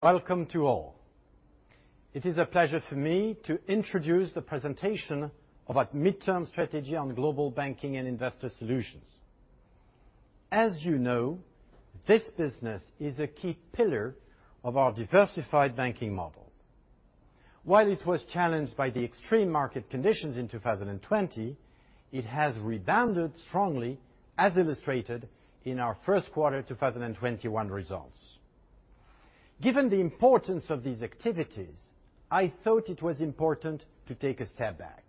Welcome to all. It is a pleasure for me to introduce the presentation of our midterm strategy on Global Banking and Investor Solutions. As you know, this business is a key pillar of our diversified banking model. While it was challenged by the extreme market conditions in 2020, it has rebounded strongly, as illustrated in our first quarter 2021 results. Given the importance of these activities, I thought it was important to take a step back.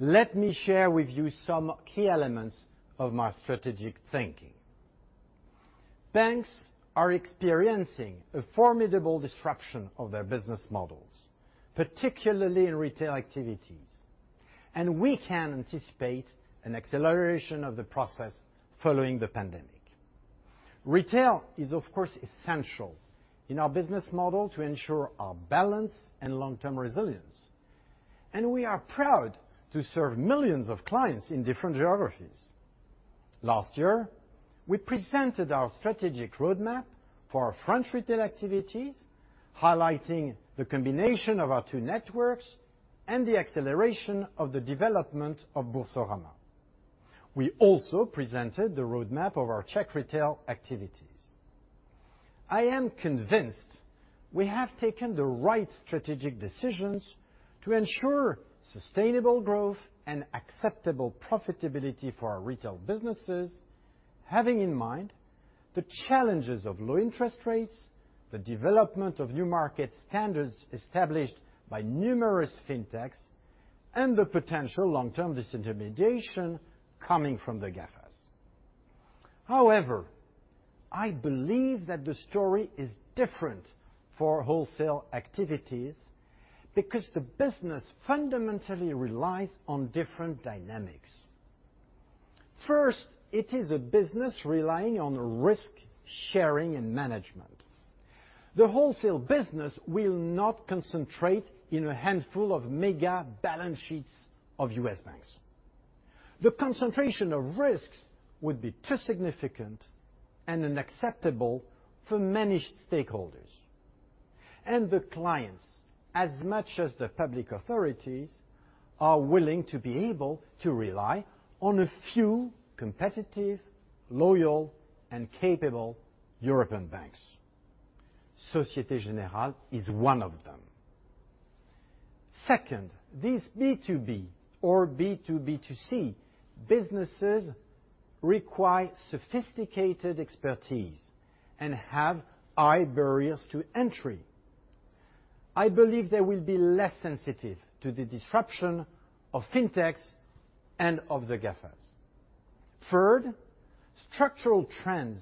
Let me share with you some key elements of my strategic thinking. Banks are experiencing a formidable disruption of their business models, particularly in retail activities, and we can anticipate an acceleration of the process following the pandemic. Retail is, of course, essential in our business model to ensure our balance and long-term resilience, and we are proud to serve millions of clients in different geographies. Last year, we presented our strategic roadmap for our French retail activities, highlighting the combination of our two networks and the acceleration of the development of Boursorama. We also presented the roadmap of our Czech retail activities. I am convinced we have taken the right strategic decisions to ensure sustainable growth and acceptable profitability for our retail businesses, having in mind the challenges of low interest rates, the development of new market standards established by numerous fintechs, and the potential long-term disintermediation coming from the GAFA. I believe that the story is different for wholesale activities because the business fundamentally relies on different dynamics. First, it is a business relying on risk-sharing and management. The wholesale business will not concentrate in a handful of mega balance sheets of U.S. banks. The concentration of risks would be too significant and unacceptable for many stakeholders, and the clients, as much as the public authorities, are willing to be able to rely on a few competitive, loyal, and capable European banks. Société Générale is one of them. Second, these B2B or B2B2C businesses require sophisticated expertise and have high barriers to entry. I believe they will be less sensitive to the disruption of fintechs and of the GAFA. Third, structural trends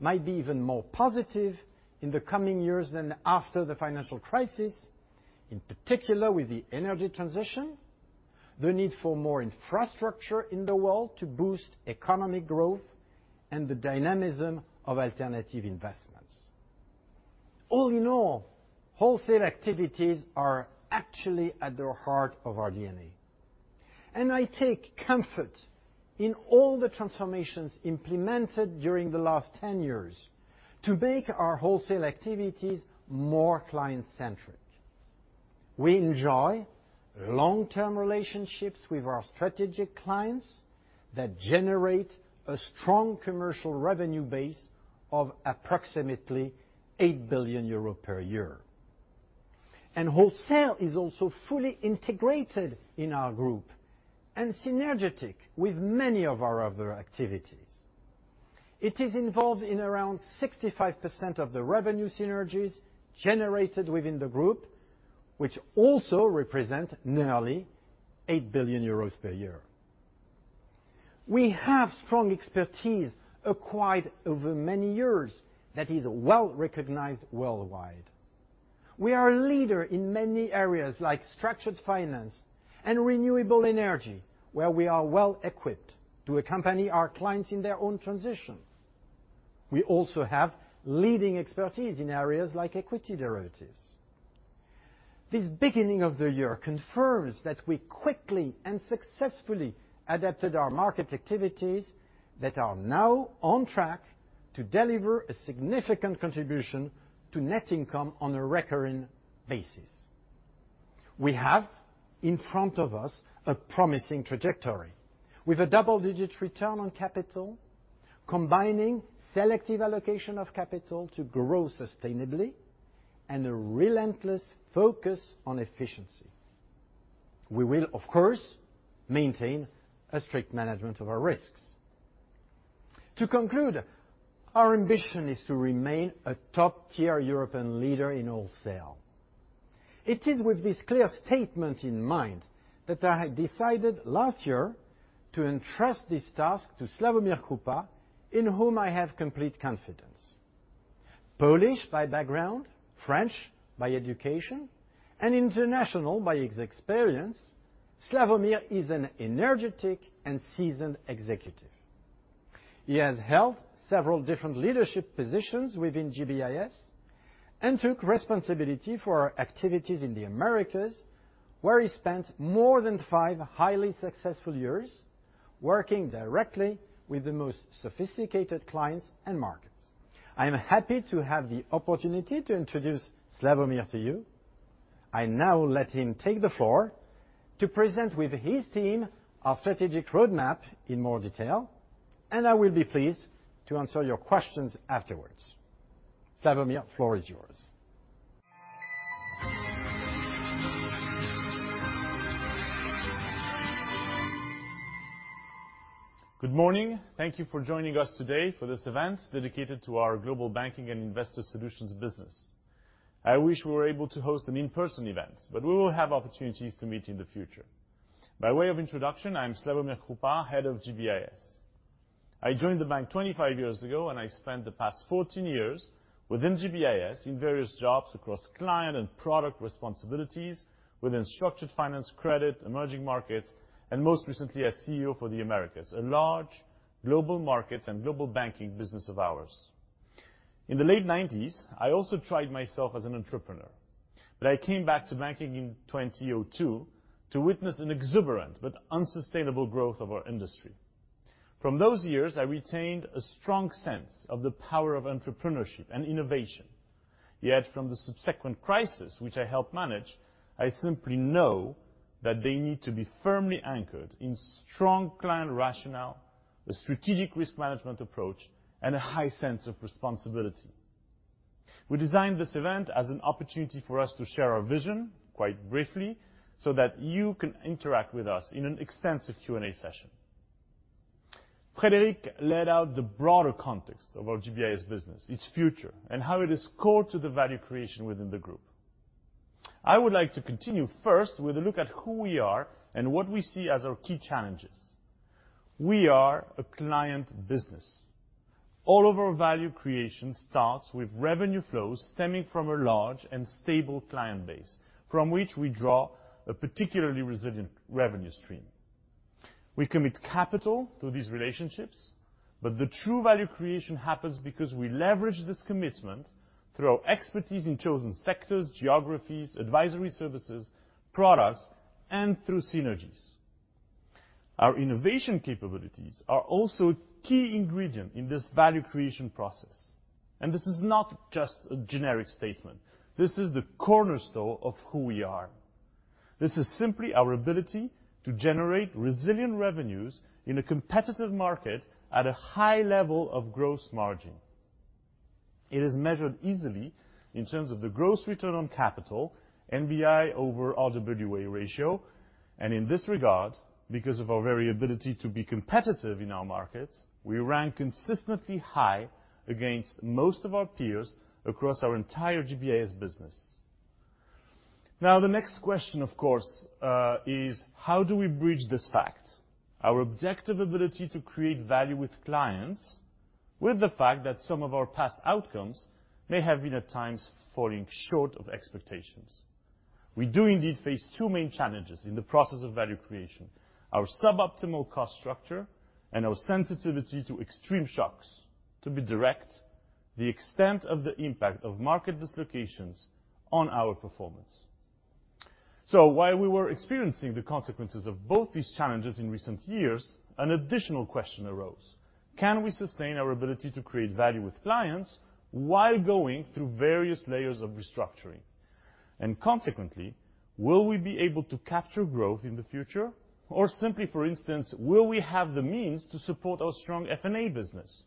might be even more positive in the coming years than after the financial crisis, in particular with the energy transition, the need for more infrastructure in the world to boost economic growth, and the dynamism of alternative investments. All in all, wholesale activities are actually at the heart of our DNA, and I take comfort in all the transformations implemented during the last 10 years to make our wholesale activities more client-centric. We enjoy long-term relationships with our strategic clients that generate a strong commercial revenue base of approximately 8 billion euros per year. Wholesale is also fully integrated in our group and synergetic with many of our other activities. It is involved in around 65% of the revenue synergies generated within the group, which also represent nearly 8 billion euros per year. We have strong expertise acquired over many years that is well-recognized worldwide. We are a leader in many areas like structured finance and renewable energy, where we are well-equipped to accompany our clients in their own transition. We also have leading expertise in areas like equity derivatives. This beginning of the year confirms that we quickly and successfully adapted our market activities that are now on track to deliver a significant contribution to net income on a recurring basis. We have in front of us a promising trajectory with a double-digit return on capital, combining selective allocation of capital to grow sustainably and a relentless focus on efficiency. We will, of course, maintain a strict management of our risks. To conclude, our ambition is to remain a top-tier European leader in wholesale. It is with this clear statement in mind that I decided last year to entrust this task to Slawomir Krupa, in whom I have complete confidence. Polish by background, French by education, and international by his experience, Slawomir is an energetic and seasoned executive. He has held several different leadership positions within GBIS and took responsibility for our activities in the Americas, where he spent more than five highly successful years working directly with the most sophisticated clients and markets. I am happy to have the opportunity to introduce Slawomir to you. I now let him take the floor to present with his team our strategic roadmap in more detail, and I will be pleased to answer your questions afterwards. Slawomir, floor is yours. Good morning. Thank you for joining us today for this event dedicated to our Global Banking and Investor Solutions business. I wish we were able to host an in-person event, but we will have opportunities to meet in the future. By way of introduction, I am Slawomir Krupa, Head of GBIS. I joined the bank 25 years ago, and I spent the past 14 years within GBIS in various jobs across client and product responsibilities within structured finance, credit, emerging markets, and most recently as CEO for the Americas, a large Global Markets and Global Banking business of ours. In the late 1990s, I also tried myself as an entrepreneur, but I came back to banking in 2002 to witness an exuberant but unsustainable growth of our industry. From those years, I retained a strong sense of the power of entrepreneurship and innovation. From the subsequent crisis, which I helped manage, I simply know that they need to be firmly anchored in strong client rationale, a strategic risk management approach, and a high sense of responsibility. We designed this event as an opportunity for us to share our vision quite briefly so that you can interact with us in an extensive Q&A session. Frederic laid out the broader context of our GBIS business, its future, and how it is core to the value creation within the group. I would like to continue first with a look at who we are and what we see as our key challenges. We are a client business. All of our value creation starts with revenue flows stemming from a large and stable client base, from which we draw a particularly resilient revenue stream. We commit capital to these relationships, but the true value creation happens because we leverage this commitment through our expertise in chosen sectors, geographies, advisory services, products, and through synergies. Our innovation capabilities are also a key ingredient in this value creation process, and this is not just a generic statement. This is the cornerstone of who we are. This is simply our ability to generate resilient revenues in a competitive market at a high level of gross margin. It is measured easily in terms of the gross return on capital, NBI over RWA ratio, and in this regard, because of our very ability to be competitive in our markets, we rank consistently high against most of our peers across our entire GBIS business. The next question, of course, is how do we bridge this fact? Our objective ability to create value with clients with the fact that some of our past outcomes may have been at times falling short of expectations. We do indeed face two main challenges in the process of value creation, our suboptimal cost structure and our sensitivity to extreme shocks, to be direct, the extent of the impact of market dislocations on our performance. While we were experiencing the consequences of both these challenges in recent years, an additional question arose. Can we sustain our ability to create value with clients while going through various layers of restructuring? Consequently, will we be able to capture growth in the future? Simply, for instance, will we have the means to support our strong F&A business?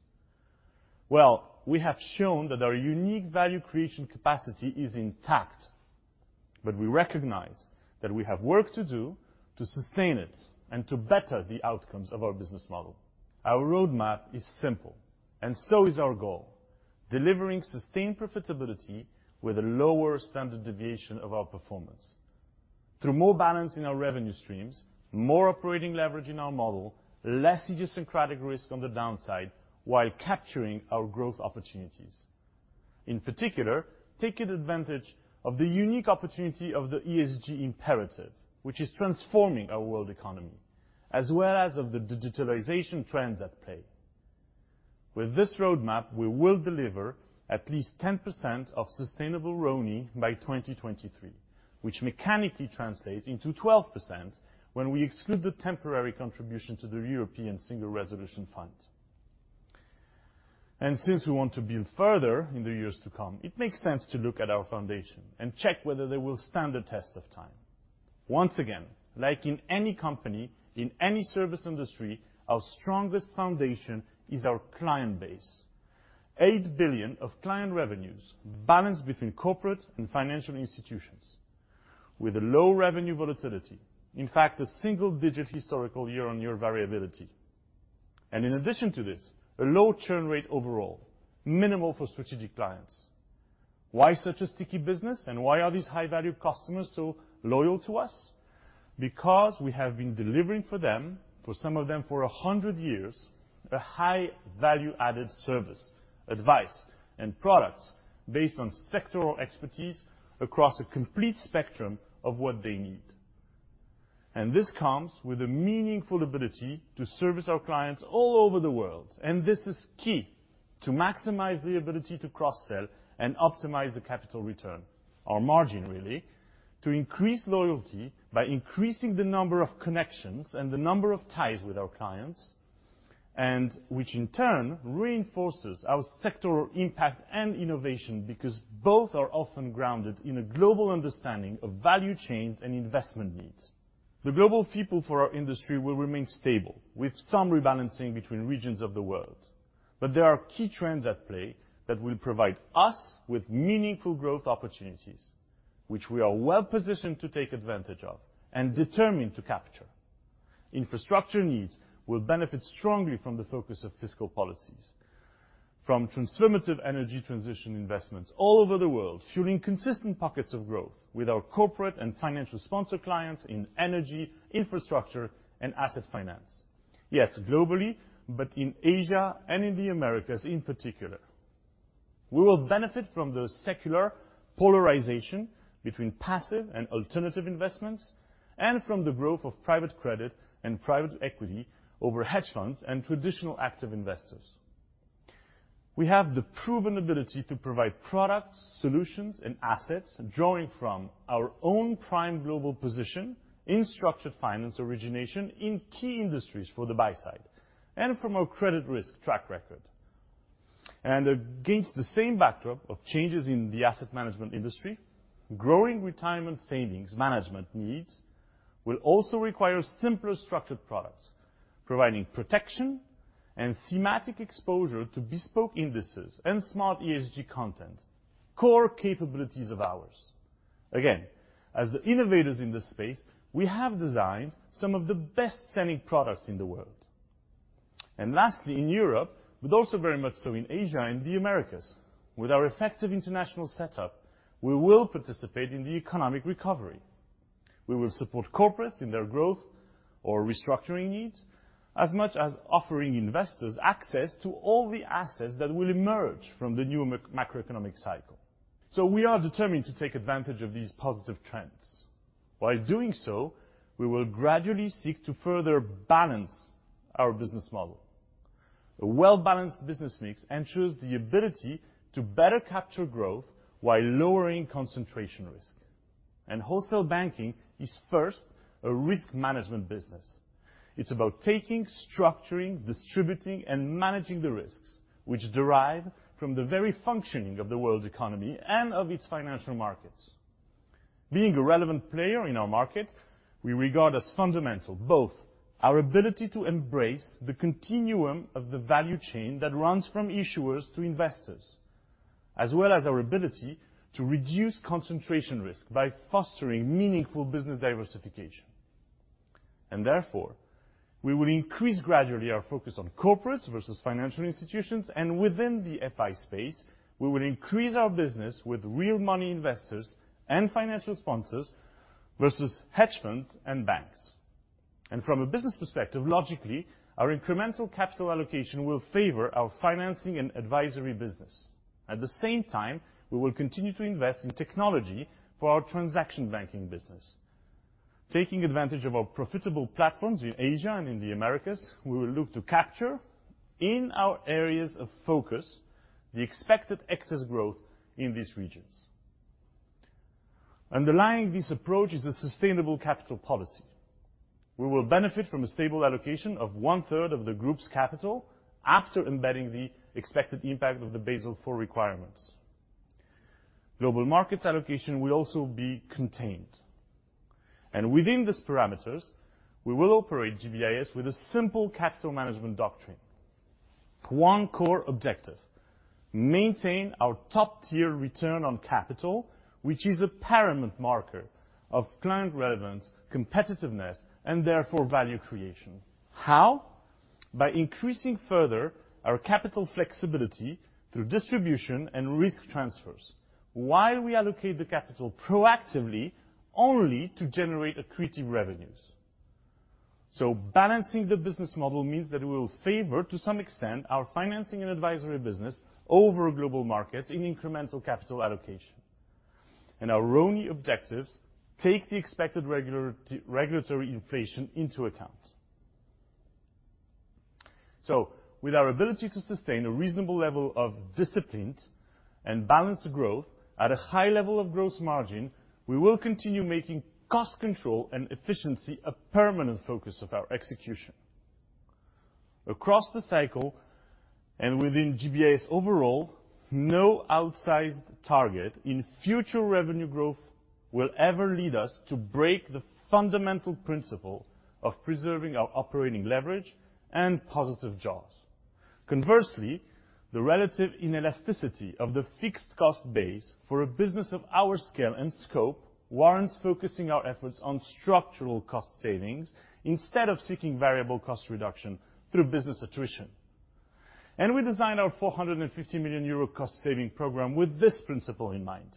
We have shown that our unique value creation capacity is intact, but we recognize that we have work to do to sustain it and to better the outcomes of our business model. Our roadmap is simple and so is our goal, delivering sustained profitability with a lower standard deviation of our performance through more balance in our revenue streams, more operating leverage in our model, less idiosyncratic risk on the downside while capturing our growth opportunities. In particular, taking advantage of the unique opportunity of the ESG imperative, which is transforming our world economy, as well as of the digitalization trends at play. With this roadmap, we will deliver at least 10% of sustainable RONE by 2023, which mechanically translates into 12% when we exclude the temporary contribution to the European Single Resolution Fund. Since we want to build further in the years to come, it makes sense to look at our foundation and check whether they will stand the test of time. Once again, like in any company, in any service industry, our strongest foundation is our client base. 8 billion of client revenues balanced between corporate and financial institutions with a low-revenue volatility. In fact, a single-digit historical year-on-year variability. In addition to this, a low churn rate overall, minimal for strategic clients. Why such a sticky business, and why are these high-value customers so loyal to us? Because we have been delivering for them, for some of them for 100 years, a high value-added service, advice, and products based on sectoral expertise across a complete spectrum of what they need. This comes with a meaningful ability to service our clients all over the world. This is key to maximize the ability to cross-sell and optimize the capital return, our margin really, to increase loyalty by increasing the number of connections and the number of ties with our clients, and which in turn reinforces our sector impact and innovation because both are often grounded in a global understanding of value chains and investment needs. The global perimeter for our industry will remain stable, with some rebalancing between regions of the world. There are key trends at play that will provide us with meaningful growth opportunities, which we are well-positioned to take advantage of and determine to capture. Infrastructure needs will benefit strongly from the focus of fiscal policies, from transformative energy transition investments all over the world, fueling consistent pockets of growth with our corporate and financial sponsor clients in energy, infrastructure, and asset finance. Globally, but in Asia and in the Americas in particular. We will benefit from the secular polarization between passive and alternative investments, and from the growth of private credit and private equity over hedge funds and traditional active investors. We have the proven ability to provide products, solutions, and assets, drawing from our own prime global position in structured finance origination in key industries for the buy side and from our credit risk track record. Against the same backdrop of changes in the asset management industry, growing retirement savings management needs will also require simpler structured products, providing protection and thematic exposure to bespoke indices and smart ESG content, core capabilities of ours. Again, as the innovators in this space, we have designed some of the best-selling products in the world. Lastly, in Europe, but also very much so in Asia and the Americas, with our effective international setup, we will participate in the economic recovery. We will support corporates in their growth or restructuring needs, as much as offering investors access to all the assets that will emerge from the new macroeconomic cycle. We are determined to take advantage of these positive trends. While doing so, we will gradually seek to further balance our business model. A well-balanced business mix ensures the ability to better capture growth while lowering concentration risk. Wholesale banking is first a risk management business. It's about taking, structuring, distributing, and managing the risks which derive from the very functioning of the world's economy and of its financial markets. Being a relevant player in our market, we regard as fundamental both our ability to embrace the continuum of the value chain that runs from issuers to investors, as well as our ability to reduce concentration risk by fostering meaningful business diversification. Therefore, we will increase gradually our focus on corporates versus financial institutions. Within the FI space, we will increase our business with real money investors and financial sponsors versus hedge funds and banks. From a business perspective, logically, our incremental capital allocation will favor our Financing and Advisory business. At the same time, we will continue to invest in technology for our Transaction Banking business. Taking advantage of our profitable platforms in Asia and in the Americas, we will look to capture, in our areas of focus, the expected excess growth in these regions. Underlying this approach is a sustainable capital policy. We will benefit from a stable allocation of one-third of the group's capital after embedding the expected impact of the Basel IV requirements. Global Markets allocation will also be contained. Within these parameters, we will operate GBIS with a simple capital management doctrine. One core objective, maintain our top-tier return on capital, which is a paramount marker of client relevance, competitiveness, and therefore, value creation. How? By increasing further our capital flexibility through distribution and risk transfers, while we allocate the capital proactively only to generate accretive revenues. Balancing the business model means that we will favor, to some extent, our financing and advisory business over Global Markets in incremental capital allocation. Our ROE objectives take the expected regulatory inflation into account. With our ability to sustain a reasonable level of disciplined and balanced growth at a high level of gross margin, we will continue making cost control and efficiency a permanent focus of our execution. Across the cycle and within GBIS overall, no outsized target in future revenue growth will ever lead us to break the fundamental principle of preserving our operating leverage and positive jaws. Conversely, the relative inelasticity of the fixed cost base for a business of our scale and scope warrants focusing our efforts on structural cost savings instead of seeking variable cost reduction through business attrition. We designed our 450 million euro cost-saving program with this principle in mind.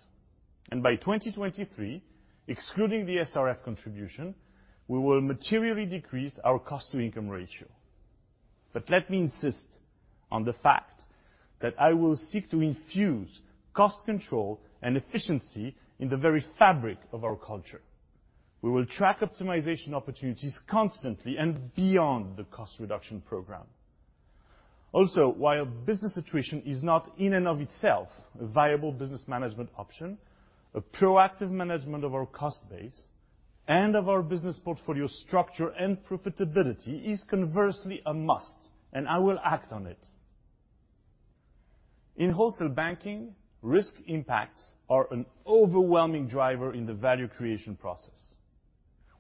By 2023, excluding the SRF contribution, we will materially decrease our cost-to-income ratio. Let me insist on the fact that I will seek to infuse cost control and efficiency in the very fabric of our culture. We will track optimization opportunities constantly and beyond the cost reduction program. While business attrition is not in and of itself a viable business management option, a proactive management of our cost base and of our business portfolio structure and profitability is conversely a must, and I will act on it. In wholesale banking, risk impacts are an overwhelming driver in the value creation process.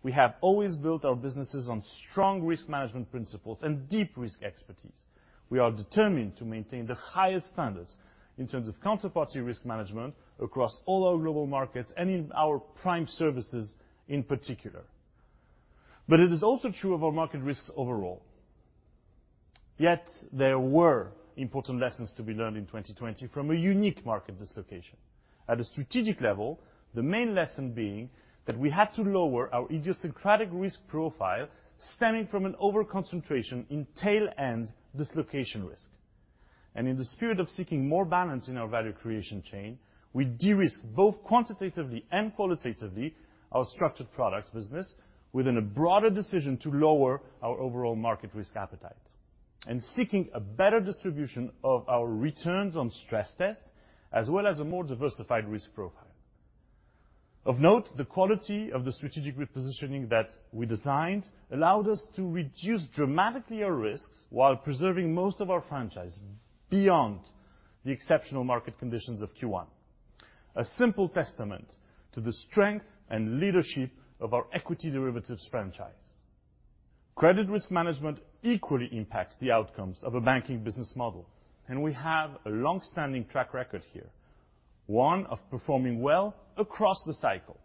We have always built our businesses on strong risk management principles and deep risk expertise. We are determined to maintain the highest standards in terms of counterparty risk management across all our Global Markets and in our prime services in particular. It is also true of our market risks overall. Yet there were important lessons to be learned in 2020 from a unique market dislocation. At a strategic level, the main lesson being that we had to lower our idiosyncratic risk profile, stemming from an over-concentration in tail-end dislocation risk. In the spirit of seeking more balance in our value creation chain, we de-risk both quantitatively and qualitatively our structured products business within a broader decision to lower our overall market risk appetite, and seeking a better distribution of our returns on stress tests, as well as a more diversified risk profile. Of note, the quality of the strategic repositioning that we designed allowed us to reduce dramatically our risks while preserving most of our franchise beyond the exceptional market conditions of Q1. A simple testament to the strength and leadership of our equity derivatives franchise. Credit risk management equally impacts the outcomes of a banking business model, and we have a long-standing track record here, one of performing well across the cycle.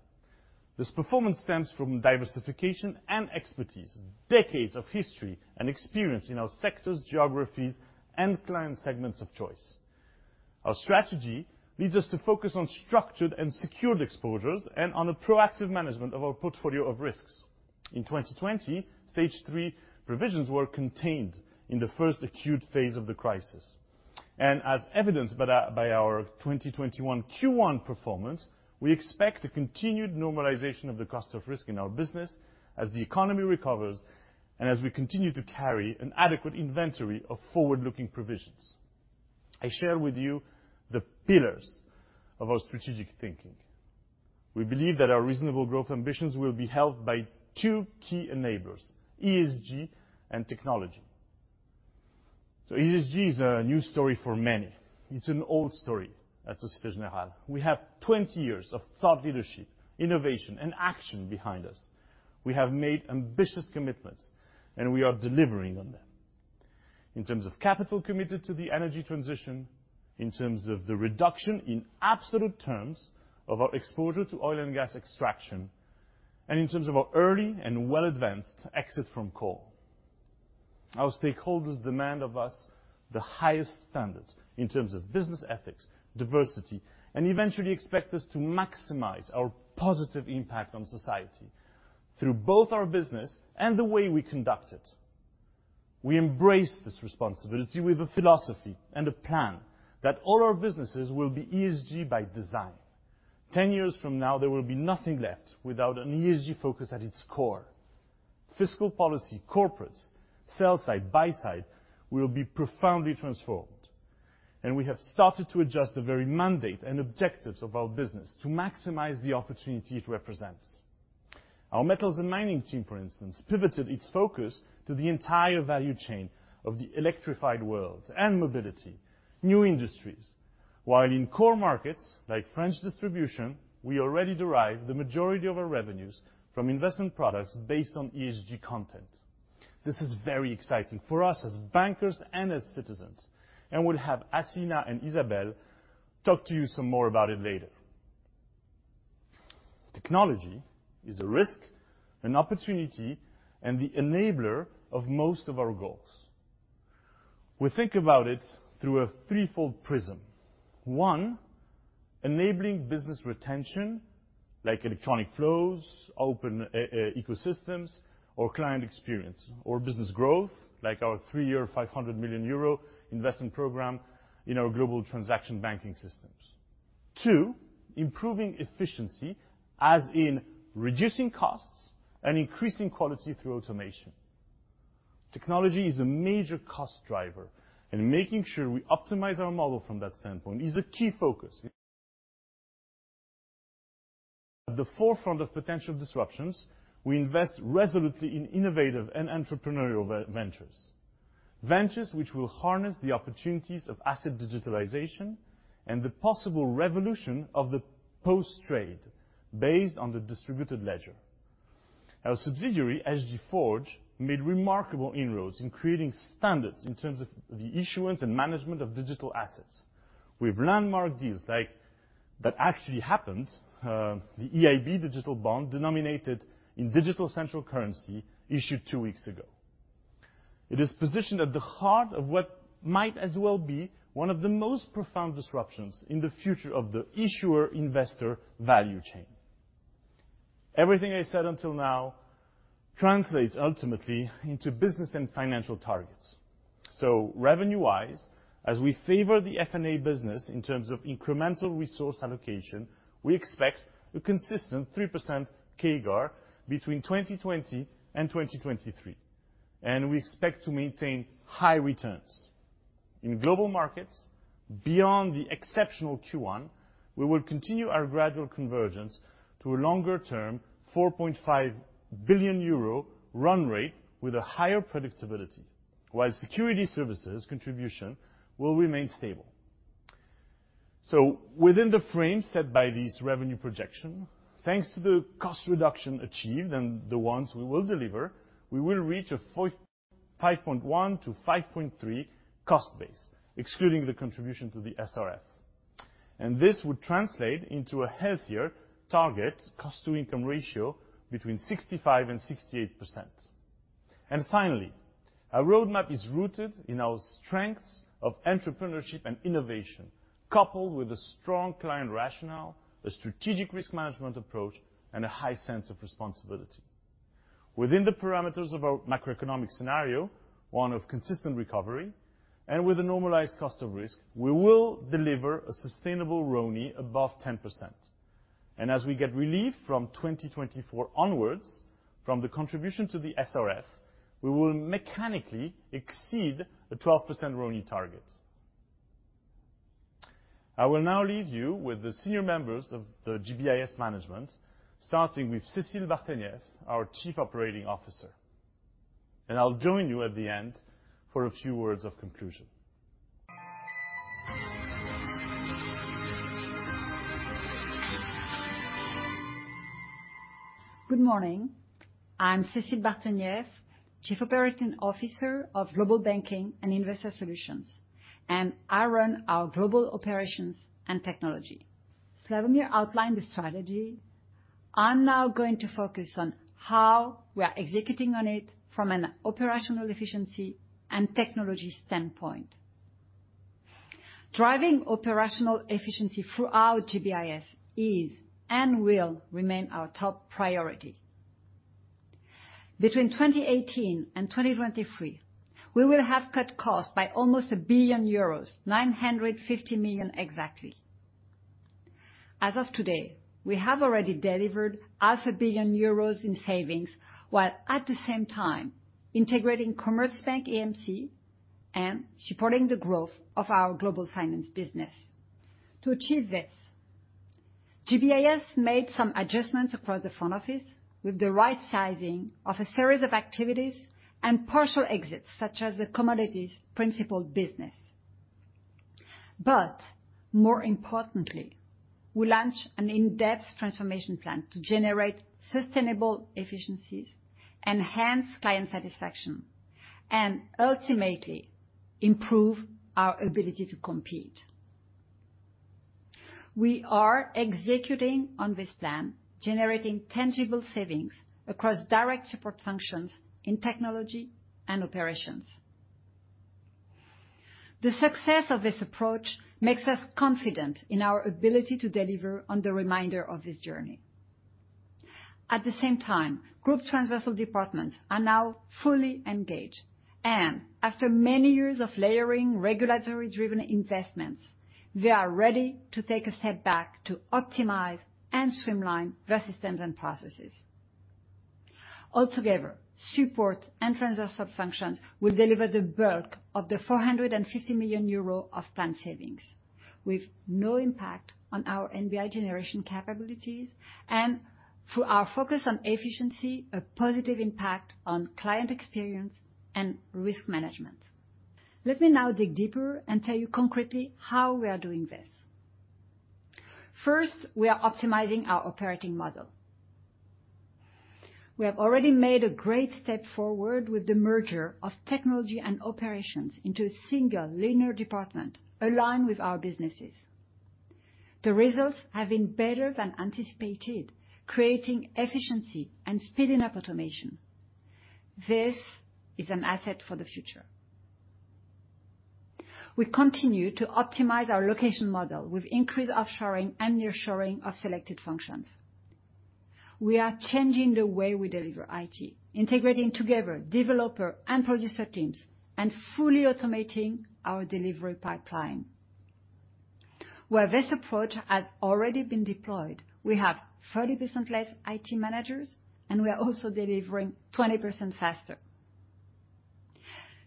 This performance stems from diversification and expertise, decades of history and experience in our sectors, geographies, and client segments of choice. Our strategy leads us to focus on structured and secured exposures and on a proactive management of our portfolio of risks. In 2020, stage 3 provisions were contained in the first acute phase of the crisis. As evidenced by our 2021 Q1 performance, we expect a continued normalization of the cost of risk in our business as the economy recovers and as we continue to carry an adequate inventory of forward-looking provisions. I share with you the pillars of our strategic thinking. We believe that our reasonable growth ambitions will be helped by two key enablers, ESG and technology. ESG is a new story for many. It's an old story at Société Générale. We have 20 years of thought leadership, innovation, and action behind us. We have made ambitious commitments, and we are delivering on them. In terms of capital committed to the energy transition, in terms of the reduction in absolute terms of our exposure to oil and gas extraction, and in terms of our early and well-advanced exit from coal. Our stakeholders demand of us the highest standards in terms of business ethics, diversity, and eventually expect us to maximize our positive impact on society through both our business and the way we conduct it. We embrace this responsibility with a philosophy and a plan that all our businesses will be ESG by design. Ten years from now, there will be nothing left without an ESG focus at its core. Fiscal policy, corporates, sell-side, buy-side will be profoundly transformed, and we have started to adjust the very mandate and objectives of our business to maximize the opportunity it represents. Our metals and mining team, for instance, pivoted its focus to the entire value chain of the electrified world and mobility, new industries, while in core markets like French distribution, we already derive the majority of our revenues from investment products based on ESG content. This is very exciting for us as bankers and as citizens, and we'll have Hacina Py and Isabelle Millat talk to you some more about it later. Technology is a risk, an opportunity, and the enabler of most of our goals. We think about it through a threefold prism. One, enabling business retention, like electronic flows, open ecosystems, or client experience or business growth, like our three-year, €500 million investment program in our Global Transaction Banking systems. Two, improving efficiency, as in reducing costs and increasing quality through automation. Technology is a major cost driver, and making sure we optimize our model from that standpoint is a key focus. At the forefront of potential disruptions, we invest resolutely in innovative and entrepreneurial ventures which will harness the opportunities of asset digitalization and the possible revolution of the post-trade based on the distributed ledger. Our subsidiary, SG Forge, made remarkable inroads in creating standards in terms of the issuance and management of digital assets. We have landmark deals that actually happened, the EIB digital bond denominated in digital central currency issued two weeks ago. It is positioned at the heart of what might as well be one of the most profound disruptions in the future of the issuer-investor value chain. Everything I said until now translates ultimately into business and financial targets. Revenue-wise, as we favor the F&A business in terms of incremental resource allocation, we expect a consistent 3% CAGR between 2020 and 2023, and we expect to maintain high returns. In Global Markets, beyond the exceptional Q1, we will continue our gradual convergence to a longer-term 4.5 billion euro run rate with a higher predictability, while Security Services contribution will remain stable. Within the frame set by this revenue projection, thanks to the cost reduction achieved and the ones we will deliver, we will reach a 5.1 billion to 5.3 billion cost base, excluding the contribution to the SRF. This would translate into a healthier target cost-to-income ratio between 65%-68%. Finally, our roadmap is rooted in our strengths of entrepreneurship and innovation, coupled with a strong client rationale, a strategic risk management approach, and a high sense of responsibility. Within the parameters of our macroeconomic scenario, one of consistent recovery, and with a normalized cost of risk, we will deliver a sustainable ROE above 10%. As we get relief from 2024 onwards from the contribution to the SRF, we will mechanically exceed the 12% ROE target. I will now leave you with the senior members of the GBIS management, starting with Cécile Bartenieff, our Chief Operating Officer, and I'll join you at the end for a few words of conclusion. Good morning. I'm Cécile Bartenieff, Chief Operating Officer of Global Banking and Investor Solutions. I run our global operations and technology. Slawomir outlined the strategy. I'm now going to focus on how we are executing on it from an operational efficiency and technology standpoint. Driving operational efficiency throughout GBIS is and will remain our top priority. Between 2018 and 2023, we will have cut costs by almost 1 billion euros, 950 million exactly. As of today, we have already delivered half a billion EUR in savings, while at the same time integrating Commerzbank EMC and supporting the growth of our global finance business. To achieve this, GBIS made some adjustments across the front office with the right-sizing of a series of activities and partial exits, such as the commodities principal business. More importantly, we launched an in-depth transformation plan to generate sustainable efficiencies, enhance client satisfaction, and ultimately improve our ability to compete. We are executing on this plan, generating tangible savings across direct support functions in technology and operations. The success of this approach makes us confident in our ability to deliver on the remainder of this journey. At the same time, group transversal departments are now fully engaged, and after many years of layering regulatory-driven investments, they are ready to take a step back to optimize and streamline their systems and processes. Altogether, support and transversal functions will deliver the bulk of the 450 million euro of planned savings with no impact on our NBI generation capabilities, and through our focus on efficiency, a positive impact on client experience and risk management. Let me now dig deeper and tell you concretely how we are doing this. First, we are optimizing our operating model. We have already made a great step forward with the merger of technology and operations into a single linear department aligned with our businesses. The results have been better than anticipated, creating efficiency and speeding up automation. This is an asset for the future. We continue to optimize our location model with increased offshoring and nearshoring of selected functions. We are changing the way we deliver IT, integrating together developer and producer teams, and fully automating our delivery pipeline. Where this approach has already been deployed, we have 30% less IT managers, and we are also delivering 20% faster.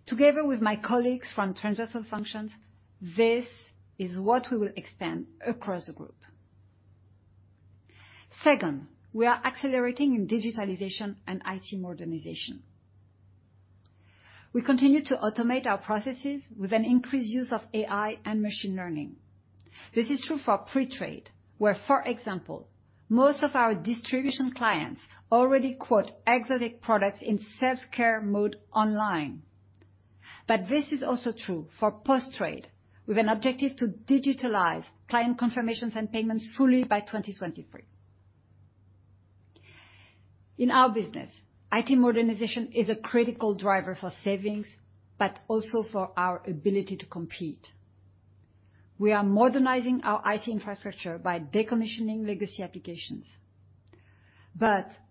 Together with my colleagues from transversal functions, this is what we will expand across the group. Second, we are accelerating in digitalization and IT modernization. We continue to automate our processes with an increased use of AI and machine learning. This is true for pre-trade, where, for example, most of our distribution clients already quote exotic products in self-care mode online. This is also true for post-trade, with an objective to digitalize client confirmations and payments fully by 2023. In our business, IT modernization is a critical driver for savings, but also for our ability to compete. We are modernizing our IT infrastructure by decommissioning legacy applications.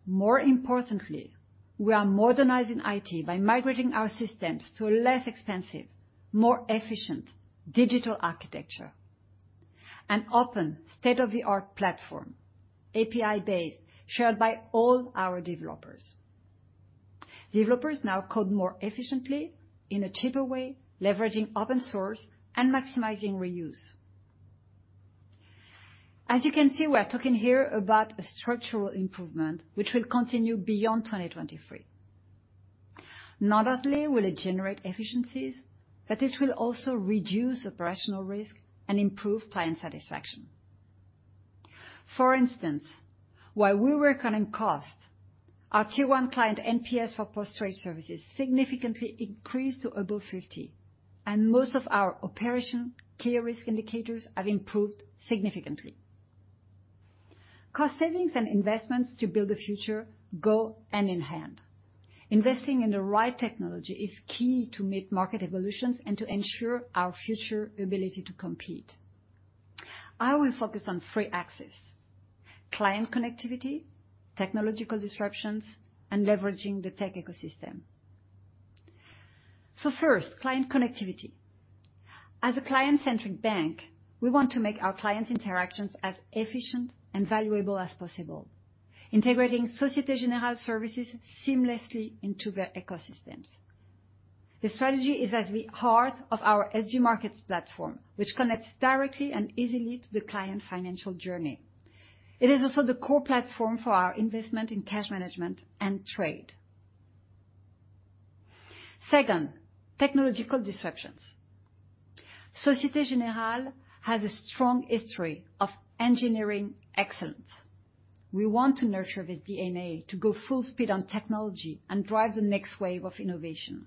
More importantly, we are modernizing IT by migrating our systems to a less expensive, more efficient digital architecture, an open, state-of-the-art platform, API-based, shared by all our developers. Developers now code more efficiently in a cheaper way, leveraging open source and maximizing reuse. As you can see, we are talking here about a structural improvement, which will continue beyond 2023. Not only will it generate efficiencies, but it will also reduce operational risk and improve client satisfaction. For instance, while we reckon on cost, our Tier 1 client NPS for post-trade services significantly increased to above 50, and most of our operation key risk indicators have improved significantly. Cost savings and investments to build the future go hand in hand. Investing in the right technology is key to meet market evolutions and to ensure our future ability to compete. I will focus on three axes, client connectivity, technological disruptions, and leveraging the tech ecosystem. First, client connectivity. As a client-centric bank, we want to make our client's interactions as efficient and valuable as possible, integrating Société Générale services seamlessly into their ecosystems. This strategy is at the heart of our SG Markets platform, which connects directly and easily to the client financial journey. It is also the core platform for our investment in cash management and trade. Second, technological disruptions. Société Générale has a strong history of engineering excellence. We want to nurture the DNA to go full speed on technology and drive the next wave of innovation.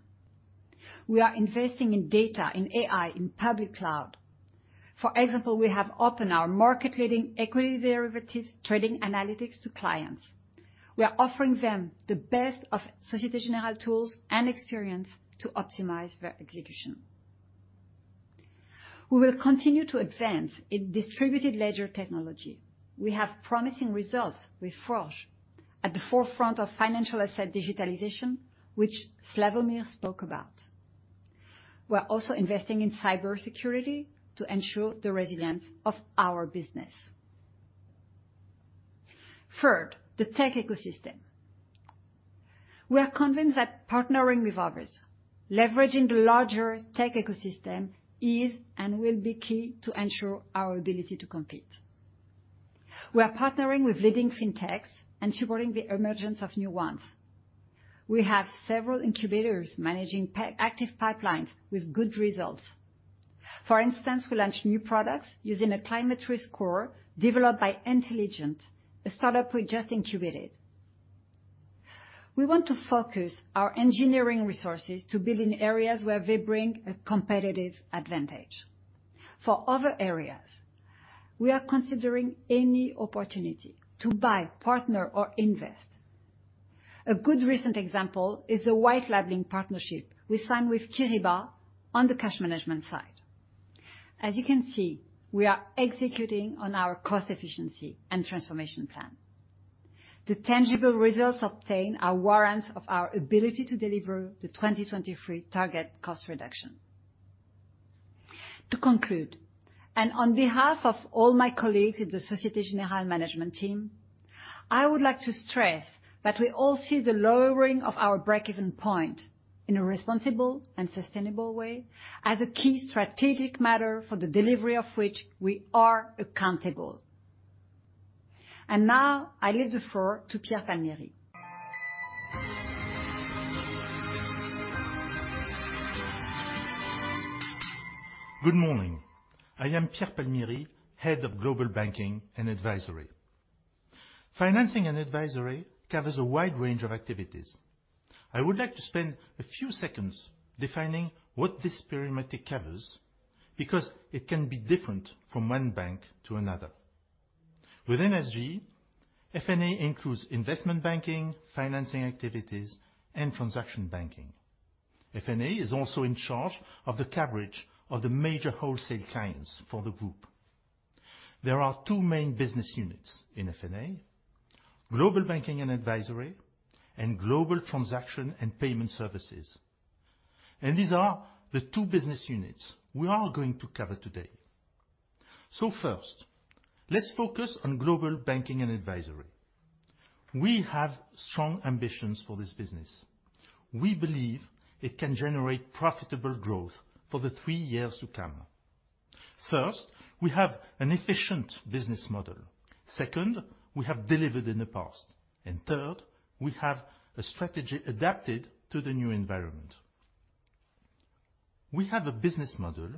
We are investing in data, in AI, in public cloud. For example, we have opened our market-leading equity derivatives trading analytics to clients. We are offering them the best of Société Générale tools and experience to optimize their execution. We will continue to advance in distributed ledger technology. We have promising results with FORGE at the forefront of financial asset digitalization, which Slawomir spoke about. We're also investing in cybersecurity to ensure the resilience of our business. Third, the tech ecosystem. We are convinced that partnering with others, leveraging the larger tech ecosystem is and will be key to ensure our ability to compete. We are partnering with leading fintechs and supporting the emergence of new ones. We have several incubators managing active pipelines with good results. For instance, we launched new products using a climate risk score developed by Entelligent, a startup we just incubated. We want to focus our engineering resources to build in areas where they bring a competitive advantage. For other areas, we are considering any opportunity to buy, partner, or invest. A good recent example is a white labeling partnership we signed with Kyriba on the cash management side. As you can see, we are executing on our cost efficiency and transformation plan. The tangible results obtained are warrants of our ability to deliver the 2023 target cost reduction. To conclude, on behalf of all my colleagues at the Société Générale management team, I would like to stress that we all see the lowering of our break-even point in a responsible and sustainable way as a key strategic matter for the delivery of which we are accountable. Now, I leave the floor to Pierre Palmieri. Good morning. I am Pierre Palmieri, head of Global Banking and Advisory. Financing and advisory covers a wide range of activities. I would like to spend a few seconds defining what this perimeter covers, because it can be different from one bank to another. Within SG, F&A includes investment banking, financing activities, and transaction banking. F&A is also in charge of the coverage of the major wholesale clients for the group. There are two main business units in F&A, Global Banking & Advisory, and Global Transaction and Payment Services. These are the two business units we are going to cover today. First, let's focus on Global Banking & Advisory. We have strong ambitions for this business. We believe it can generate profitable growth for the three years to come. First, we have an efficient business model. Second, we have delivered in the past. Third, we have a strategy adapted to the new environment. We have a business model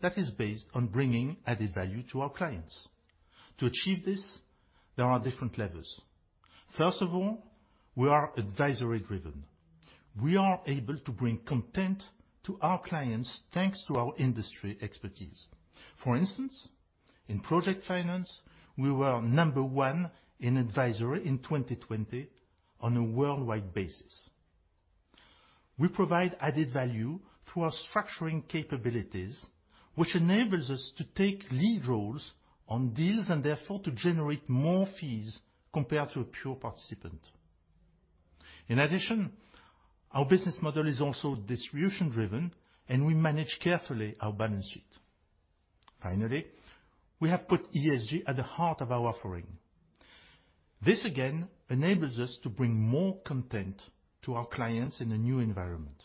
that is based on bringing added value to our clients. To achieve this, there are different levels. First of all, we are advisory-driven. We are able to bring content to our clients, thanks to our industry expertise. For instance, in project finance, we were number one in advisory in 2020 on a worldwide basis. We provide added value through our structuring capabilities, which enables us to take lead roles on deals and therefore to generate more fees compared to a pure participant. In addition, our business model is also distribution-driven, and we manage carefully our balance sheet. Finally, we have put ESG at the heart of our offering. This, again, enables us to bring more content to our clients in a new environment.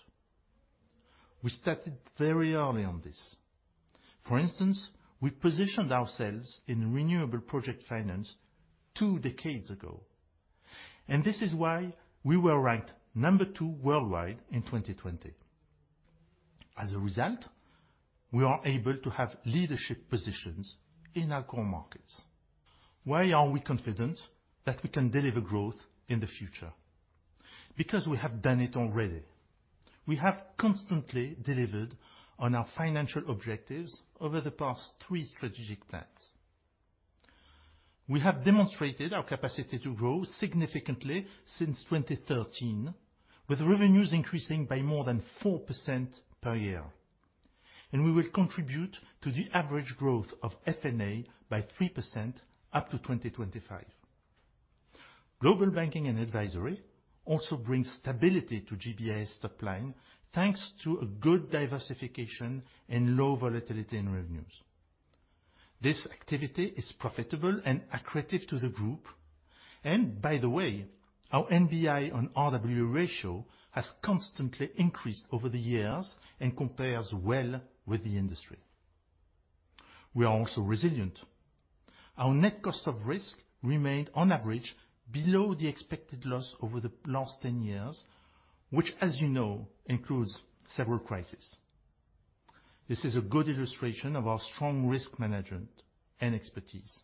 We started very early on this. For instance, we positioned ourselves in renewable project finance two decades ago, and this is why we were ranked number two worldwide in 2020. As a result, we are able to have leadership positions in our core markets. Why are we confident that we can deliver growth in the future? Because we have done it already. We have constantly delivered on our financial objectives over the past three strategic plans. We have demonstrated our capacity to grow significantly since 2013, with revenues increasing by more than 4% per year, and we will contribute to the average growth of F&A by 3% up to 2025. Global Banking and Advisory also brings stability to GBIS top line thanks to a good diversification and low volatility in revenues. This activity is profitable and accretive to the group. By the way, our NBI on RWA ratio has constantly increased over the years and compares well with the industry. We are also resilient. Our net cost of risk remained, on average, below the expected loss over the last 10 years, which, as you know, includes several crises. This is a good illustration of our strong risk management and expertise.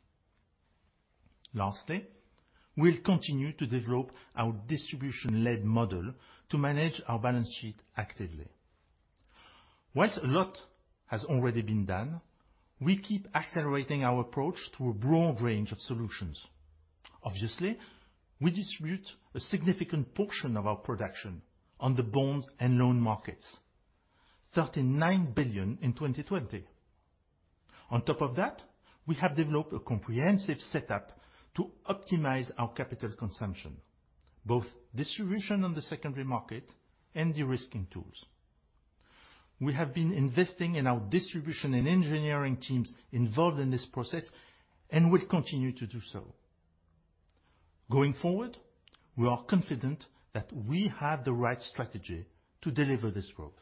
Lastly, we'll continue to develop our distribution-led model to manage our balance sheet actively. Whilst a lot has already been done, we keep accelerating our approach to a broad range of solutions. Obviously, we distribute a significant portion of our production on the bonds and loan markets, 39 billion in 2020. On top of that, we have developed a comprehensive setup to optimize our capital consumption, both distribution on the secondary market and de-risking tools. We have been investing in our distribution and engineering teams involved in this process and will continue to do so. Going forward, we are confident that we have the right strategy to deliver this growth.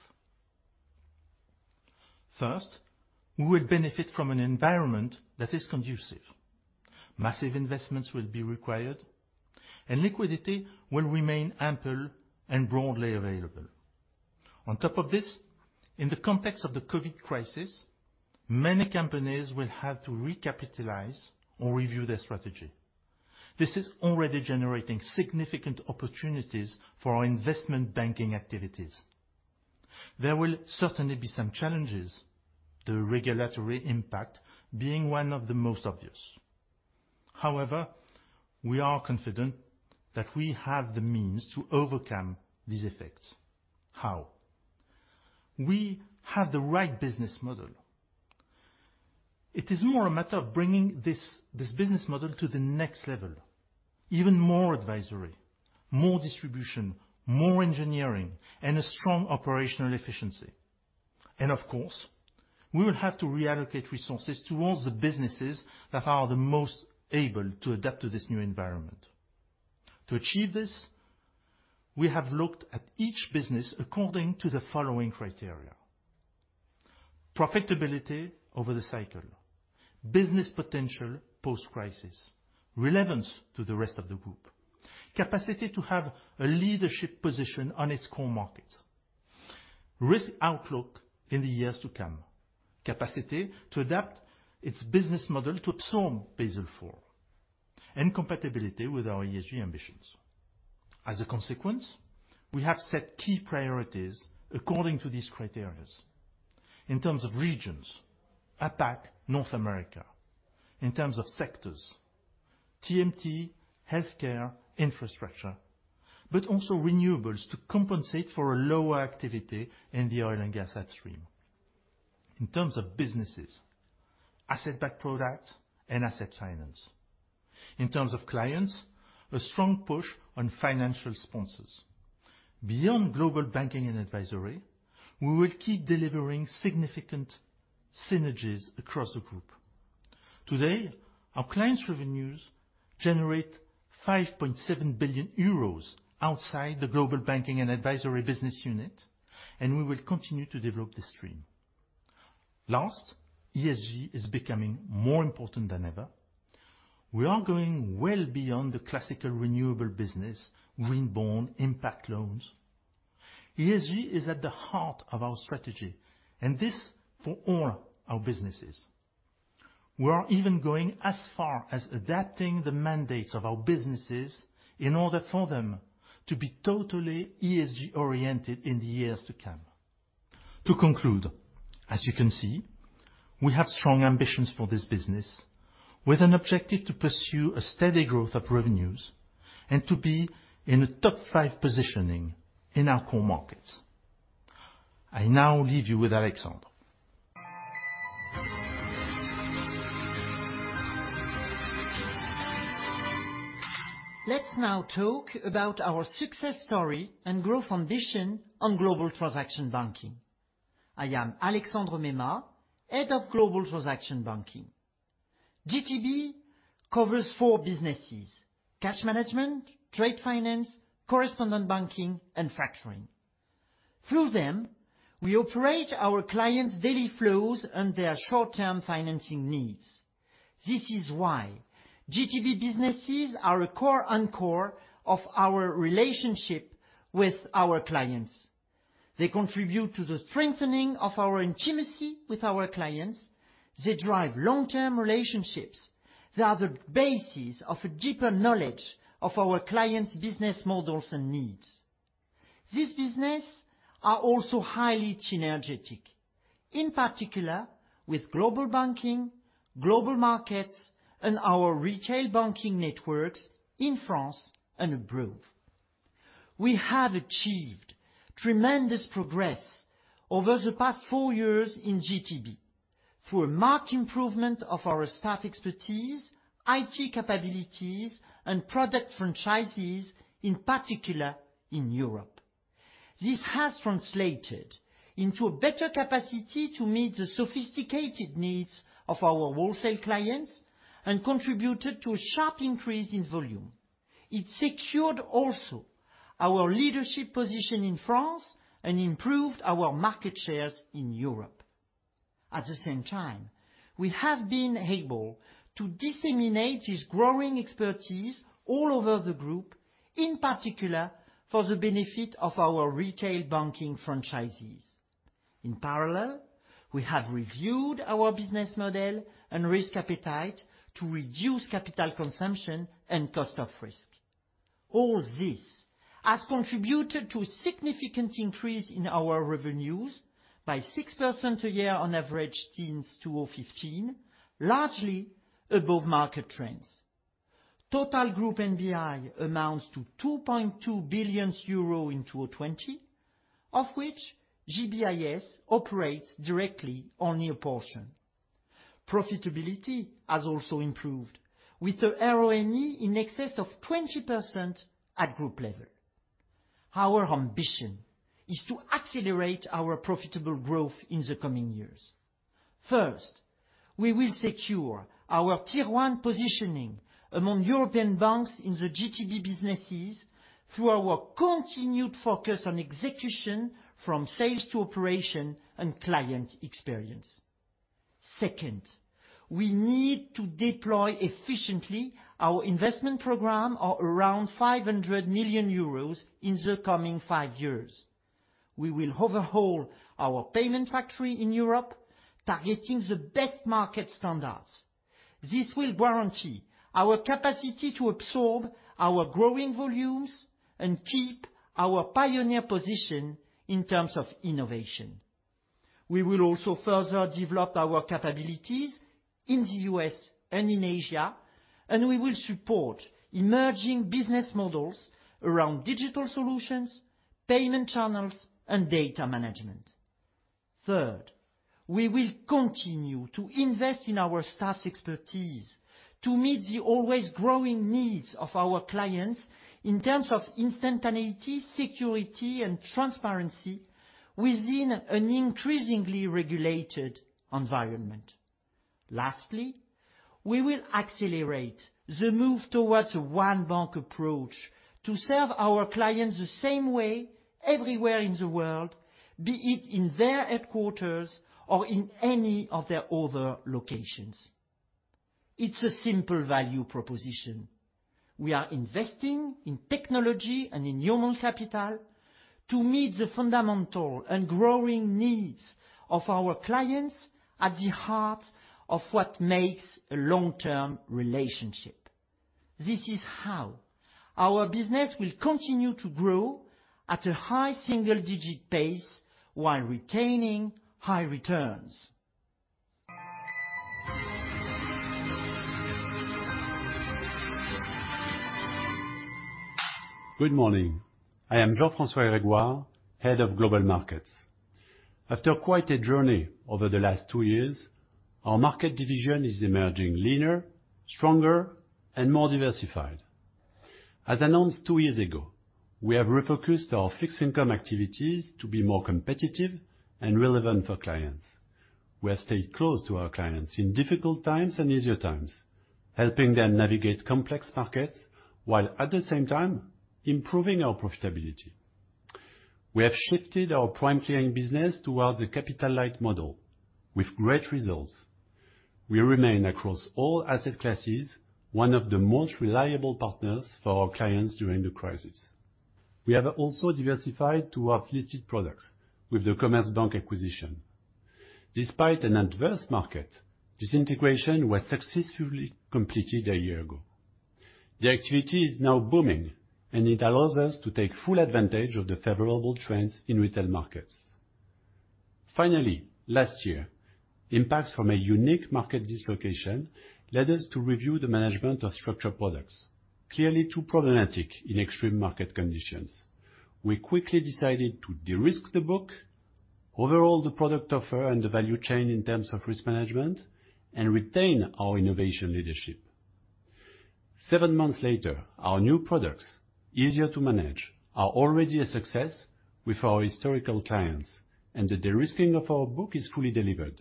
First, we will benefit from an environment that is conducive. Massive investments will be required, and liquidity will remain ample and broadly available. On top of this, in the context of the COVID crisis, many companies will have to recapitalize or review their strategy. This is already generating significant opportunities for our investment banking activities. There will certainly be some challenges, the regulatory impact being one of the most obvious. However, we are confident that we have the means to overcome these effects. How? We have the right business model. It is more a matter of bringing this business model to the next level. Even more advisory, more distribution, more engineering, and a strong operational efficiency. Of course, we will have to reallocate resources towards the businesses that are the most able to adapt to this new environment. To achieve this, we have looked at each business according to the following criteria. Profitability over the cycle, business potential post-crisis, relevance to the rest of the group, capacity to have a leadership position on its core markets, risk outlook in the years to come, capacity to adapt its business model to absorb Basel IV, and compatibility with our ESG ambitions. As a consequence, we have set key priorities according to these criteria. In terms of regions, APAC, North America. In terms of sectors, TMT, healthcare, infrastructure, but also renewables to compensate for a lower activity in the oil and gas upstream. In terms of businesses, asset-backed products and asset finance. In terms of clients, a strong push on financial sponsors. Beyond Global Banking and Advisory, we will keep delivering significant synergies across the group. Today, our clients' revenues generate 5.7 billion euros outside the Global Banking and Advisory business unit, and we will continue to develop this stream. ESG is becoming more important than ever. We are going well beyond the classical renewable business, green bond, impact loans. ESG is at the heart of our strategy, and this for all our businesses. We are even going as far as adapting the mandates of our businesses in order for them to be totally ESG-oriented in the years to come. To conclude, as you can see, we have strong ambitions for this business, with an objective to pursue a steady growth of revenues and to be in a top five positioning in our core markets. I now leave you with Alexandre. Let's now talk about our success story and growth ambition on Global Transaction Banking. I am Alexandre Maymat, Head of Global Transaction Banking. GTB covers four businesses: cash management, trade finance, correspondent banking, and factoring. Through them, we operate our clients' daily flows and their short-term financing needs. This is why GTB businesses are a core anchor of our relationship with our clients. They contribute to the strengthening of our intimacy with our clients. They drive long-term relationships. They are the basis of a deeper knowledge of our clients' business models and needs. This business are also highly synergetic, in particular with Global Banking, Global Markets, and our retail banking networks in France and abroad. We have achieved tremendous progress over the past four years in GTB through a marked improvement of our staff expertise, IT capabilities, and product franchises, in particular in Europe. This has translated into a better capacity to meet the sophisticated needs of our wholesale clients and contributed to a sharp increase in volume. It secured also our leadership position in France and improved our market shares in Europe. At the same time, we have been able to disseminate this growing expertise all over the group, in particular for the benefit of our retail banking franchises. In parallel, we have reviewed our business model and risk appetite to reduce capital consumption and cost of risk. All this has contributed to a significant increase in our revenues by 6% a year on average since 2015, largely above market trends. Total group NBI amounts to 2.2 billion euro in 2020, of which GBIS operates directly only a portion. Profitability has also improved with a ROE in excess of 20% at group level. Our ambition is to accelerate our profitable growth in the coming years. First, we will secure our Tier 1 positioning among European banks in the GTB businesses through our continued focus on execution from sales to operation and client experience. Second, we need to deploy efficiently our investment program of around 500 million euros in the coming five years. We will overhaul our payment factory in Europe, targeting the best market standards. This will guarantee our capacity to absorb our growing volumes and keep our pioneer position in terms of innovation. We will also further develop our capabilities in the U.S. and in Asia, and we will support emerging business models around digital solutions, payment channels, and data management. Third, we will continue to invest in our staff's expertise to meet the always growing needs of our clients in terms of instantaneity, security, and transparency within an increasingly regulated environment. Lastly, we will accelerate the move towards a one-bank approach to serve our clients the same way everywhere in the world, be it in their headquarters or in any of their other locations. It's a simple value proposition. We are investing in technology and in human capital to meet the fundamental and growing needs of our clients at the heart of what makes a long-term relationship. This is how our business will continue to grow at a high single-digit pace while retaining high returns. Good morning. I am Jean-François Grégoire, head of Global Markets. After quite a journey over the last two years, our market division is emerging leaner, stronger, and more diversified. As announced two years ago, we have refocused our fixed-income activities to be more competitive and relevant for clients. We have stayed close to our clients in difficult times and easier times, helping them navigate complex markets while at the same time improving our profitability. We have shifted our prime clearing business towards a capital-light model with great results. We remain across all asset classes, one of the most reliable partners for our clients during the crisis. We have also diversified towards listed products with the Commerzbank acquisition. Despite an adverse market, this integration was successfully completed a year ago. The activity is now booming, it allows us to take full advantage of the favorable trends in retail markets. Last year, impacts from a unique market dislocation led us to review the management of structured products. Clearly too problematic in extreme market conditions. We quickly decided to de-risk the book, overall, the product offer and the value chain in terms of risk management, and retain our innovation leadership. Seven months later, our new products, easier to manage, are already a success with our historical clients, and the de-risking of our book is fully delivered.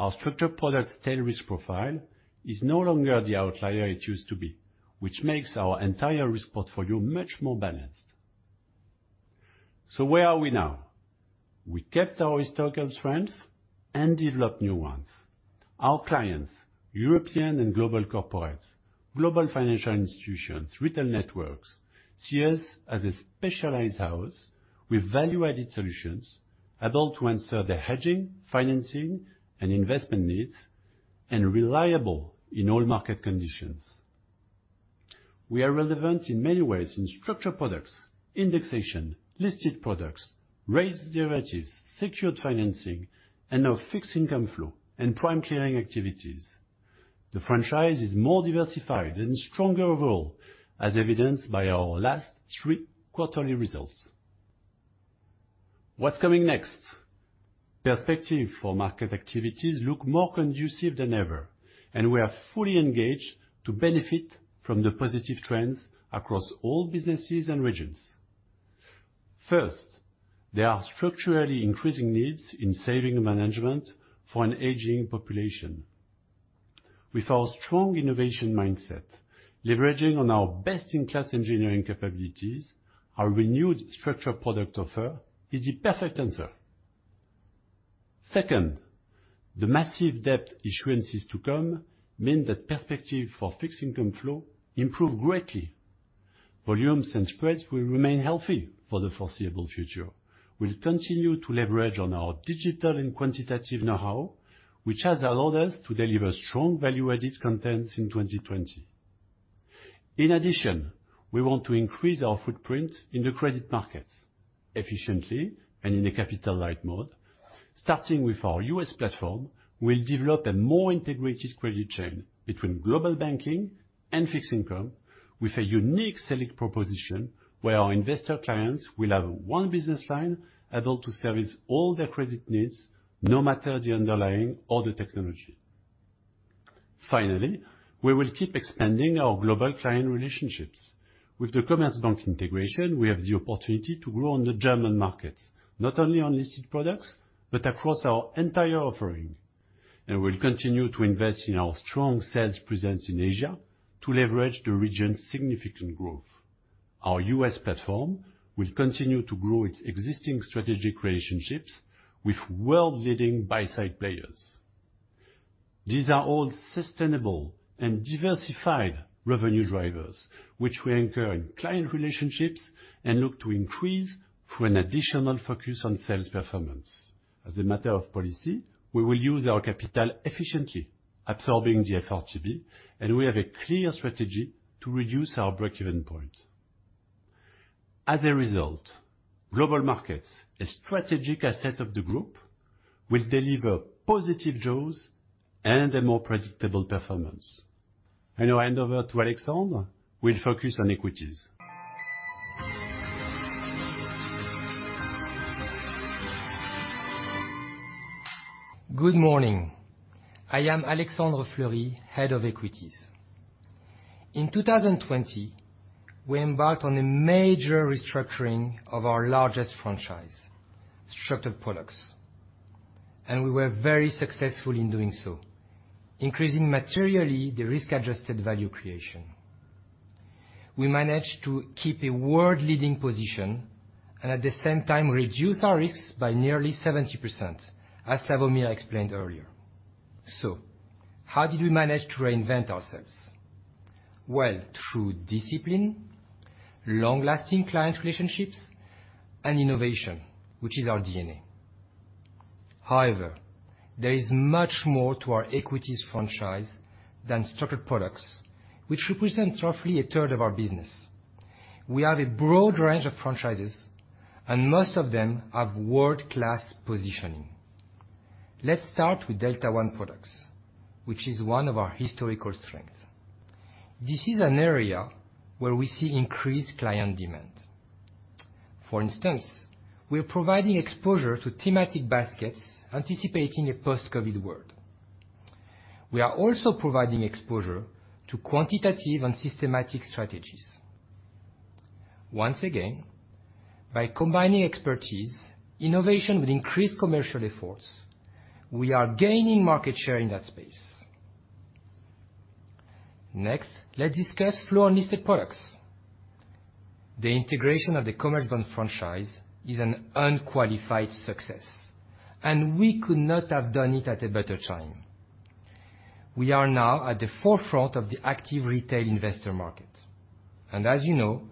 Our structured products tail risk profile is no longer the outlier it used to be, which makes our entire risk portfolio much more balanced. Where are we now? We kept our historical strengths and developed new ones. Our clients, European and global corporates, global financial institutions, retail networks, see us as a specialized house with value-added solutions, able to answer the hedging, financing, and investment needs, and reliable in all market conditions. We are relevant in many ways in structured products, indexation, listed products, rates derivatives, secured financing, and our fixed income flow, and prime clearing activities. The franchise is more diversified and stronger overall, as evidenced by our last three quarterly results. What's coming next? Perspective for market activities look more conducive than ever, and we are fully engaged to benefit from the positive trends across all businesses and regions. First, there are structurally increasing needs in saving management for an aging population. With our strong innovation mindset, leveraging on our best-in-class engineering capabilities, our renewed structured product offer is the perfect answer. Second, the massive debt issuances to come mean that perspective for fixed income flow improve greatly. Volumes and spreads will remain healthy for the foreseeable future. We'll continue to leverage on our digital and quantitative knowhow, which has allowed us to deliver strong value-added contents in 2020. In addition, we want to increase our footprint in the credit markets efficiently and in a capital-light mode. Starting with our U.S. platform, we'll develop a more integrated credit chain between Global Banking and fixed income with a unique selling proposition where our investor clients will have one business line able to service all their credit needs, no matter the underlying or the technology. Finally, we will keep expanding our global client relationships. With the Commerzbank integration, we have the opportunity to grow on the German market, not only on listed products, but across our entire offering. We'll continue to invest in our strong sales presence in Asia to leverage the region's significant growth. Our U.S. platform will continue to grow its existing strategic relationships with world-leading buy-side players. These are all sustainable and diversified revenue drivers, which we anchor in client relationships and look to increase through an additional focus on sales performance. As a matter of policy, we will use our capital efficiently, absorbing the FRTB, and we have a clear strategy to reduce our break-even point. As a result, Global Markets, a strategic asset of the group, will deliver positive jaws and a more predictable performance. I now hand over to Alexandre, who will focus on equities. Good morning. I am Alexandre Fleury, Head of Equities. In 2020, we embarked on a major restructuring of our largest franchise, structured products. We were very successful in doing so, increasing materially the risk-adjusted value creation. We managed to keep a world-leading position, and at the same time reduce our risks by nearly 70%, as Slawomir explained earlier. How did we manage to reinvent ourselves? Well, through discipline, long-lasting client relationships, and innovation, which is our DNA. However, there is much more to our Equities franchise than structured products, which represents roughly a third of our business. We have a broad range of franchises, and most of them have world-class positioning. Let's start with Delta One products, which is one of our historical strengths. This is an area where we see increased client demand. For instance, we are providing exposure to thematic baskets anticipating a post-COVID world. We are also providing exposure to quantitative and systematic strategies. Once again, by combining expertise, innovation with increased commercial efforts, we are gaining market share in that space. Next, let's discuss flow unlisted products. The integration of the Commerzbank franchise is an unqualified success, and we could not have done it at a better time. We are now at the forefront of the active retail investor market. As you know,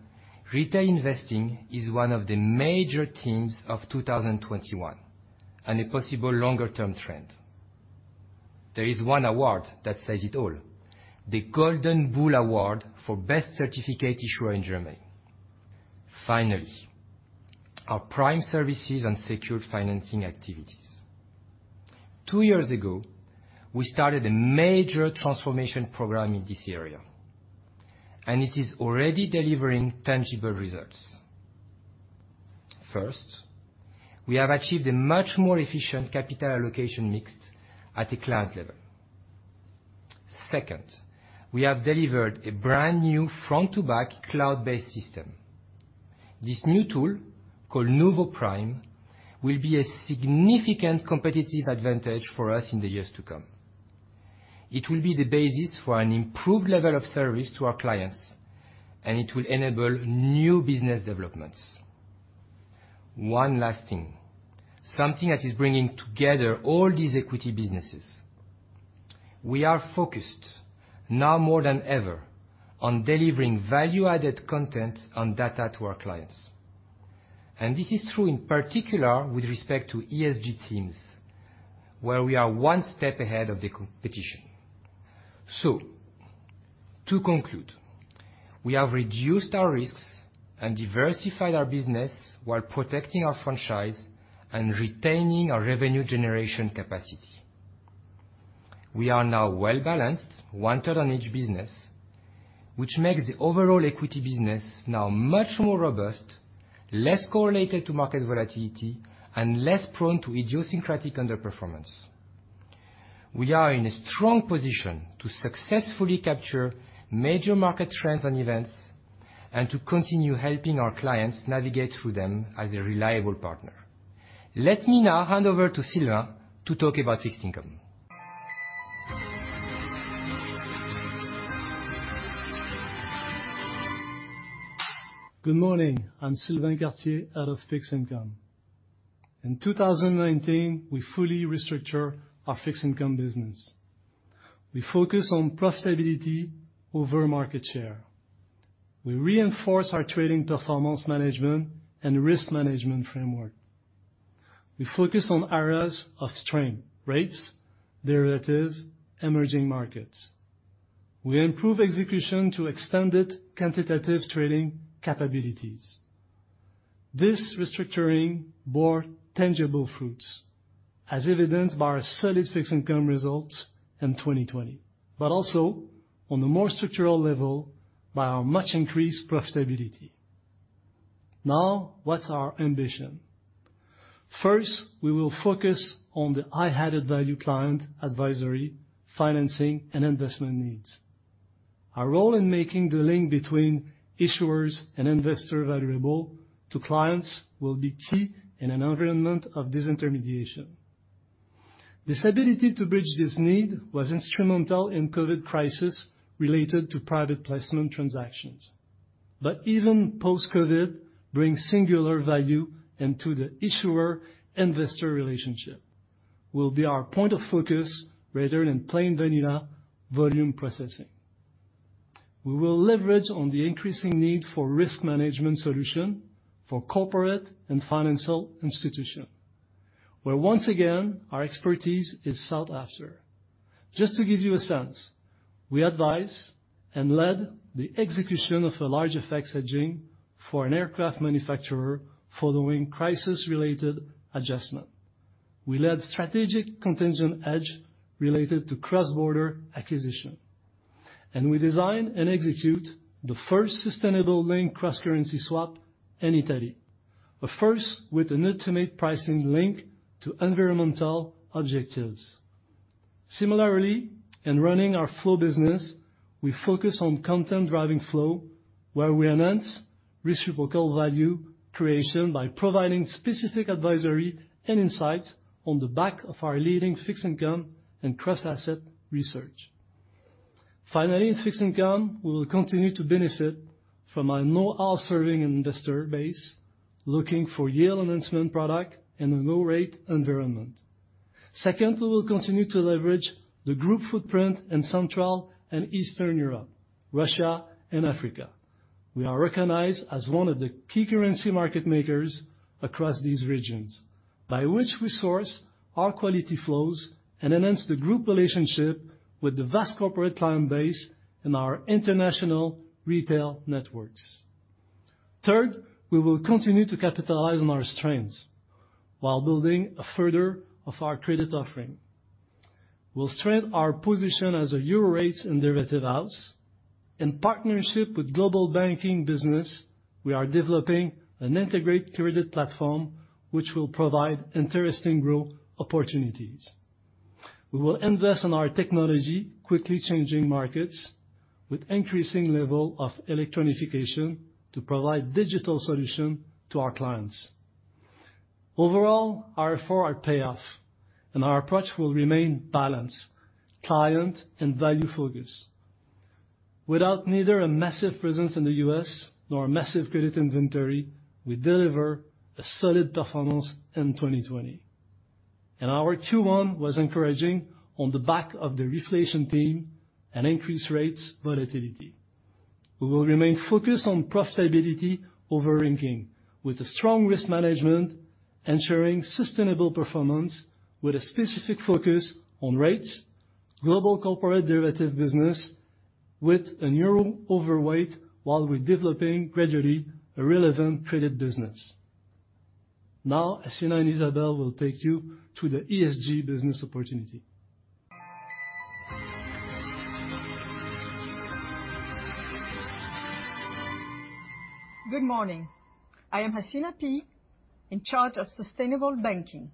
retail investing is one of the major themes of 2021 and a possible longer-term trend. There is one award that says it all, the Golden Bull Award for Best Certificate Issuer in Germany. Finally, our prime services and secured financing activities. Two years ago, we started a major transformation program in this area, and it is already delivering tangible results. First, we have achieved a much more efficient capital allocation mix at a class level. We have delivered a brand-new front-to-back cloud-based system. This new tool, called Nuvo Prime, will be a significant competitive advantage for us in the years to come. It will be the basis for an improved level of service to our clients, it will enable new business developments. One last thing, something that is bringing together all these equity businesses. We are focused now more than ever on delivering value-added content and data to our clients. This is true in particular with respect to ESG themes, where we are one step ahead of the competition. To conclude, we have reduced our risks and diversified our business while protecting our franchise and retaining our revenue generation capacity. We are now well-balanced, one third in each business, which makes the overall equity business now much more robust, less correlated to market volatility, and less prone to idiosyncratic underperformance. We are in a strong position to successfully capture major market trends and events and to continue helping our clients navigate through them as a reliable partner. Let me now hand over to Sylvain to talk about fixed income. Good morning. I'm Sylvain Cartier, Head of Fixed Income. In 2019, we fully restructured our fixed income business. We focus on profitability over market share. We reinforce our trading performance management and risk management framework. We focus on areas of strength, rates, derivatives, emerging markets. We improve execution to extended quantitative trading capabilities. This restructuring bore tangible fruits, as evidenced by our solid fixed income results in 2020, also, on a more structural level, by our much-increased profitability. What's our ambition? First, we will focus on the high-added-value client advisory, financing, and investment needs. Our role in making the link between issuers and investor valuable to clients will be key in an environment of disintermediation. This ability to bridge this need was instrumental in COVID crisis related to private placement transactions. Even post-COVID, bringing singular value into the issuer-investor relationship will be our point of focus rather than plain vanilla volume processing. We will leverage on the increasing need for risk management solution for corporate and financial institution, where once again, our expertise is sought after. Just to give you a sense, we advise and led the execution of the largest FX hedging for an aircraft manufacturer following crisis-related adjustment. We led strategic contingent hedge related to cross-border acquisition, we designed and executed the first sustainable-linked cross-currency swap in Italy, the first with an ultimate pricing link to environmental objectives. Similarly, in running our flow business, we focus on content-driving flow, where we enhance reciprocal value creation by providing specific advisory and insight on the back of our leading fixed income and cross-asset research. Finally, in fixed income, we will continue to benefit from a more assertive investor base looking for yield-enhancement product in a low-rate environment. Second, we will continue to leverage the Group footprint in Central and Eastern Europe, Russia, and Africa. We are recognized as one of the key currency market makers across these regions, by which we source our quality flows and enhance the Group relationship with the vast corporate client base and our international retail networks. Third, we will continue to capitalize on our strengths while building further of our credit offering. We will strengthen our position as a EUR rates and derivatives house. In partnership with Global Banking and Advisory, we are developing an integrated credit platform which will provide interesting growth opportunities. We will invest in our technology, quickly changing markets with increasing level of electronification to provide digital solution to our clients. Overall, our efforts pay off, and our approach will remain balanced, client, and value-focused. Without neither a massive presence in the U.S. nor a massive credit inventory, we deliver a solid performance in 2020. Our Q1 was encouraging on the back of the reflation theme and increased rates volatility. We will remain focused on profitability over ranking, with strong risk management, ensuring sustainable performance with a specific focus on rates, global corporate derivative business with an EUR overweight while we're developing, gradually, a relevant credit business. Now, Hacina and Isabelle will take you to the ESG business opportunity. Good morning. I am Hacina Py, in charge of sustainable banking,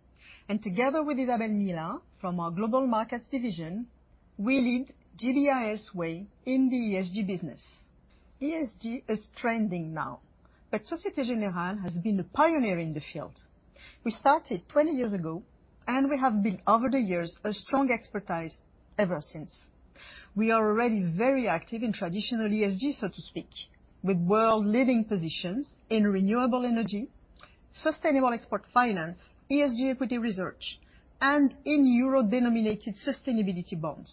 and together with Isabelle Millat, from our Global Markets division, we lead GBIS way in the ESG business. ESG is trending now, but Société Générale has been a pioneer in the field. We started 20 years ago, and we have built over the years a strong expertise ever since. We are already very active in traditional ESG, so to speak, with world-leading positions in renewable energy, sustainable export finance, ESG equity research, and in euro-denominated sustainability bonds.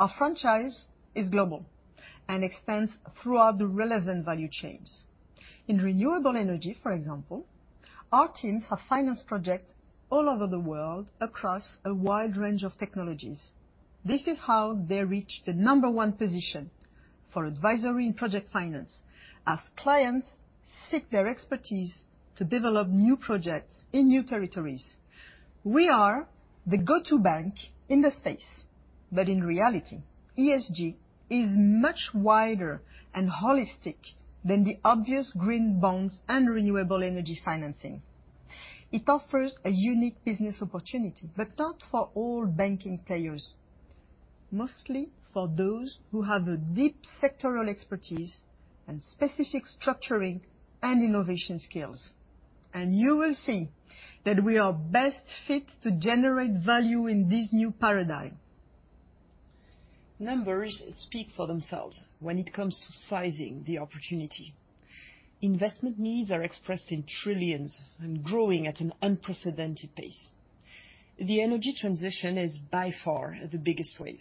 Our franchise is global and extends throughout the relevant value chains. In renewable energy, for example, our teams have financed projects all over the world across a wide range of technologies. This is how they reach the number one position for advisory in project finance, as clients seek their expertise to develop new projects in new territories. We are the go-to bank in the space. In reality, ESG is much wider and holistic than the obvious green bonds and renewable energy financing. It offers a unique business opportunity, but not for all banking players. Mostly for those who have a deep sectoral expertise and specific structuring and innovation skills. You will see that we are best fit to generate value in this new paradigm. Numbers speak for themselves when it comes to sizing the opportunity. Investment needs are expressed in trillions and growing at an unprecedented pace. The energy transition is by far the biggest wave,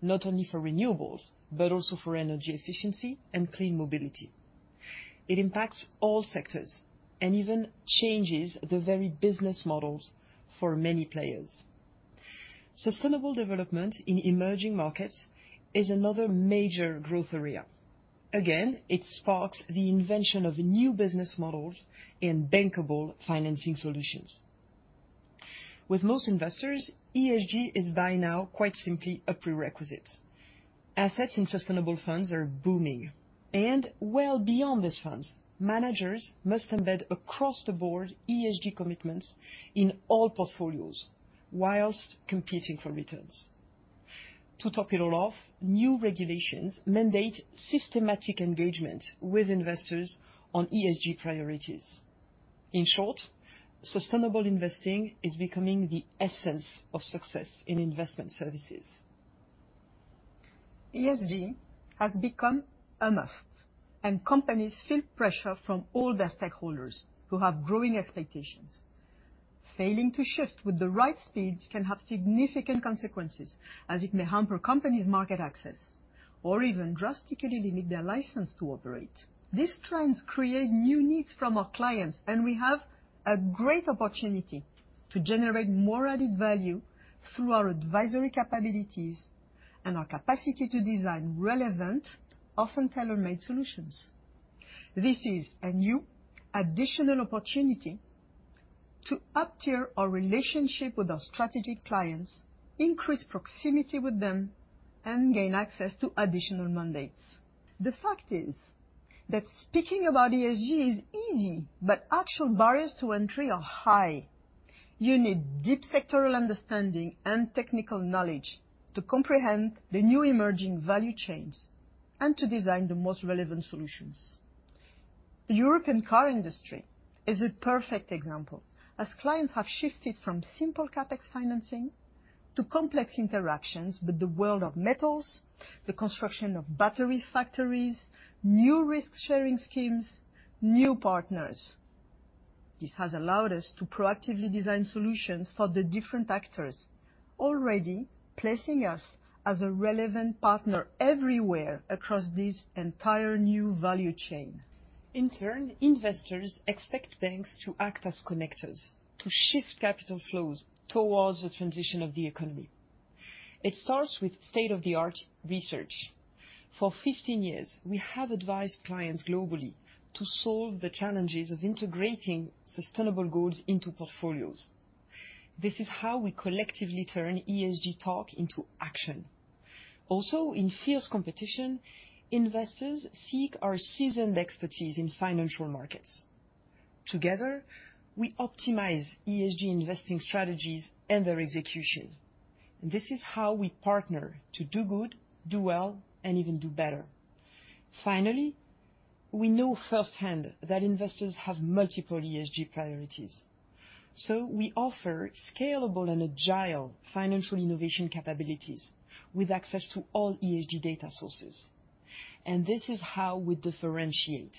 not only for renewables, but also for energy efficiency and clean mobility. It impacts all sectors and even changes the very business models for many players. Sustainable development in emerging markets is another major growth area. Again, it sparks the invention of new business models and bankable financing solutions. With most investors, ESG is by now, quite simply, a prerequisite. Assets in sustainable funds are booming. Well beyond these funds, managers must embed across the board ESG commitments in all portfolios while competing for returns. To top it all off, new regulations mandate systematic engagement with investors on ESG priorities. In short, sustainable investing is becoming the essence of success in investment services. ESG has become a must. Companies feel pressure from all their stakeholders who have growing expectations. Failing to shift with the right speed can have significant consequences, as it may hamper companies' market access or even drastically limit their license to operate. These trends create new needs from our clients. We have a great opportunity to generate more added value through our advisory capabilities and our capacity to design relevant, often tailor-made solutions. This is a new additional opportunity to up-tier our relationship with our strategic clients, increase proximity with them, and gain access to additional mandates. The fact is that speaking about ESG is easy. Actual barriers to entry are high. You need deep sectoral understanding and technical knowledge to comprehend the new emerging value chains and to design the most relevant solutions. The European car industry is a perfect example, as clients have shifted from simple CapEx financing to complex interactions with the world of metals, the construction of battery factories, new risk-sharing schemes, new partners. This has allowed us to proactively design solutions for the different actors, already placing us as a relevant partner everywhere across this entire new value chain. In turn, investors expect banks to act as connectors to shift capital flows towards the transition of the economy. It starts with state-of-the-art research. For 15 years, we have advised clients globally to solve the challenges of integrating sustainable goods into portfolios. This is how we collectively turn ESG talk into action. In fierce competition, investors seek our seasoned expertise in financial markets. Together, we optimize ESG investing strategies and their execution. This is how we partner to do good, do well, and even do better. We know firsthand that investors have multiple ESG priorities. We offer scalable and agile financial innovation capabilities with access to all ESG data sources. This is how we differentiate,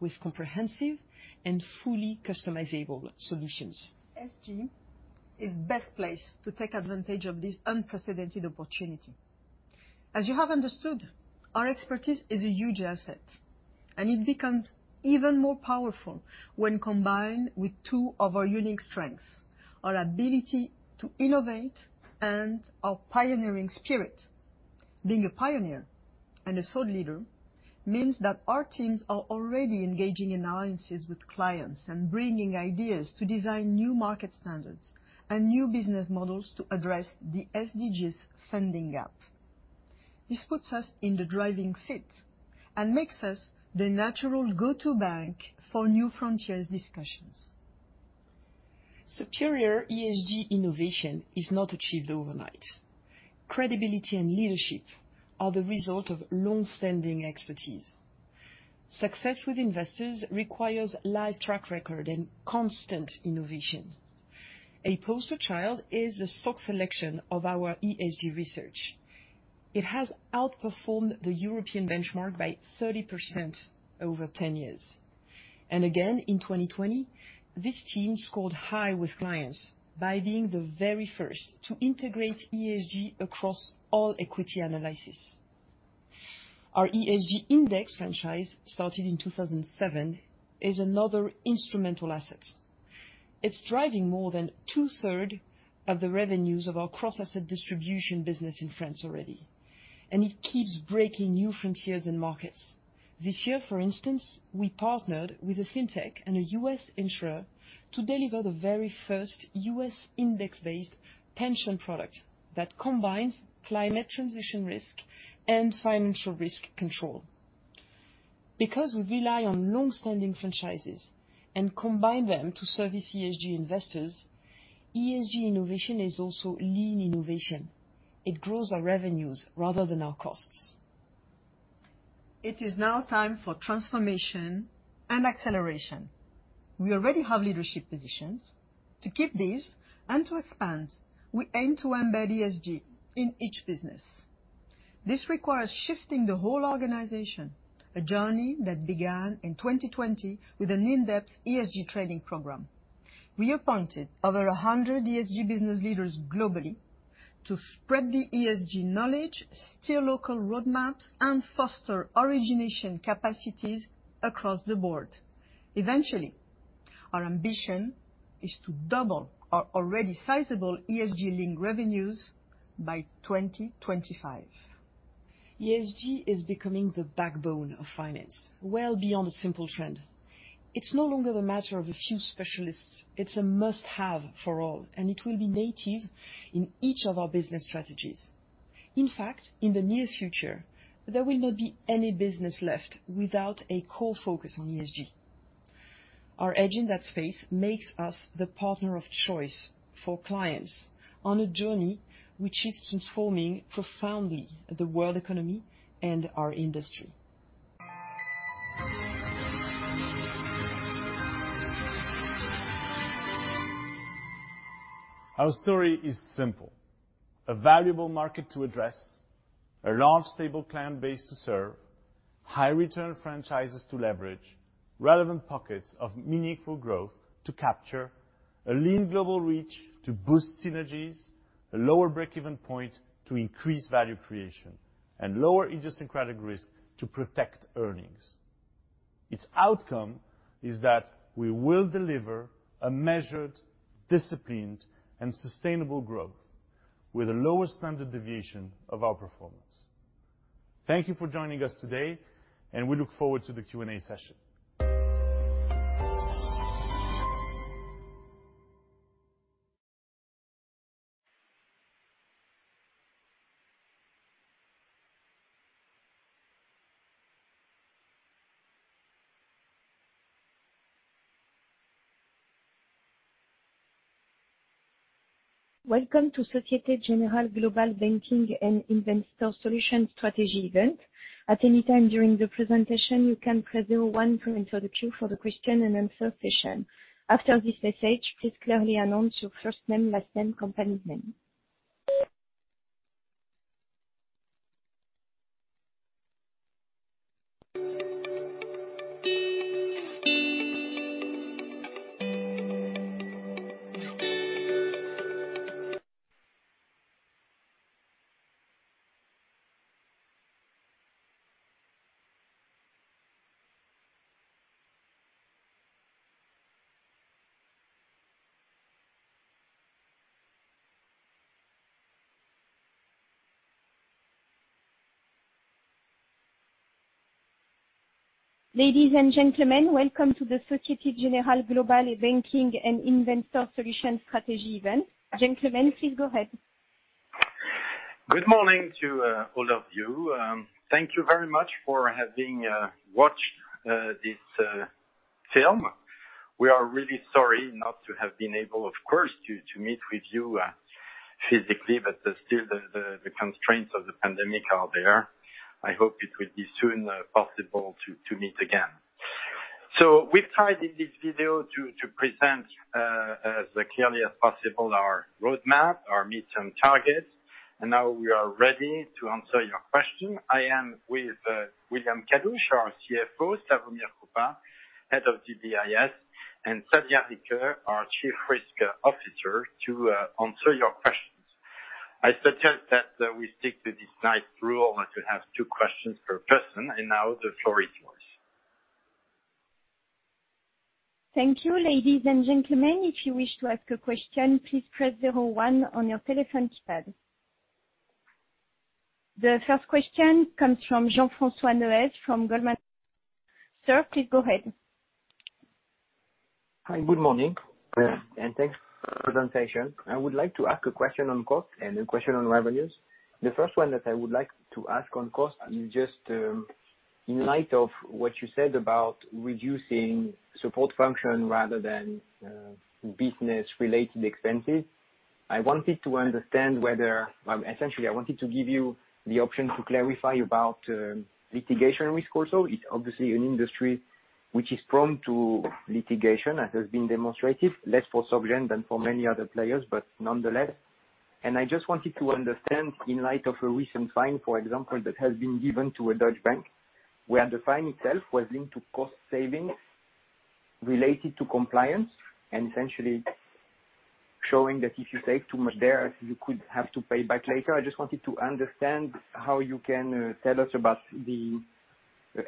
with comprehensive and fully customizable solutions. ESG is best placed to take advantage of this unprecedented opportunity. As you have understood, our expertise is a huge asset, and it becomes even more powerful when combined with two of our unique strengths, our ability to innovate and our pioneering spirit. Being a pioneer and a thought leader means that our teams are already engaging in alliances with clients and bringing ideas to design new market standards and new business models to address the SDG's funding gap. This puts us in the driving seat and makes us the natural go-to bank for new frontiers discussions. Superior ESG innovation is not achieved overnight. Credibility and leadership are the result of longstanding expertise. Success with investors requires live track record and constant innovation. A poster child is the stock selection of our ESG research. It has outperformed the European benchmark by 30% over 10 years. Again, in 2020, this team scored high with clients by being the very first to integrate ESG across all equity analysis. Our ESG index franchise, started in 2007, is another instrumental asset. It's driving more than two-thirds of the revenues of our cross-asset distribution business in France already, and it keeps breaking new frontiers and markets. This year, for instance, we partnered with a fintech and a U.S. insurer to deliver the very first U.S. index-based pension product that combines climate transition risk and financial risk control. Because we rely on longstanding franchises and combine them to service ESG investors, ESG innovation is also lean innovation. It grows our revenues rather than our costs. It is now time for transformation and acceleration. We already have leadership positions. To keep these and to expand, we aim to embed ESG in each business. This requires shifting the whole organization, a journey that began in 2020 with an in-depth ESG training program. We appointed over 100 ESG business leaders globally to spread the ESG knowledge, steer local roadmaps, and foster origination capacities across the board. Eventually, our ambition is to double our already sizable ESG-linked revenues by 2025. ESG is becoming the backbone of finance, well beyond a simple trend. It's no longer the matter of a few specialists. It's a must-have for all, and it will be native in each of our business strategies. In fact, in the near future, there will not be any business left without a core focus on ESG. Our edge in that space makes us the partner of choice for clients on a journey which is transforming, profoundly, the world economy and our industry. Our story is simple, a valuable market to address, a large, stable client base to serve, high-return franchises to leverage, relevant pockets of meaningful growth to capture, a lean global reach to boost synergies, a lower breakeven point to increase value creation, and lower idiosyncratic risk to protect earnings. Its outcome is that we will deliver a measured, disciplined, and sustainable growth with the lowest standard deviation of our performance. Thank you for joining us today, and we look forward to the Q&A session. Ladies and gentlemen, welcome to the Société Générale Global Banking and Investor Solutions Strategy event. Gentlemen, please go ahead. Good morning to all of you. Thank you very much for having watched this film. We are really sorry not to have been able, of course, to meet with you physically, but still the constraints of the pandemic are there. I hope it will be soon possible to meet again. We've tried in this video to present as clearly as possible our roadmap, our midterm targets, and now we are ready to answer your questions. I am with William Kadouch-Chassaing, our CFO, Slawomir Krupa, Head of GBIS, and Sadia Ricke, our Chief Risk Officer, to answer your questions. I suggest that we stick to this nice rule to have two questions per person, and now the floor is yours. Thank you, ladies and gentlemen. If you wish to ask a question, please press zero one on your telephone keypad. The first question comes from Jean-François Neuez from Goldman. Sir, please go ahead. Hi, good morning. Yeah. Thanks for the presentation. I would like to ask a question on cost and a question on revenues. The first one that I would like to ask on cost is just, in light of what you said about reducing support function rather than business-related expenses, I wanted to understand whether essentially, I wanted to give you the option to clarify about litigation risk also. It's obviously an industry which is prone to litigation, as has been demonstrated, less for Soc Gen than for many other players, but nonetheless. I just wanted to understand, in light of a recent fine, for example, that has been given to a Dutch bank, where the fine itself was linked to cost savings related to compliance, and essentially showing that if you save too much there, you could have to pay back later. I just wanted to understand how you can tell us about the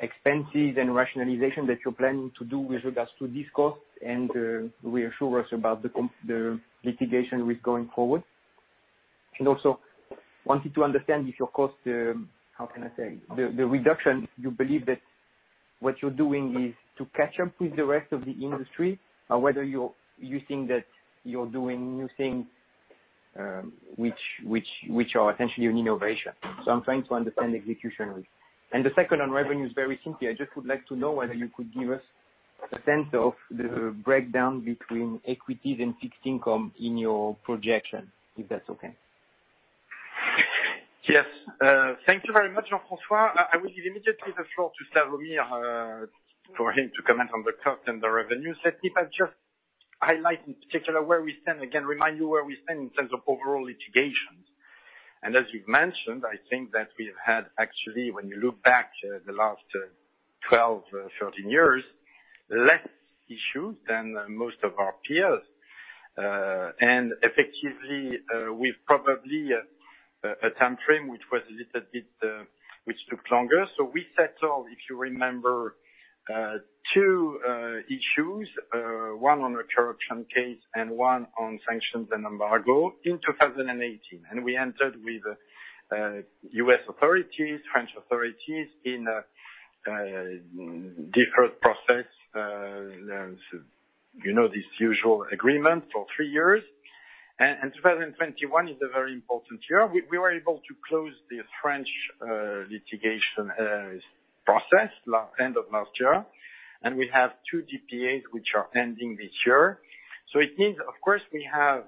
expenses and rationalization that you're planning to do with regards to this cost, and reassure us about the litigation risk going forward. Also, wanted to understand if your cost, how can I say, the reduction, you believe that what you're doing is to catch up with the rest of the industry, or whether you think that you're doing new things which are essentially an innovation. I'm trying to understand the execution risk. The second on revenue is very simply, I just would like to know whether you could give us a sense of the breakdown between equities and fixed income in your projection, if that's okay. Yes. Thank you very much, Jean-François. I will immediately give the floor to Slawomir, for him to comment on the cost and the revenue side. If I just highlight in particular where we stand, again, remind you where we stand in terms of overall litigations. As you've mentioned, I think that we've had actually, when you look back the last 12, 13 years, less issues than most of our peers. Effectively, with probably a timeframe which took longer. We settled, if you remember, two issues, one on a corruption case and one on sanctions and embargo in 2018. We entered with U.S. authorities, French authorities in a deferred process. This usual agreement for three years. 2021 is a very important year. We were able to close the French litigation process end of last year, and we have two DPAs which are ending this year. It means, of course, we have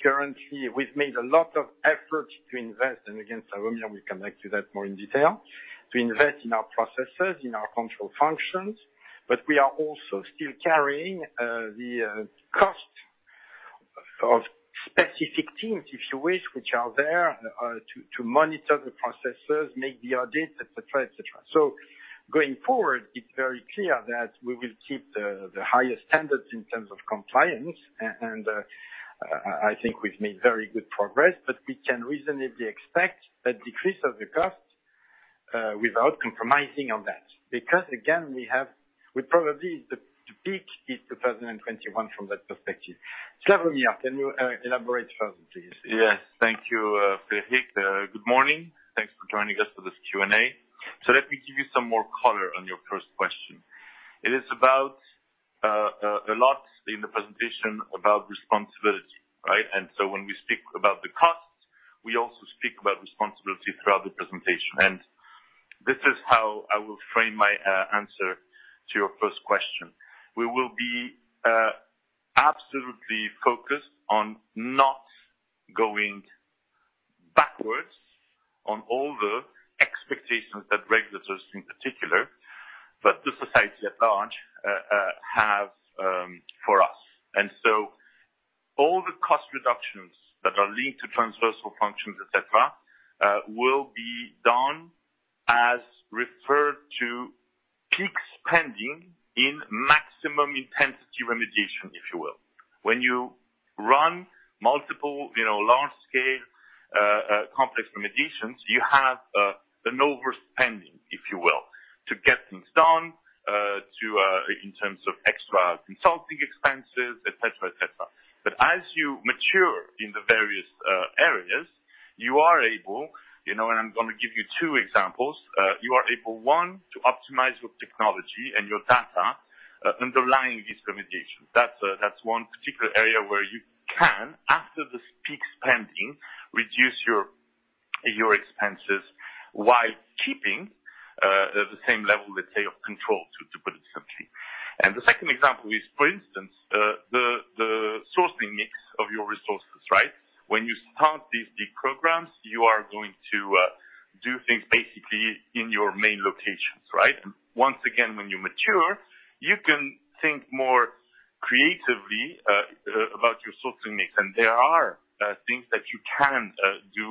currently, we've made a lot of efforts to invest, and again, Slawomir will come back to that more in detail, to invest in our processes, in our control functions. We are also still carrying the cost of specific teams, if you wish, which are there to monitor the processes, make the audits, et cetera. Going forward, it's very clear that we will keep the highest standards in terms of compliance. I think we've made very good progress, but we can reasonably expect a decrease of the cost without compromising on that. Again, we probably, the peak is 2021 from that perspective. Slawomir, can you elaborate further, please? Yes. Thank you, Xavier. Good morning. Thanks for joining us for this Q&A. Let me give you some more color on your first question. It is about a lot in the presentation about responsibility, right? When we speak about the costs, we also speak about responsibility throughout the presentation. This is how I will frame my answer to your first question. We will be absolutely focused on not going backwards on all the expectations that regulators in particular, but the society at large, have for us. All the cost reductions that are linked to transversal functions, et cetera, will be done as referred to peak spending in maximum intensity remediation, if you will. When you run multiple large scale complex remediations, you have an overspending, if you will, to get things done, in terms of extra consulting expenses, et cetera. As you mature in the various areas, you are able, and I'm going to give you two examples. You are able, one, to optimize your technology and your data underlying these remediations. That's one particular area where you can, after this peak spending, reduce your expenses while keeping the same level, let's say, of control, to put it simply. The second example is, for instance, the sourcing mix of your resources, right? When you start these big programs, you are going to do things basically in your main locations, right? Once again, when you mature, you can think more creatively about your sourcing mix. There are things that you can do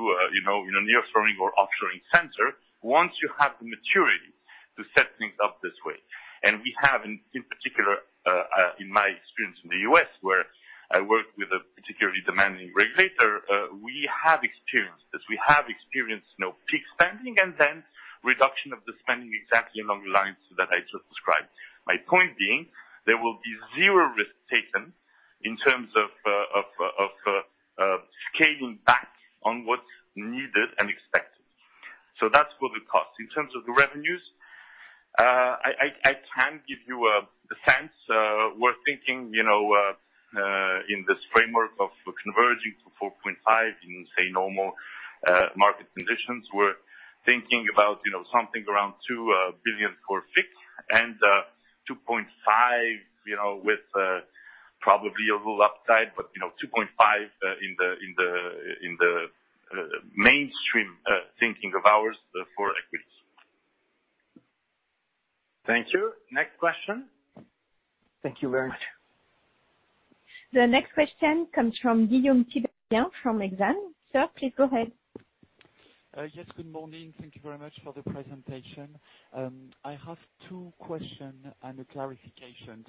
in a nearshoring or offshoring center once you have the maturity to set things up this way. We have, in particular, in my experience in the U.S., where I worked with a particularly demanding regulator, we have experienced this. We have experienced peak spending and then reduction of the spending exactly along the lines that I just described. My point being, there will be zero risk taken in terms of scaling back on what's needed and expected. That's for the cost. In terms of the revenues, I can give you the sense. We're thinking in this framework of converging to 4.5% in, say, normal market conditions. We're thinking about something around 2 billion for FICC and 2.5, with probably a little upside, but 2.5 in the mainstream thinking of ours for equities. Thank you. Next question. Thank you very much. The next question comes from Guillaume Thibault from Exane. Sir, please go ahead. Yes, good morning. Thank you very much for the presentation. I have two questions and a clarification.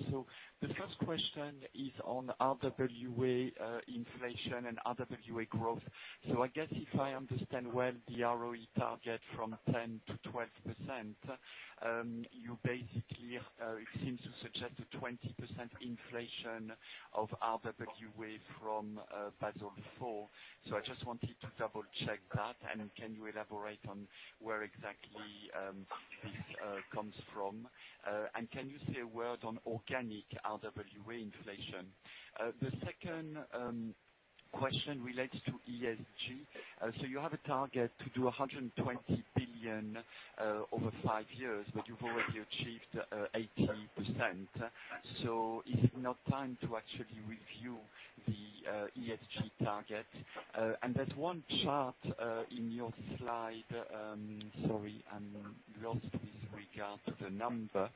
The first question is on RWA inflation and RWA growth. I guess if I understand well the ROE target from 10%-12%, you basically, it seems to suggest a 20% inflation of RWA from Basel IV. I just wanted to double-check that. Can you elaborate on where exactly this comes from? Can you say a word on organic RWA inflation? The second question relates to ESG. You have a target to do 120 billion over five years, but you've already achieved 80%. Is it now time to actually review the ESG target? There's one chart in your slide, sorry, I'm lost with regard to the number,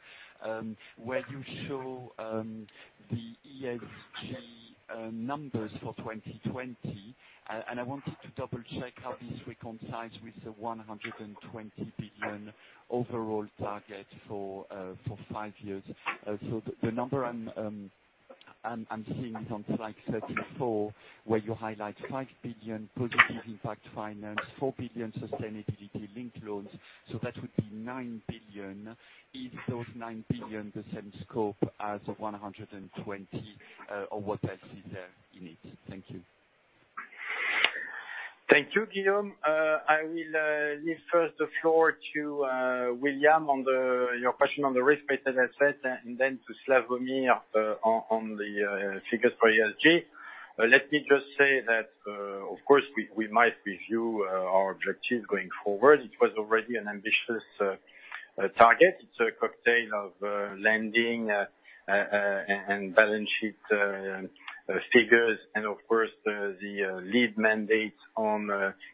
where you show the ESG numbers for 2020. I wanted to double-check how this reconciles with the 120 billion overall target for 5 years. The number one am seeing is on slide 34, where you highlight 5 billion positive impact finance, 4 billion sustainability-linked loans. That would be 9 billion. Is those 9 billion the same scope as of 120 billion, or what else is there in it? Thank you. Thank you, Guillaume. I will leave first the floor to William on your question on the risk-weighted assets, and then to Slawomir on the figures for ESG. Let me just say that, of course, we might review our objectives going forward. It was already an ambitious target. It's a cocktail of lending and balance sheet figures and, of course, the lead mandates on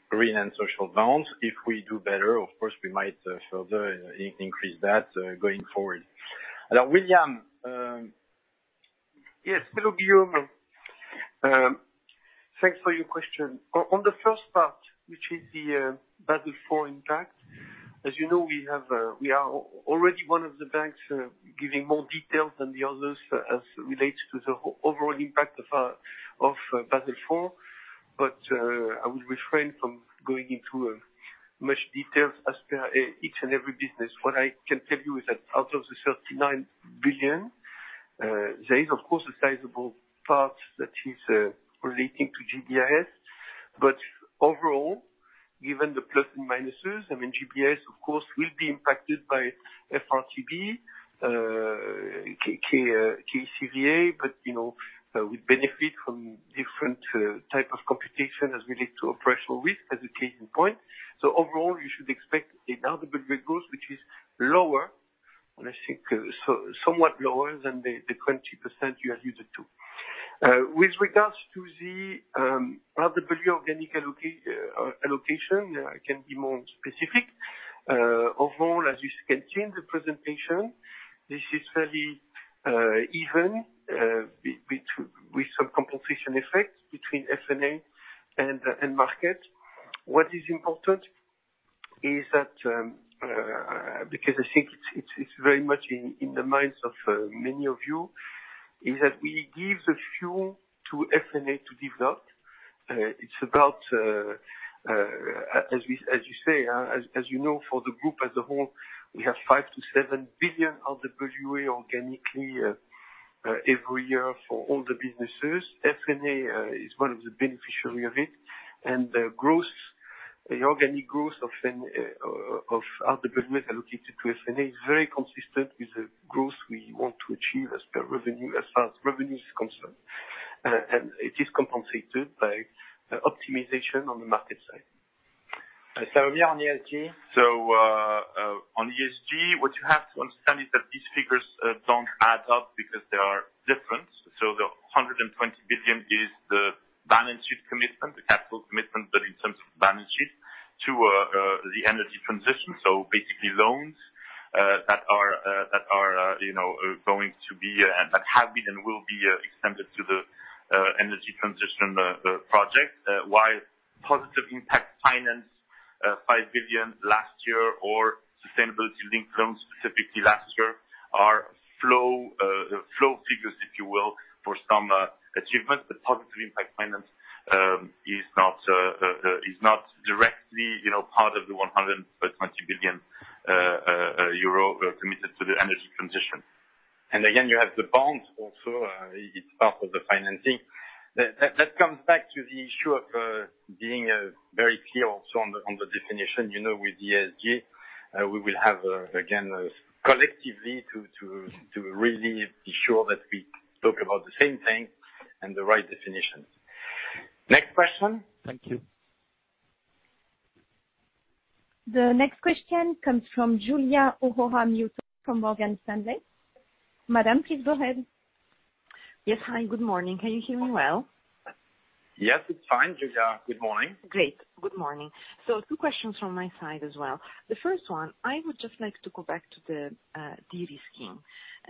green and social bonds. If we do better, of course, we might further increase that going forward. William. Yes. Hello, Guillaume. Thanks for your question. On the first part, which is the Basel IV impact, as you know, we are already one of the banks giving more details than the others as it relates to the overall impact of Basel IV. I would refrain from going into much details as per each and every business. What I can tell you is that out of the 39 billion, there is, of course, a sizable part that is relating to GBIS. Overall, given the plus and minuses, GBIS, of course, will be impacted by FRTB, KVA, but we benefit from different type of computation as related to operational risk as a case in point. Overall, you should expect an RWA growth, which is lower, and I think somewhat lower than the 20% you are used to. With regards to the RWA organic allocation, I can be more specific. Overall, as you can see in the presentation, this is fairly even with some compensation effect between F&A and market. What is important is that, because I think it's very much in the minds of many of you, is that we give the fuel to F&A to develop. It's about, as you say, as you know, for the group as a whole, we have 5 billion RWA-EUR 7 billion RWA organically every year for all the businesses. F&A is one of the beneficiary of it, and the organic growth of RWA allocated to F&A is very consistent with the growth we want to achieve as per revenue, as far as revenue is concerned, and it is compensated by optimization on the market side. Slawomir, on ESG? On ESG, what you have to understand is that these figures don't add up because they are different. The 120 billion is the balance sheet commitment, the capital commitment, but in terms of balance sheet to the energy transition. Basically, loans that have been and will be extended to the energy transition project, while positive impact finance, 5 billion last year, or sustainability-linked loans, specifically last year, are flow figures, if you will, for some achievement. Positive impact finance is not directly part of the 120 billion euro committed to the energy transition. Again, you have the bond also, it's part of the financing. That comes back to the issue of being very clear also on the definition. With ESG, we will have, again, collectively to really be sure that we talk about the same thing and the right definition. Next question. Thank you. The next question comes from Giulia Aurora Miotto from Morgan Stanley. Madam, please go ahead. Yes. Hi, good morning. Can you hear me well? Yes, it's fine, Giulia. Good morning. Great. Good morning. Two questions from my side as well. The first one, I would just like to go back to the de-risking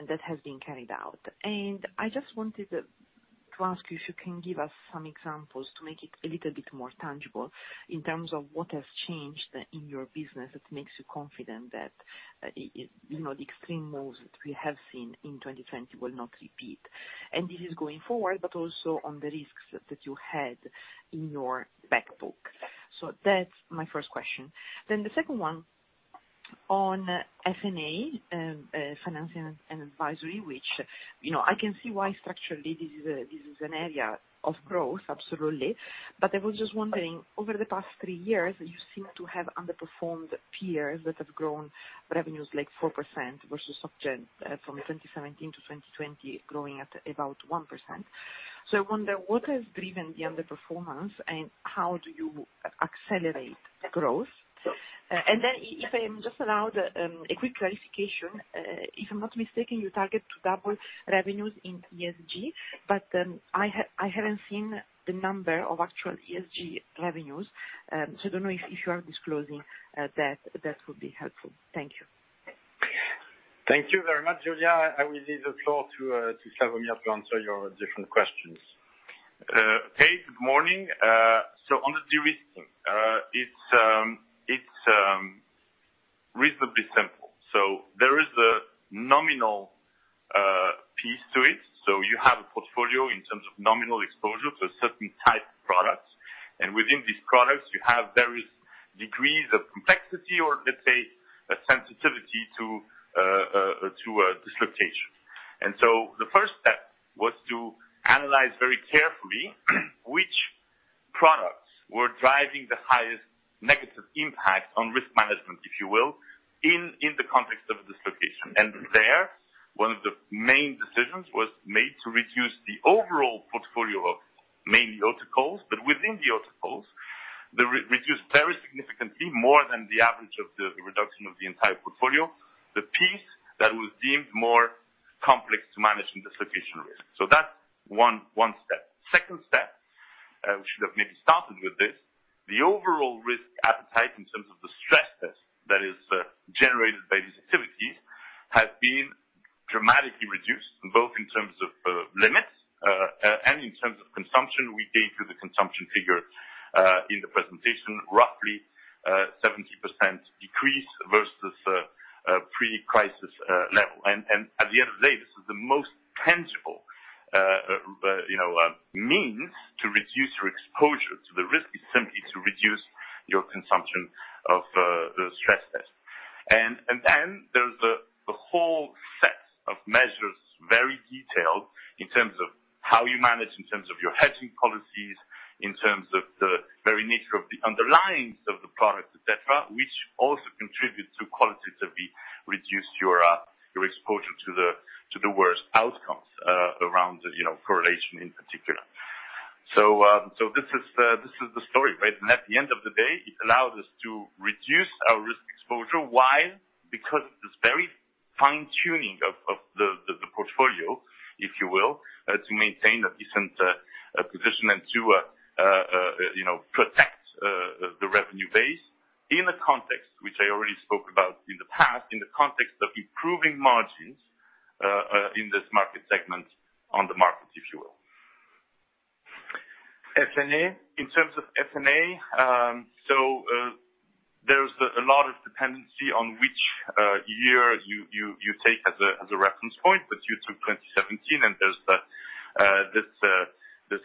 that has been carried out. I just wanted to ask you if you can give us some examples to make it a little bit more tangible in terms of what has changed in your business that makes you confident that the extreme moves that we have seen in 2020 will not repeat. This is going forward, but also on the risks that you had in your back book. That's my first question. The second one on F&A, financing and advisory, which I can see why structurally this is an area of growth, absolutely. I was just wondering, over the past three years, you seem to have underperformed peers that have grown revenues like 4% versus Soc Gen from 2017 to 2020, growing at about 1%. I wonder, what has driven the underperformance, and how do you accelerate growth? If I'm just allowed a quick clarification, if I'm not mistaken, you target to double revenues in ESG, but I haven't seen the number of actual ESG revenues. I don't know if you are disclosing that. That would be helpful. Thank you. Thank you very much, Giulia. I will leave the floor to Slawomir to answer your different questions. Hey, good morning. On the de-risking, it's reasonably simple. There is a nominal piece to it. You have a portfolio in terms of nominal exposure to a certain type of product. Within these products, you have various degrees of complexity or, let's say, a sensitivity to a dislocation. The first step was to analyze very carefully which products were driving the highest negative impact on risk management, if you will, in the context of a dislocation. There, one of the main decisions was made to reduce the overall portfolio of mainly exotics, but within the exotics, they reduced very significantly, more than the average of the reduction of the entire portfolio, the piece that was deemed more complex to manage in dislocation risk. That's one step. Second step, we should have maybe started with this, the overall risk appetite in terms of the stress test that is generated by these activities has been dramatically reduced, both in terms of limits and in terms of consumption. We gave you the consumption figure in the presentation, roughly 70% decrease versus pre-crisis level. At the end of the day, this is the most tangible means to reduce your exposure to the risk is simply to reduce your consumption of the stress test. Then there's the whole set of measures, very detailed in terms of how you manage, in terms of your hedging policies, in terms of the very nature of the underlying of the product, et cetera, which also contributes to qualitatively reduce your exposure to the worst outcomes around correlation in particular. This is the story. At the end of the day, it allowed us to reduce our risk exposure. Why? Because this very fine-tuning of the portfolio, if you will, to maintain a decent position and to protect the revenue base in a context which I already spoke about in the past, in the context of improving margins in this market segment on the markets, if you will. In terms of F&A, so there's a lot of dependency on which year you take as a reference point, but you took 2017, and there's this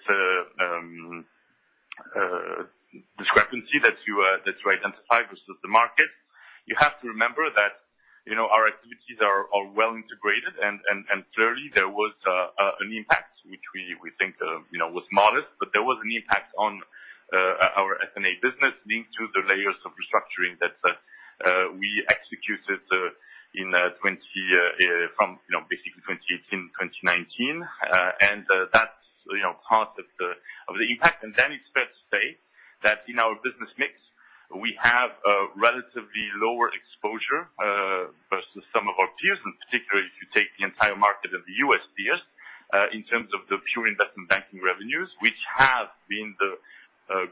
discrepancy that you identified versus the market. You have to remember that our activities are well integrated, and clearly, there was an impact, which we think was modest, but there was an impact on our F&A business linked to the layers of restructuring We executed from basically 2018, 2019, and that's part of the impact. It's fair to say that in our business mix, we have a relatively lower exposure, versus some of our peers, and particularly if you take the entire market of the U.S. peers, in terms of the pure investment banking revenues, which have been the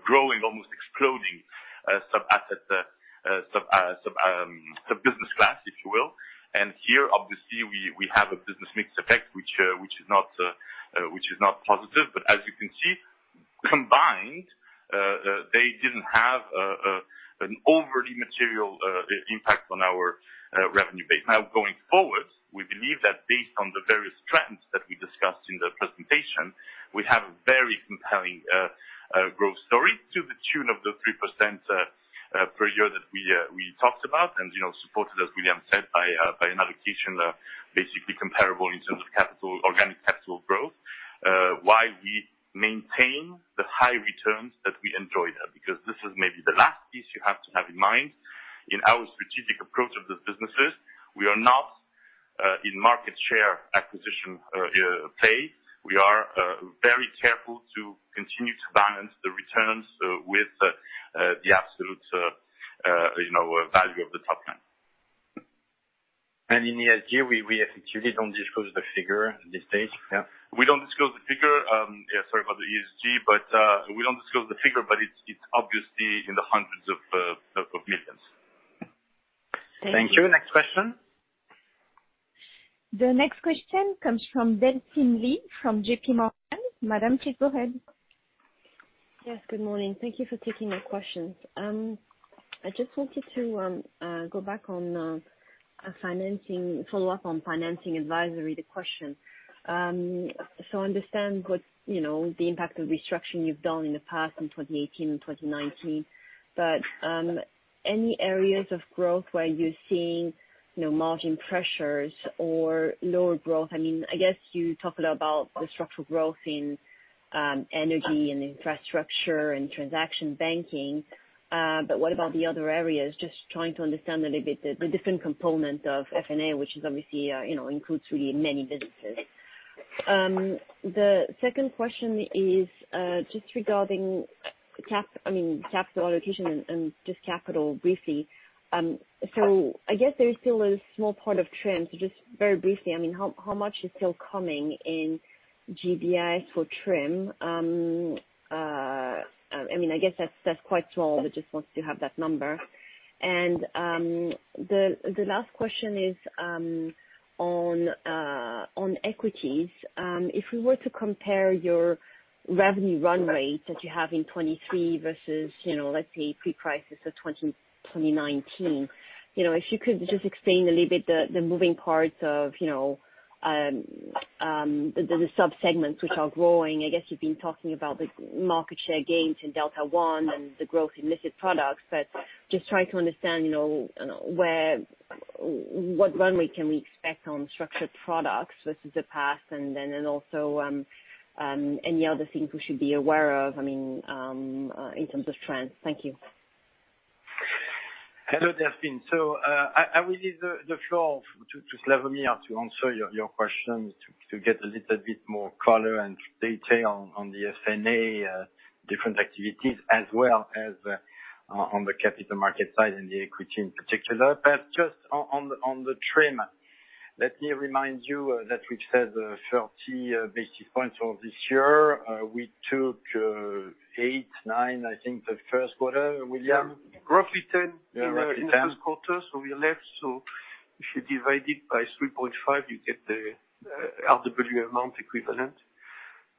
growing, almost exploding sub-asset, sub-business class, if you will. Here, obviously, we have a business mix effect, which is not positive. As you can see, combined, they didn't have an overly material impact on our revenue base. Going forward, we believe that based on the various trends that we discussed in the presentation, we have a very compelling growth story to the tune of the 3% per year that we talked about and supported, as William said, by an allocation basically comparable in terms of organic capital growth, while we maintain the high returns that we enjoy there. This is maybe the last piece you have to have in mind. In our strategic approach of the businesses, we are not in market share acquisition pace. We are very careful to continue to balance the returns with the absolute value of the top line. In ESG, we actually don't disclose the figure at this stage. We don't disclose the figure. Yeah, sorry about the ESG. We don't disclose the figure, but it's obviously in the hundreds of millions. Thank you. Next question. The next question comes from Delphine Lee from JPMorgan. Madam, please go ahead. Yes, good morning. Thank you for taking my questions. I just wanted to go back on a follow-up on Financing & Advisory, the question. Understand the impact of restructuring you've done in the past, in 2018 and 2019. Any areas of growth where you're seeing margin pressures or lower growth? I guess you talked a lot about the structural growth in energy and infrastructure and transaction banking. What about the other areas? Just trying to understand a little bit the different component of F&A, which obviously includes really many businesses. The second question is just regarding capital allocation and just capital, briefly. I guess there is still a small part of TRIM. Just very briefly, how much is still coming in GBIS for TRIM? I guess that's quite small, but just wanted to have that number. The last question is on equities. If we were to compare your revenue run rate that you have in 2023 versus, let's say pre-crisis of 2019, if you could just explain a little bit the moving parts of the sub-segments which are growing. I guess you've been talking about the market share gains in Delta One and the growth in listed products, but just trying to understand what runway can we expect on structured products versus the past and then also any other things we should be aware of in terms of trends. Thank you. Hello, Delphine. I will leave the floor to Slawomir to answer your questions, to get a little bit more color and detail on the F&A different activities as well as on the capital market side and the equity in particular. Just on the TRIM, let me remind you that we said 30 basis points for this year. We took eight, nine, I think, the first quarter, William? Roughly 10 in the first quarter. If you divide it by 3.5, you get the RWA amount equivalent.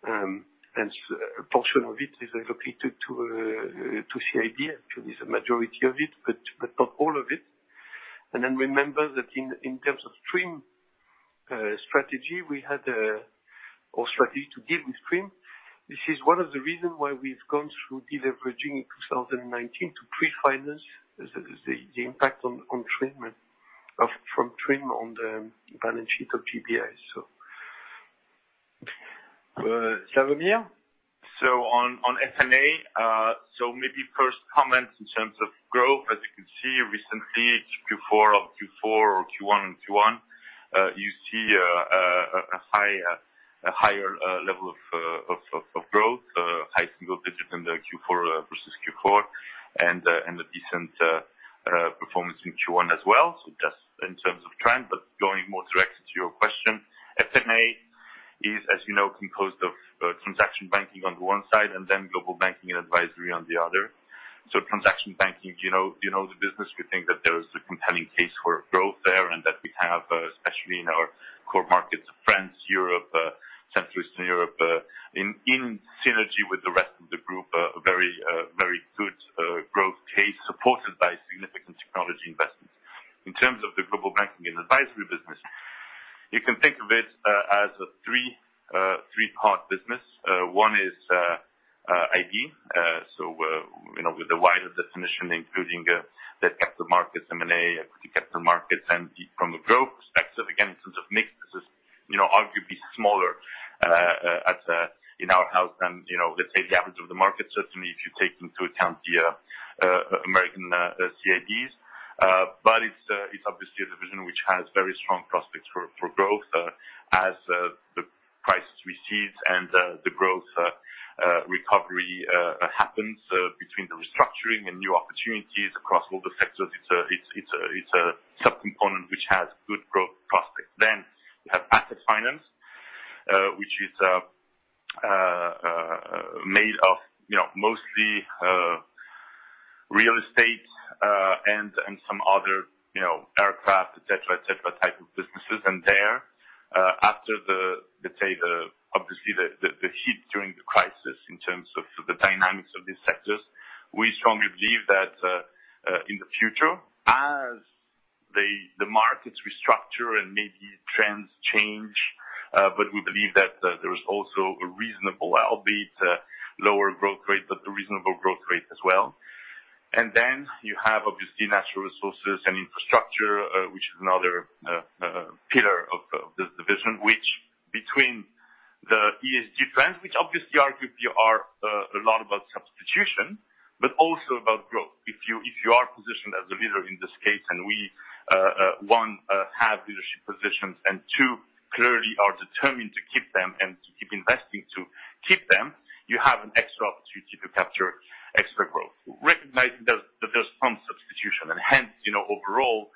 A portion of it is allocated to CID, actually, the majority of it, but not all of it. Remember that in terms of TRIM strategy, our strategy to deal with TRIM, this is one of the reasons why we've gone through deleveraging in 2019 to pre-finance the impact from TRIM on the balance sheet of GBIS. Slawomir? On F&A, maybe first comment in terms of growth. As you can see recently, Q4 of Q4, or Q1 and Q1, you see a higher level of growth, high single digit in the Q4 versus Q4, and a decent performance in Q1 as well. Just in terms of trend, going more directly to your question, F&A is, you know, composed of transaction banking on the one side and Global Banking and Advisory on the other. Transaction banking, you know the business. We think that there is a compelling case for growth there and that we have, especially in our core markets of France, Europe, Central Eastern Europe, in synergy with the rest of the group, a very good growth case supported by significant technology investments. In terms of the Global Banking and Advisory business, you can think of it as a three-part business. One is IB, with the wider definition, including the capital markets M&A, you know, arguably smaller in our house than, let's say, the average of the market, certainly if you take into account the American CIDs. It's obviously a division which has very strong prospects for growth as the crisis recedes and the growth recovery happens between the restructuring and new opportunities across all the sectors. It's a sub-component which has good growth prospects. You have asset finance, which is made of mostly real estate, and some other aircraft, et cetera, type of businesses. There, after, let's say, obviously, the hit during the crisis in terms of the dynamics of these sectors, we strongly believe that in the future, as the markets restructure and maybe trends change, but we believe that there is also a reasonable, albeit lower growth rate, but a reasonable growth rate as well. You have, obviously, natural resources and infrastructure, which is another pillar of this division, which between the ESG trends, which obviously, arguably, are a lot about substitution, but also about growth. If you are positioned as a leader in this case, and we, one, have leadership positions, and two, clearly are determined to keep them and to keep investing to keep them, you have an extra opportunity to capture extra growth. Recognizing that there's some substitution, and hence, overall,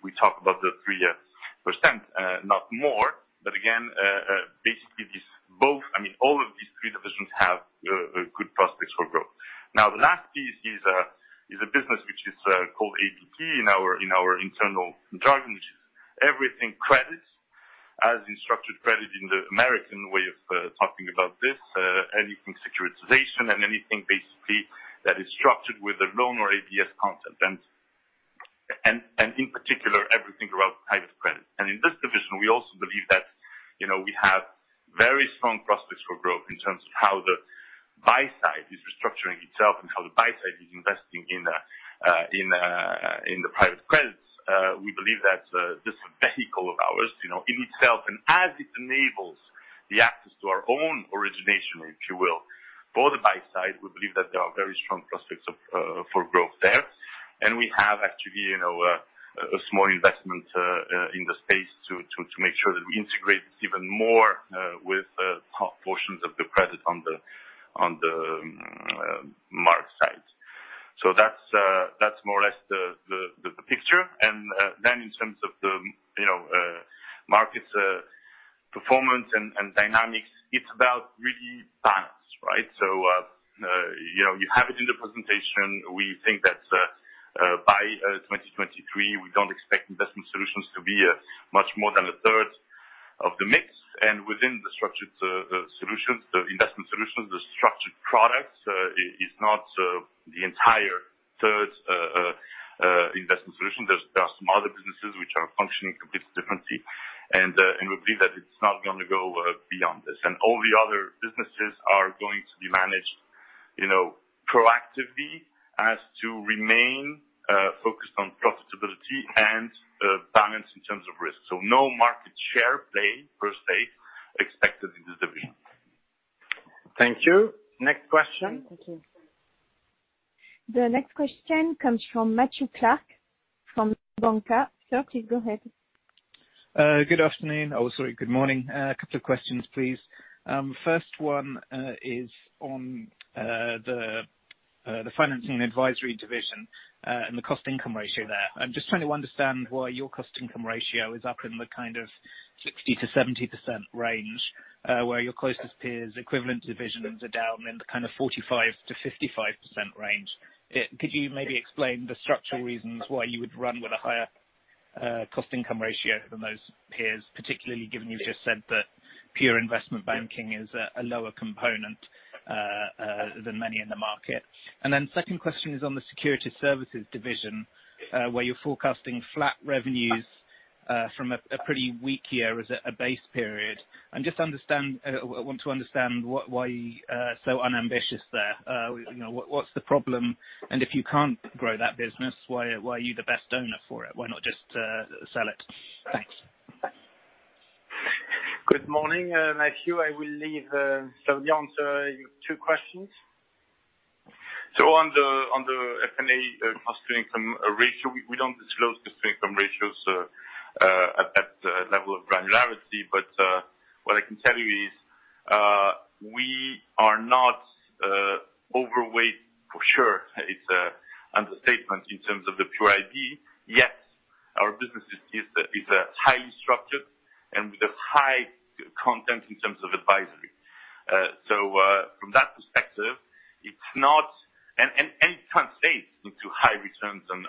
we talk about the 3%, not more, but again, basically, all of these three divisions have good prospects for growth. The last piece is a business which is called ABP in our internal jargon, which is everything credit, as in structured credit in the American way of talking about this. Anything securitization and anything basically that is structured with a loan or ABS content. In particular, everything around private credit. In this division, we also believe that we have very strong prospects for growth in terms of how the buy side is restructuring itself and how the buy side is investing in the private credits. We believe that this vehicle of ours, in itself, and as it enables the access to our own origination, if you will, for the buy side, we believe that there are very strong prospects for growth there. We have actually a small investment in the space to make sure that we integrate even more with portions of the credit on the mark side. That's more or less the picture. Then in terms of the market performance and dynamics, it's about really balance, right. You have it in the presentation. We think that by 2023, we don't expect investment solutions to be much more than a third of the mix. Within the structured solutions, the investment solutions, the structured products, is not the entire third investment solution. There are some other businesses which are functioning completely differently. We believe that it's not going to go beyond this. All the other businesses are going to be managed proactively as to remain focused on profitability and balance in terms of risk. No market share play per se expected in this division. Thank you. Next question. Thank you. The next question comes from Matthew Clark from Banca. Sir, please go ahead. Good afternoon. Oh, sorry, good morning. A couple of questions, please. First one is on the financing advisory division and the cost-income ratio there. I'm just trying to understand why your cost-income ratio is up in the kind of 60%-70% range, where your closest peers' equivalent divisions are down in the kind of 45%-55% range. Could you maybe explain the structural reasons why you would run with a higher cost-income ratio than those peers, particularly given you just said that pure investment banking is a lower component than many in the market? Second question is on the Security Services division, where you're forecasting flat revenues from a pretty weak year as a base period. I want to understand why so unambitious there. What's the problem? If you can't grow that business, why are you the best owner for it? Why not just sell it? Thanks. Good morning, Matthew. I will leave Slawomir to answer your two questions. On the F&A cost-income ratio, we don't disclose cost-income ratios at that level of granularity. What I can tell you is we are not overweight for sure. It's an understatement in terms of the pure IB. Our business is highly structured and with a high content in terms of advisory. From that perspective, and it translates into high returns on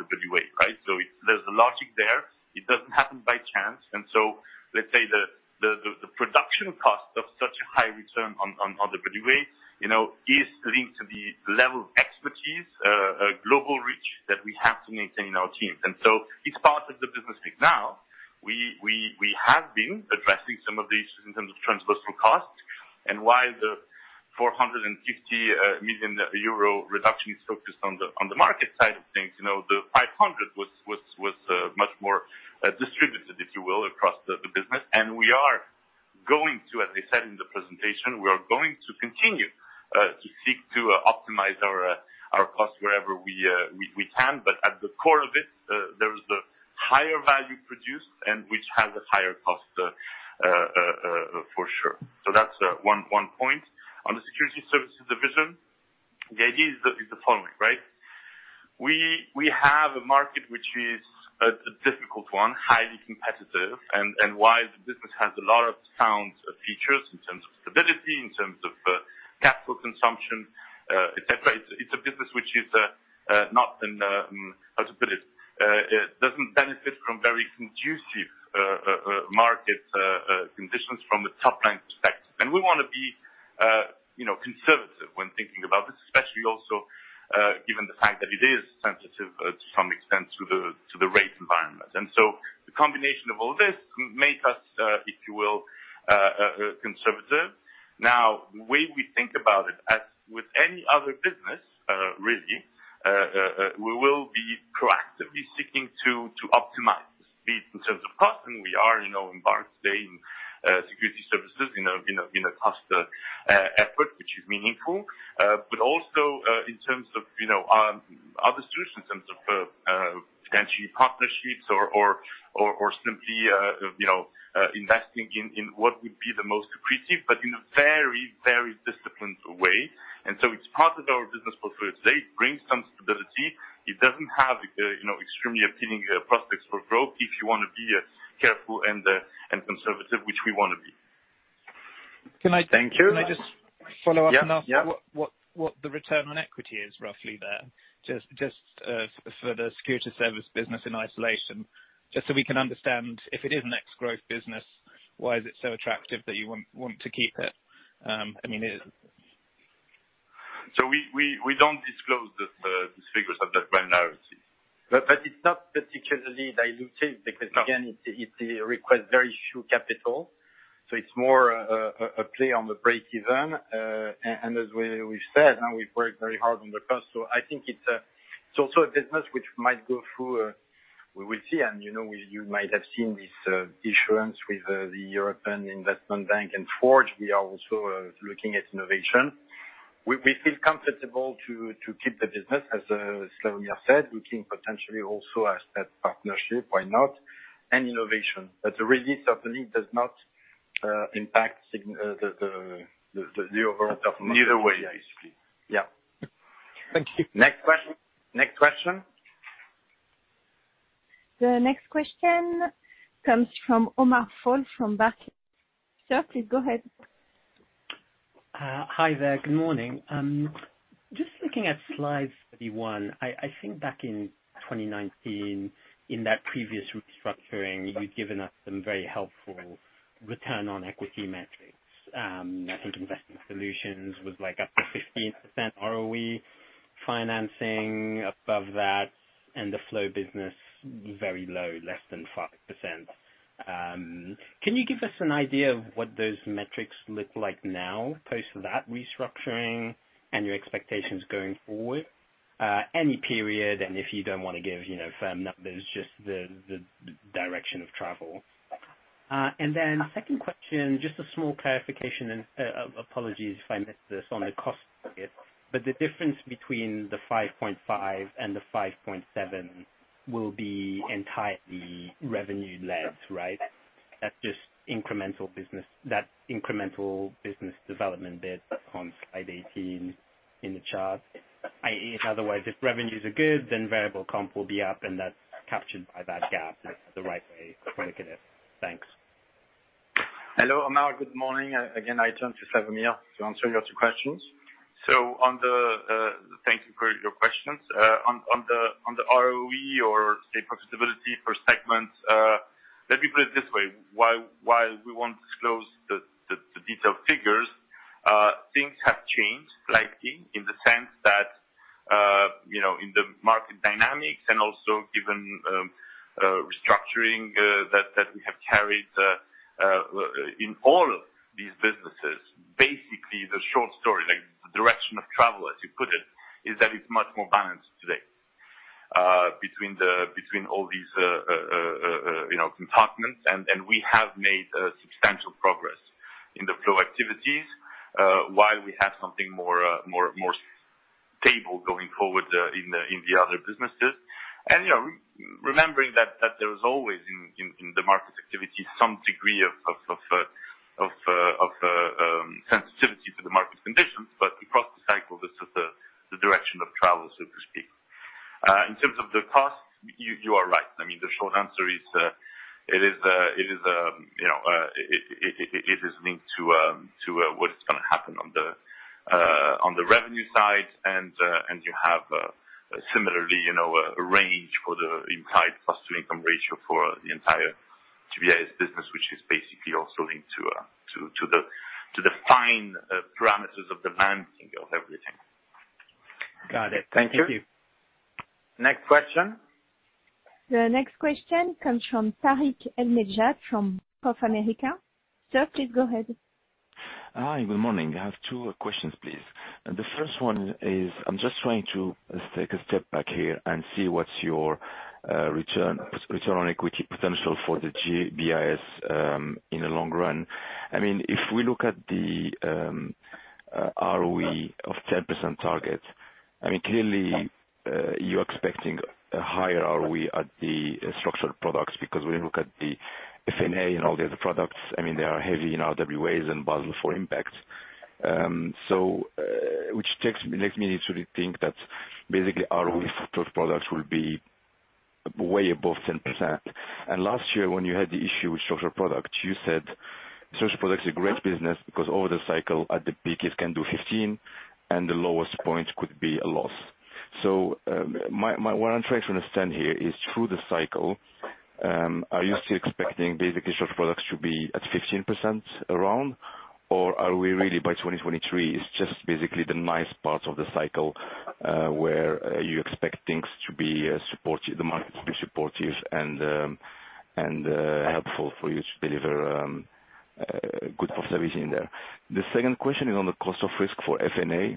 equity weight, right? There's a logic there. It doesn't happen by chance. Let's say the production cost of such a high return on equity weight is linked to the level of expertise, global reach that we have to maintain in our teams. It's part of the business pick. We have been addressing some of these in terms of transversal costs. Why the 450 million euro reduction is focused on the market side of things. The 500 was much more distributed, if you will, across the business. We are going to, as I said in the presentation, we are going to continue to seek to optimize our cost wherever we can, but at the core of it, there is the higher value produced and which has a higher cost for sure. That's one point. On the Security Services division, the idea is the following. We have a market which is a difficult one, highly competitive, and while the business has a lot of sound features in terms of stability, in terms of capital consumption, et cetera, it's a business which is not, how to put it. It doesn't benefit from very conducive market conditions from a top-line perspective. We want to be conservative when thinking about this, especially also given the fact that it is sensitive to some extent to the rate environment. The combination of all this makes us, if you will, conservative. Now, the way we think about it, as with any other business, really, we will be proactively seeking to optimize speed in terms of cost. We are embarked today in Security Services in a cost effort, which is meaningful. Also in terms of other solutions, in terms of potential partnerships or simply investing in what would be the most accretive, but in a very disciplined way. It's part of our business portfolio today. It brings some stability. It doesn't have extremely appealing prospects for growth if you want to be careful and conservative, which we want to be. Can I just follow up? Yeah Ask what the return on equity is roughly there, just for the security service business in isolation, just so we can understand, if it is an ex-growth business, why is it so attractive that you want to keep it? We don't disclose those figures at that point now. It's not particularly dilutive because, again, it requires very few capital. It's more a play on the break even. As we've said, now we've worked very hard on the cost. I think it's also a business which might go through, we will see, and you might have seen this issuance with the European Investment Bank and Forge. We are also looking at innovation. We feel comfortable to keep the business, as Slawomir said, looking potentially also as that partnership, why not, and innovation. Really, certainly it does not impact the overall profitability. Neither way, basically. Yeah. Thank you. Next question. The next question comes from Omar Fall from Barclays. Sir, please go ahead. Hi there. Good morning. Just looking at slide 31, I think back in 2019, in that previous restructuring, you'd given us some very helpful return on equity metrics. I think investment solutions was up to 15% ROE, financing above that, and the flow business very low, less than 5%. Can you give us an idea of what those metrics look like now post that restructuring and your expectations going forward? Any period. If you don't want to give firm numbers, just the direction of travel. Second question, just a small clarification, and apologies if I missed this on the cost target, but the difference between the 5.5 and the 5.7 will be entirely revenue-led, right? That's just incremental business, that incremental business development bit on slide 18 in the chart. I.e., otherwise, if revenues are good, then variable comp will be up. That's captured by that gap the right way of looking at it. Thanks. Hello, Omar. Good morning. Again, I turn to Slawomir to answer your two questions. Thank you for your questions. On the ROE or profitability per segment, let me put it this way. While we won't disclose the detailed figures, things have changed slightly in the sense that in the market dynamics and also given restructuring that we have carried in all of these businesses, basically, the short story, the direction of travel, as you put it, is that it is much more balanced today between all these compartments. We have made substantial progress in the flow activities while we have something more stable going forward in the other businesses. Remembering that there is always, in the market activity, some degree of sensitivity to the market conditions, but across the cycle, this is the direction of travel, so to speak. In terms of the cost, you are right. The short answer is, it is linked to what is going to happen on the revenue side. You have similarly, a range for the implied cost to income ratio for the entire GBIS business, which is basically also linked to the fine parameters of the model. Got it. Thank you. Thank you. Next question. The next question comes from Tarik El Mejjad, from Bank of America. Sir, please go ahead. Hi. Good morning. I have two questions, please. The first one is, I'm just trying to take a step back here and see what's your return on equity potential for the GBIS in the long run. If we look at the ROE of 10% target, clearly, you're expecting a higher ROE at the structured products, because when you look at the F&A and all the other products, they are heavy in RWAs and Basel IV impact. Which makes me need to rethink that basically ROE for those products will be way above 10%. Last year, when you had the issue with structured products, you said structured products are a great business because over the cycle, at the peak, it can do 15, and the lowest point could be a loss. What I'm trying to understand here is, through the cycle, are you still expecting basically structured products to be at 15% around? Are we really by 2023, it's just basically the nice part of the cycle, where you expect the market to be supportive and helpful for you to deliver good profitability in there. The second question is on the cost of risk for F&A,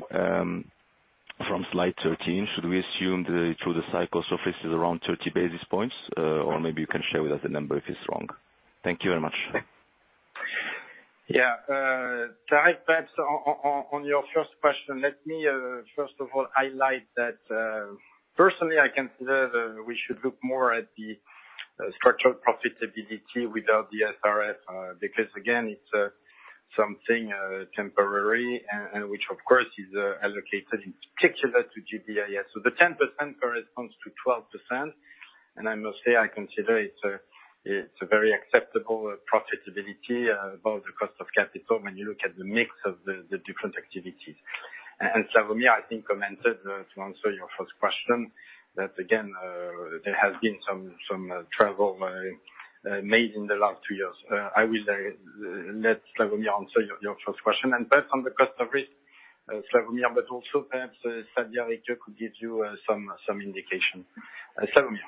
from slide 13. Should we assume that through the cycle, cost of risk is around 30 basis points? Maybe you can share with us the number if it's wrong. Thank you very much. Tarik, perhaps on your first question, let me first of all highlight that, personally, I consider that we should look more at the structured profitability without the SRF, because again, it's something temporary and which of course is allocated in particular to GBIS. The 10% corresponds to 12%. I must say, I consider it's a very acceptable profitability above the cost of capital when you look at the mix of the different activities. Slawomir, I think, commented, to answer your first question, that again, there has been some travel made in the last two years. I will let Slawomir answer your first question. Perhaps on the cost of risk, Slawomir, but also perhaps Sadia Ricke could give you some indication. Slawomir.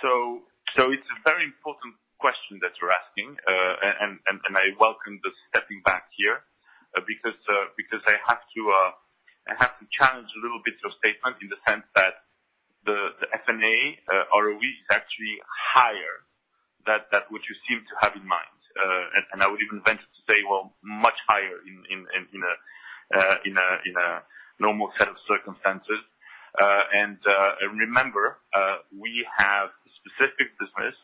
It's a very important question that you're asking. I welcome the stepping back here because I have to challenge a little bit your statement in the sense that the F&A ROE is actually higher than what you seem to have in mind. I would even venture to say, well, much higher in a normal set of circumstances. Remember, we have a specific business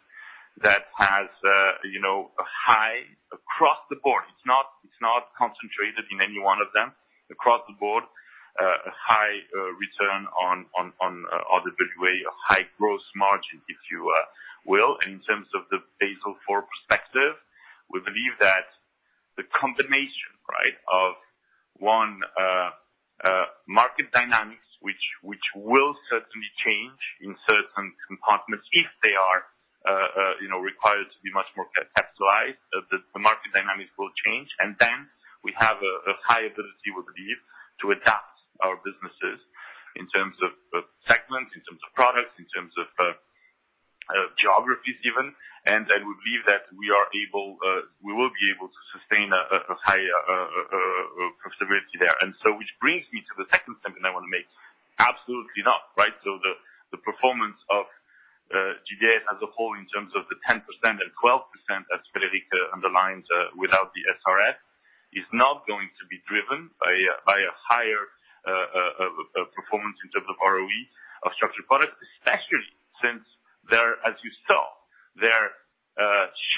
that has a high across the board. It's not concentrated in any one of them. Across the board, a high return on RWA, a high gross margin, if you will. In terms of the Basel IV perspective, we believe that the combination of, one, market dynamics, which will certainly change in certain compartments if they are required to be much more capitalized, the market dynamics will change. We have a high ability, we believe, to adapt our businesses in terms of segments, in terms of products, in terms of geographies, even. I would believe that we will be able to sustain a higher profitability there. Which brings me to the second statement I want to make. Absolutely not, right? The performance of GBIS as a whole in terms of the 10% and 12%, as Frederic underlines, without the SRF, is not going to be driven by a higher performance in terms of ROE of structured products, especially since their, as you saw, their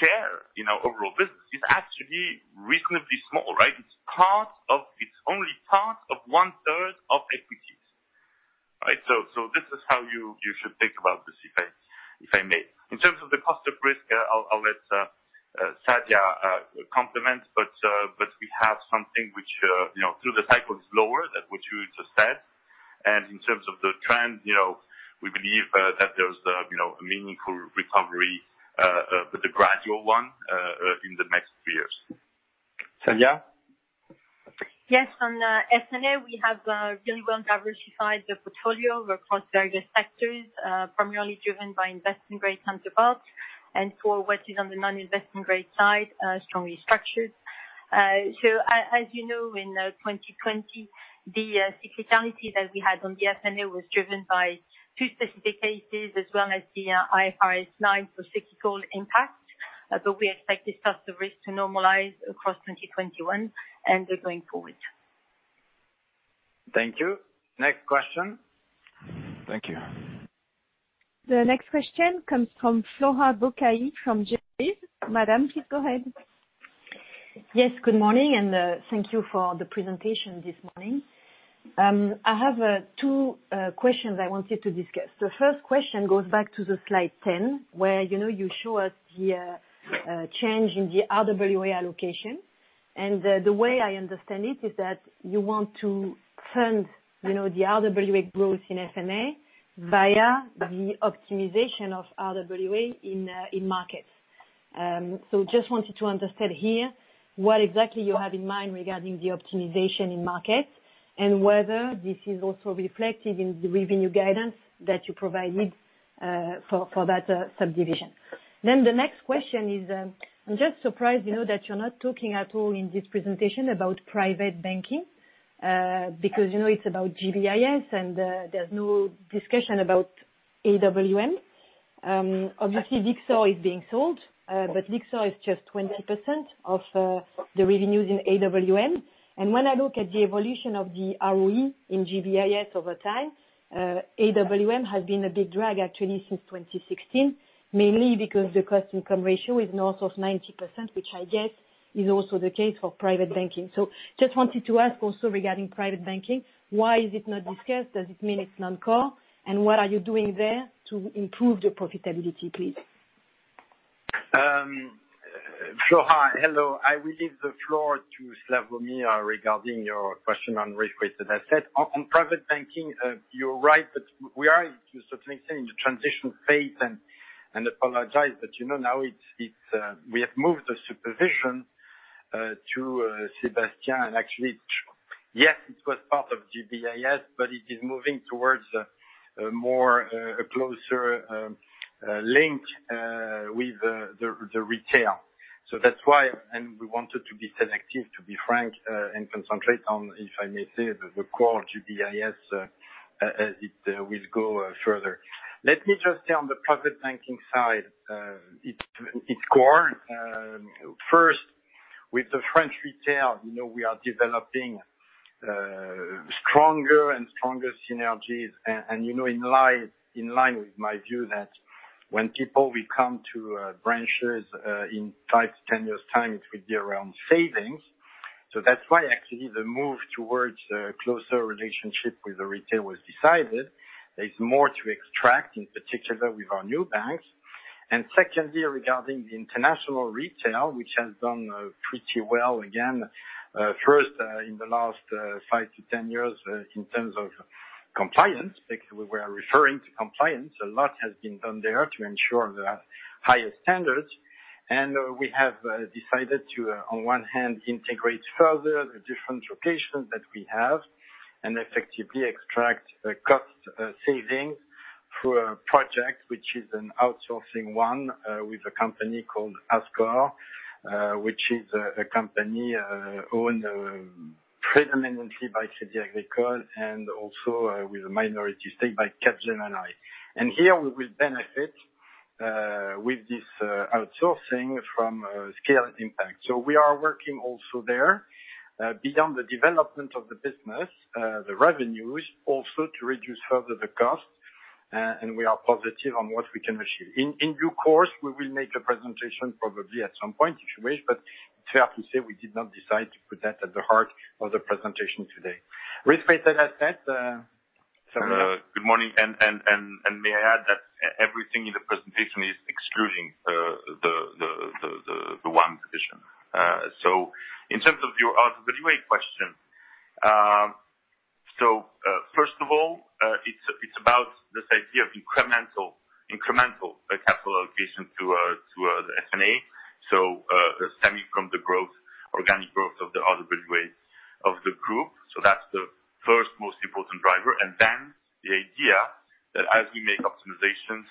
share in our overall business is actually reasonably small, right? It's only part of one-third of equities. This is how you should think about this, if I may. In terms of the cost of risk, I'll let Sadia complement, but we have something which through the cycle is lower than what you just said. In terms of the trend, we believe that there's a meaningful recovery, but a gradual one, in the next few years. Sadia? Yes. On F&A, we have really well diversified the portfolio across various sectors, primarily driven by investment-grade counterparts, and for what is on the non-investment grade side, strongly structured. As you know, in 2020, the cyclicality that we had on the F&A was driven by two specific cases as well as the IFRS 9 for cyclical impact. We expect this cost of risk to normalize across 2021 and then going forward. Thank you. Next question. Thank you. The next question comes from Flora Bocahut from Jefferies. Madam, please go ahead. Good morning, thank you for the presentation this morning. I have two questions I wanted to discuss. The first question goes back to slide 10, where you show us the change in the RWA allocation. The way I understand it is that you want to fund the RWA growth in F&A via the optimization of RWA in markets. Just wanted to understand here what exactly you have in mind regarding the optimization in markets, whether this is also reflected in the revenue guidance that you provided for that subdivision. The next question is, I'm just surprised that you're not talking at all in this presentation about private banking, because it's about GBIS, there's no discussion about AWM. Obviously, Lyxor is being sold, Lyxor is just 20% of the revenues in AWM. When I look at the evolution of the ROE in GBIS over time, AWM has been a big drag, actually, since 2016, mainly because the cost income ratio is north of 90%, which I guess is also the case for private banking. Just wanted to ask also regarding private banking, why is it not discussed? Does it mean it's non-core? And what are you doing there to improve your profitability, please? Flo, hi. Hello. I will leave the floor to Slawomir regarding your question on risk-weighted assets. On private banking, you're right that we are, to a certain extent, in the transition phase, and apologize, but now we have moved the supervision to Sébastien. Actually, yes, it was part of GBIS, but it is moving towards a closer link with the retail. That's why, and we wanted to be selective, to be frank, and concentrate on, if I may say, the core GBIS as it will go further. Let me just say on the private banking side, it's core. First, with the French retail, we are developing stronger and stronger synergies, and in line with my view that when people will come to branches in 5 to 10 years' time, it will be around savings. That's why actually the move towards a closer relationship with the retail was decided. There is more to extract, in particular with our new banks. Secondly, regarding the international retail, which has done pretty well, again, first in the last 5 to 10 years in terms of compliance, because we were referring to compliance. A lot has been done there to ensure the highest standards. We have decided to, on one hand, integrate further the different locations that we have and effectively extract the cost savings through a project, which is an outsourcing one with a company called Azqore, which is a company owned predominantly by Crédit Agricole and also with a minority stake by Capgemini. Here we will benefit with this outsourcing from scale impact. We are working also there beyond the development of the business, the revenues, also to reduce further the cost, and we are positive on what we can achieve. In due course, we will make a presentation probably at some point, if you wish. It's fair to say we did not decide to put that at the heart of the presentation today. Risk-weighted assets. Good morning. May I add that everything in the presentation is excluding the one position. In terms of your RWA question, first of all, it's about this idea of incremental capital allocation to the F&A, stemming from the growth, organic growth of the RWA of the group. That's the first most important driver. The idea that as we make optimizations,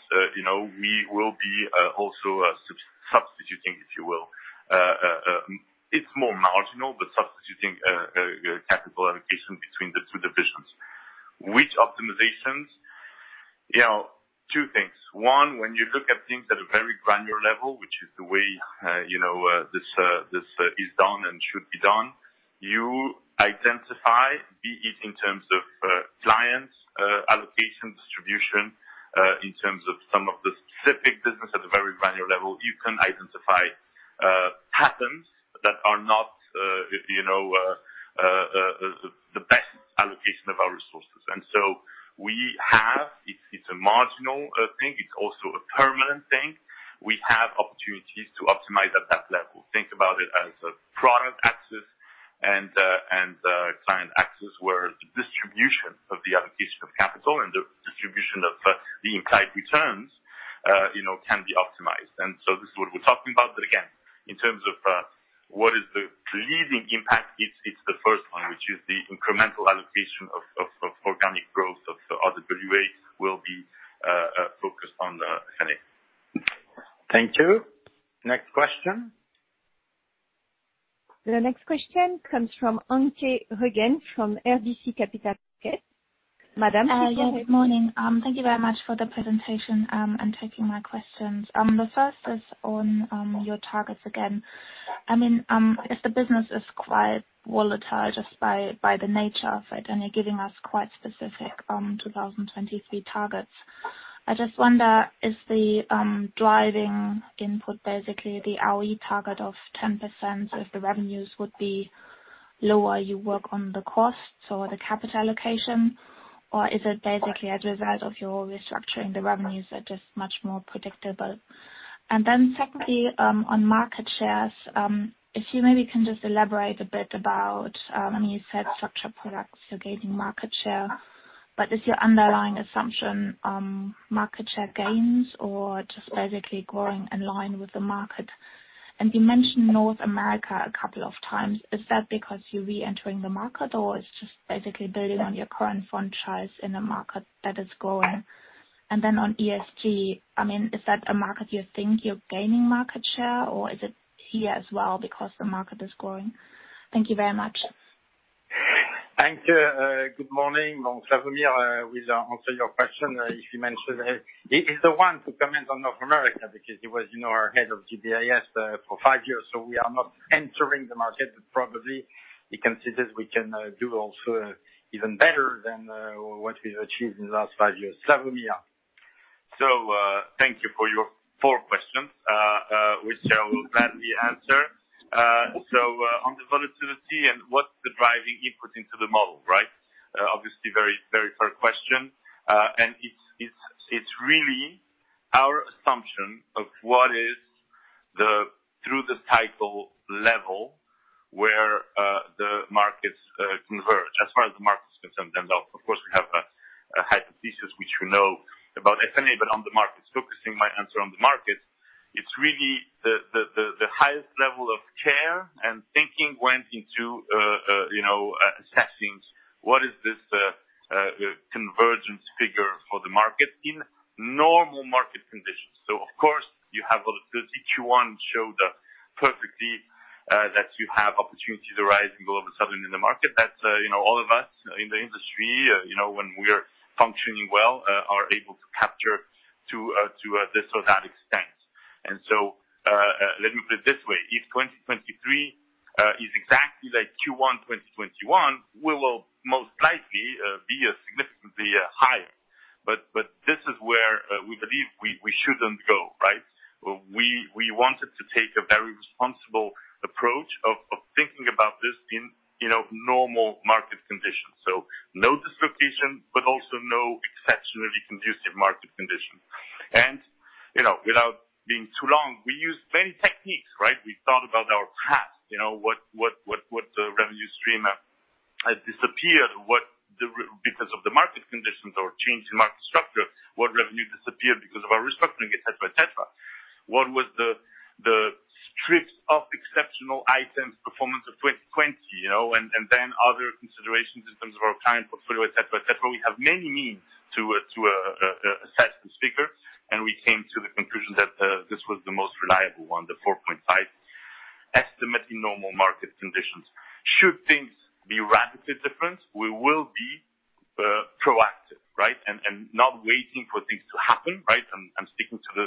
we will be also substituting, if you will. It's more marginal, but substituting capital allocation between the two divisions. Which optimizations? Two things. One, when you look at things at a very granular level, which is the way this is done and should be done, you identify, be it in terms of clients, allocation distribution, in terms of some of the specific business at a very granular level, you can identify patterns that are not the best allocation of our resources. It's a marginal thing, it's also a permanent thing. We have opportunities to optimize at that level. Think about it as a product axis and a client axis, where the distribution of the allocation of capital and the distribution of the implied returns can be optimized. This is what we're talking about. Again, in terms of what is the leading impact, it's the first one, which is the incremental allocation of organic growth of the RWAs will be focused on the F&A. Thank you. Next question. The next question comes from Anke Reingen from RBC Capital Markets. Madame. Good morning. Thank you very much for the presentation and taking my questions. The first is on your targets again. The business is quite volatile just by the nature of it, and you're giving us quite specific 2023 targets, I just wonder, is the driving input basically the ROE target of 10%? The revenues would be lower, you work on the cost or the capital allocation, or is it basically as a result of your restructuring, the revenues are just much more predictable. Secondly, on market shares, you maybe can just elaborate a bit about, you said structural products, you're gaining market share, is your underlying assumption market share gains or just basically growing in line with the market? You mentioned North America a couple of times. Is that because you're re-entering the market, or it's just basically building on your current franchise in a market that is growing? On ESG, is that a market you think you're gaining market share, or is it here as well because the market is growing? Thank you very much. Thank you. Good morning. Slawomir will answer your question if you mention it. He is the one to comment on North America because he was our head of GBIS for five years. We are not entering the market, but probably he considers we can do also even better than what we've achieved in the last five years. Slawomir. Thank you for your four questions, which I will gladly answer. On the volatility and what's the driving input into the model, right? Obviously, very fair question. It's really our assumption of what is through the terminal level where the markets converge as far as the markets concerned. Of course, we have a hypothesis which we know about F&A, on the markets, focusing my answer on the markets, it's really the highest level of care and thinking went into assessing what is this convergence figure for the market in normal market conditions. Of course, you have volatility. Q1 showed us perfectly that you have opportunities arising all of a sudden in the market that all of us in the industry, when we're functioning well, are able to capture to this or that extent. Let me put it this way. If 2023 is exactly like Q1 2021, we will most likely be significantly higher. This is where we believe we shouldn't go, right? We wanted to take a very responsible approach of thinking about this in normal market conditions. No disruption, but also no exceptionally conducive market conditions. Without being too long, we used many techniques, right? We thought about our past, what revenue stream had disappeared, because of the market conditions or change in market structure, what revenue disappeared because of our restructuring, et cetera. What was the stripped-off exceptional items performance of 2020. Other considerations in terms of our client portfolio, et cetera. We have many means to assess this figure, and we came to the conclusion that this was the most reliable one, the four point type estimate in normal market conditions. Should things be radically different, we will be proactive, right, and not waiting for things to happen, right? I'm sticking to the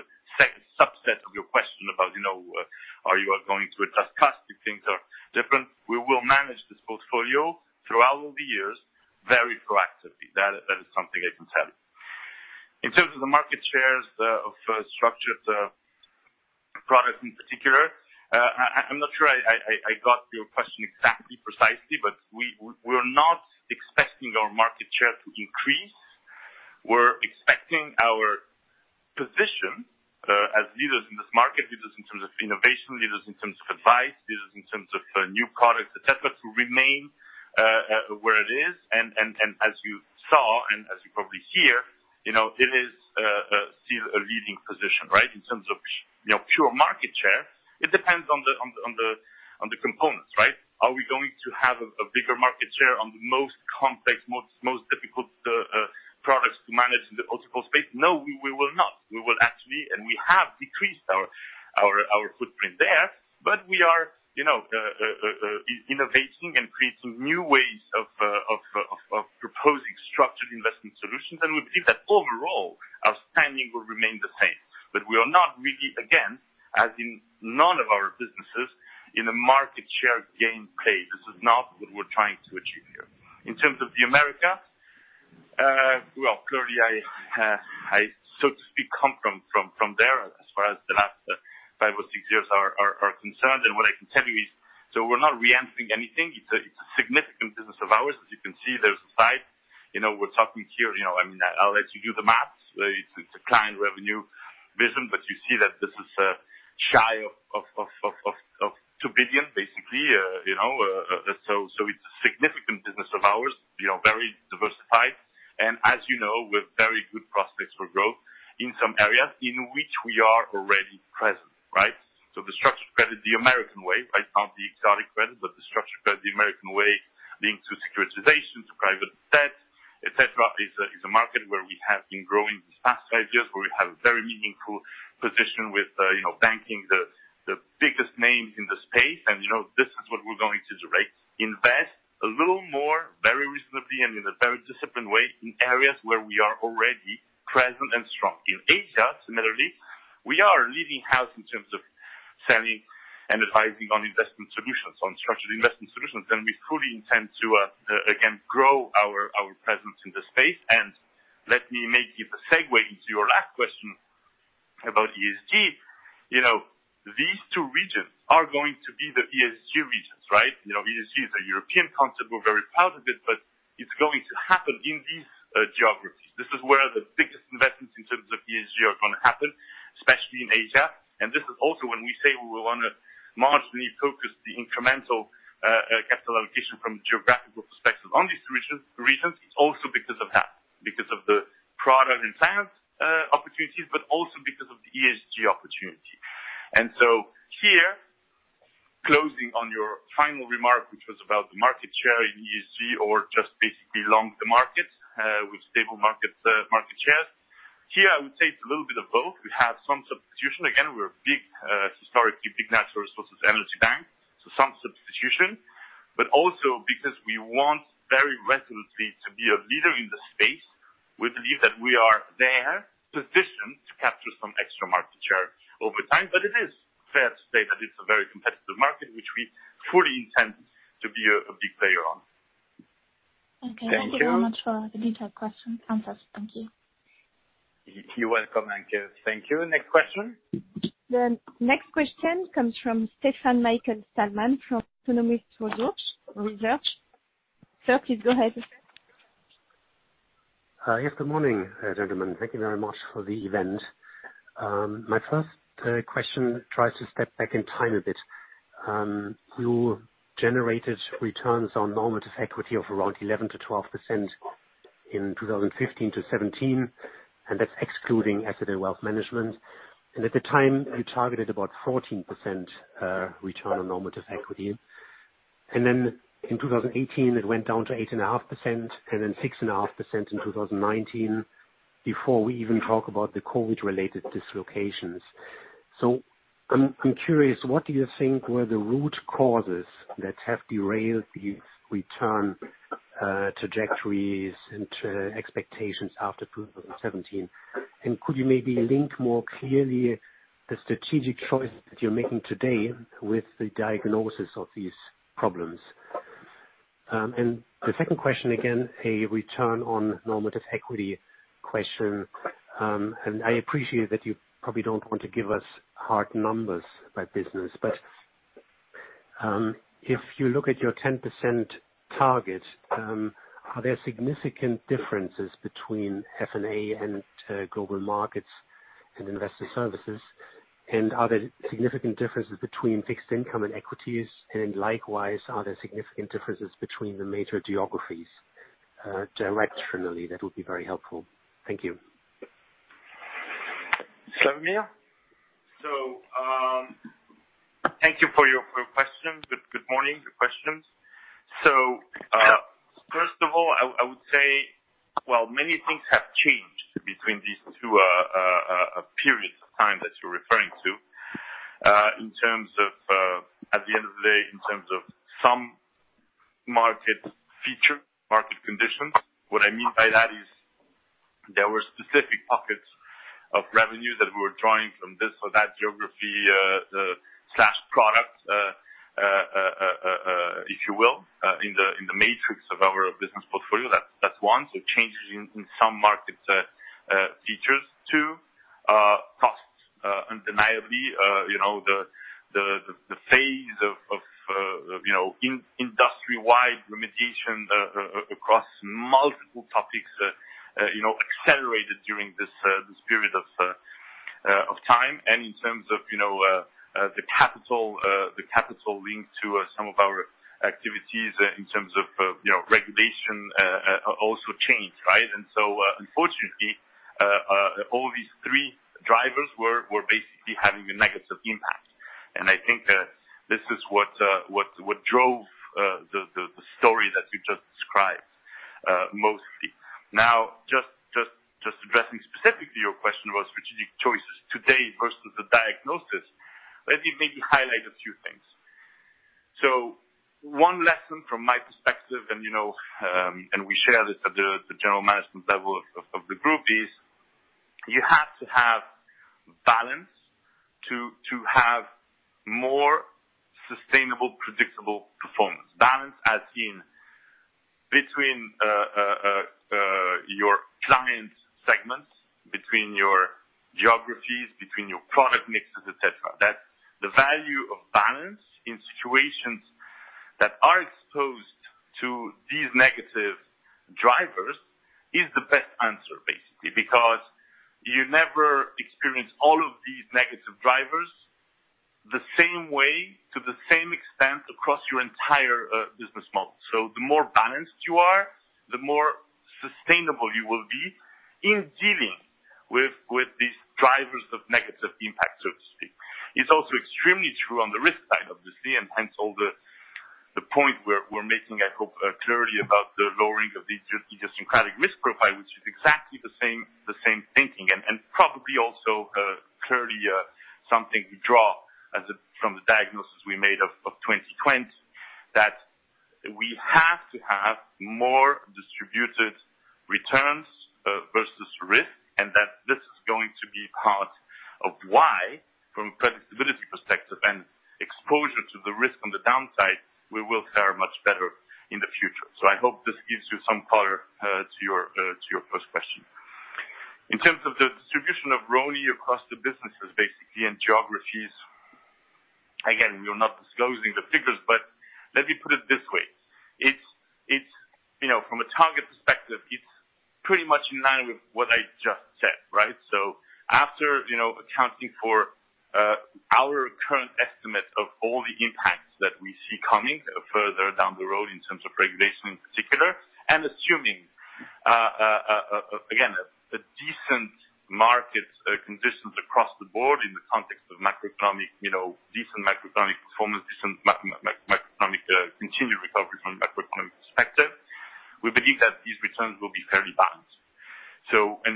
subset of your question about, are you going to adjust costs if things are different. We will manage this portfolio throughout the years very proactively. That is something I can tell you. In terms of the market shares of structured products in particular, I'm not sure I got your question exactly precisely, but we're not expecting our market share to increase. We're expecting our position as leaders in this market, leaders in terms of innovation, leaders in terms of advice, leaders in terms of new products, et cetera, to remain where it is. As you saw, and as you probably hear, it is still a leading position, right? In terms of pure market share, it depends on the components. Are we going to have a bigger market share on the most complex, most difficult products to manage in the possible space? No, we will not. We will actually, and we have decreased our footprint there, but we are innovating and creating new ways of proposing structured investment solutions, and we believe that overall, our standing will remain the same. We are not really, again, as in none of our businesses, in a market share game play. This is not what we're trying to achieve here. In terms of the America, well, clearly I so to speak, come from there as far as the last five or six years are concerned. What I can tell you is, so we're not re-entering anything. It's a significant business of ours. As you can see, there's a slide. We're talking here, I'll let you do the math. It's a client revenue business, but you see that this is shy of 2 billion, basically. It's a significant business of ours, very diversified, and as you know, with very good prospects for growth in some areas in which we are already present, right? The structured credit, the American way, right? Not the exotic credit, but the structured credit, the American way, linked to securitization, to private debt, et cetera, is a market where we have been growing these past five years, where we have a very meaningful position with banking, the biggest names in the space, and this is what we're going to invest a little more, very reasonably and in a very disciplined way, in areas where we are already present and strong. In Asia, similarly, we are a leading house in terms of selling and advising on investment solutions, on structured investment solutions, and we fully intend to, again, grow our presence in the space, and let me make it the segue into your last question about ESG. These two regions are going to be the ESG regions, right? ESG is a European concept, we're very proud of it, but it's going to happen in these geographies. This is where the biggest investments in terms of ESG are going to happen, especially in Asia. This is also when we say we want to marginally focus the incremental capital allocation from a geographical perspective on these regions. It's also because of that in finance opportunities, but also because of the ESG opportunity. Here, closing on your final remark, which was about the market share in ESG, or just basically along the market with stable market shares. Here, I would say it's a little bit of both. We have some substitution. Again, we're historically a big natural resources energy bank, so some substitution, but also because we want very resolutely to be a leader in the space. We believe that we are there, positioned to capture some extra market share over time. It is fair to say that it's a very competitive market, which we fully intend to be a big player on. Okay Thank you very much for the detailed question, answers Thank you. You're welcome, thank you. Next question. The next question comes from Stefan Michael Stalmann from Autonomous Research. Sir, please go ahead. Yes, good morning, gentlemen. Thank you very much for the event. My first question tries to step back in time a bit. You generated returns on normative equity of around 11%-12% in 2015-2017, and that's excluding asset wealth management. At the time, you targeted about 14% return on normative equity. Then in 2018, it went down to 8.5%, then 6.5% in 2019, before we even talk about the COVID-related dislocations. I'm curious, what do you think were the root causes that have derailed these return trajectories into expectations after 2017? Could you maybe link more clearly the strategic choice that you're making today with the diagnosis of these problems? The second question, again, a return on normative equity question. I appreciate that you probably don't want to give us hard numbers by business. If you look at your 10% target, are there significant differences between F&A and Global Markets in investor services? Are there significant differences between fixed income and equities? Likewise, are there significant differences between the major geographies? Directionally, that would be very helpful. Thank you. Slawomir. Thank you for your question. Good morning. Good questions. First of all, I would say, while many things have changed between these two periods of time that you're referring to, in terms of, at the end of the day, in terms of some market feature, market conditions. What I mean by that is there were specific pockets of revenue that we were drawing from this or that geography, slash product, if you will, in the matrix of our business portfolio. That's one. Changes in some markets features too, costs, undeniably, the phase of industry-wide remediation across multiple topics accelerated during this period of time. In terms of the capital linked to some of our activities in terms of regulation also changed, right? Unfortunately, all these three drivers were basically having a negative impact. I think that this is what drove the story that you just described, mostly. Just addressing specifically your question about strategic choices today versus the diagnosis, let me maybe highlight a few things. One lesson from my perspective, and we share this at the general management level of the group, is you have to have balance to have more sustainable, predictable performance. Balance as in between your client segments, between your geographies, between your product mixes, et cetera. That the value of balance in situations that are exposed to these negative drivers is the best answer, basically. You never experience all of these negative drivers the same way to the same extent across your entire business model. The more balanced you are, the more sustainable you will be in dealing with these drivers of negative impact, so to speak. It's also extremely true on the risk side, obviously, and hence all the point we're making, I hope, clearly about the lowering of the idiosyncratic risk profile, which is exactly the same thinking. Probably also clearly something we draw from the diagnosis we made of 2020, that we have to have more distributed returns versus risk, and that this is going to be part of why, from a predictability perspective and exposure to the risk on the downside, we will fare much better in the future. I hope this gives you some color to your first question. In terms of the distribution of ROE across the businesses, basically, and geographies, again, we are not disclosing the figures, but let me put it this way. From a target perspective, it's pretty much in line with what I just said, right? Our current estimate of all the impacts that we see coming further down the road in terms of regulation in particular, and assuming, again, a decent market conditions across the board in the context of decent macroeconomic performance, decent continued recovery from a macroeconomic perspective. We believe that these returns will be fairly balanced.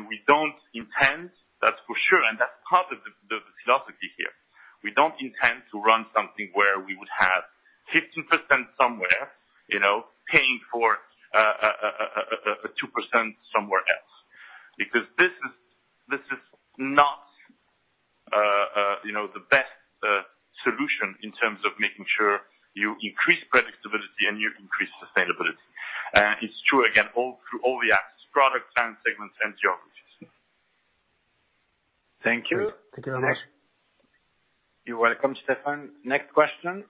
We don't intend, that's for sure, and that's part of the philosophy here. We don't intend to run something where we would have 15% somewhere, paying for a 2% somewhere else. This is not the best solution in terms of making sure you increase predictability and you increase sustainability. It's true, again, through all the axes, products, and segments, and geographies. Thank you. Thank you very much. You're welcome, Stefan. Next question.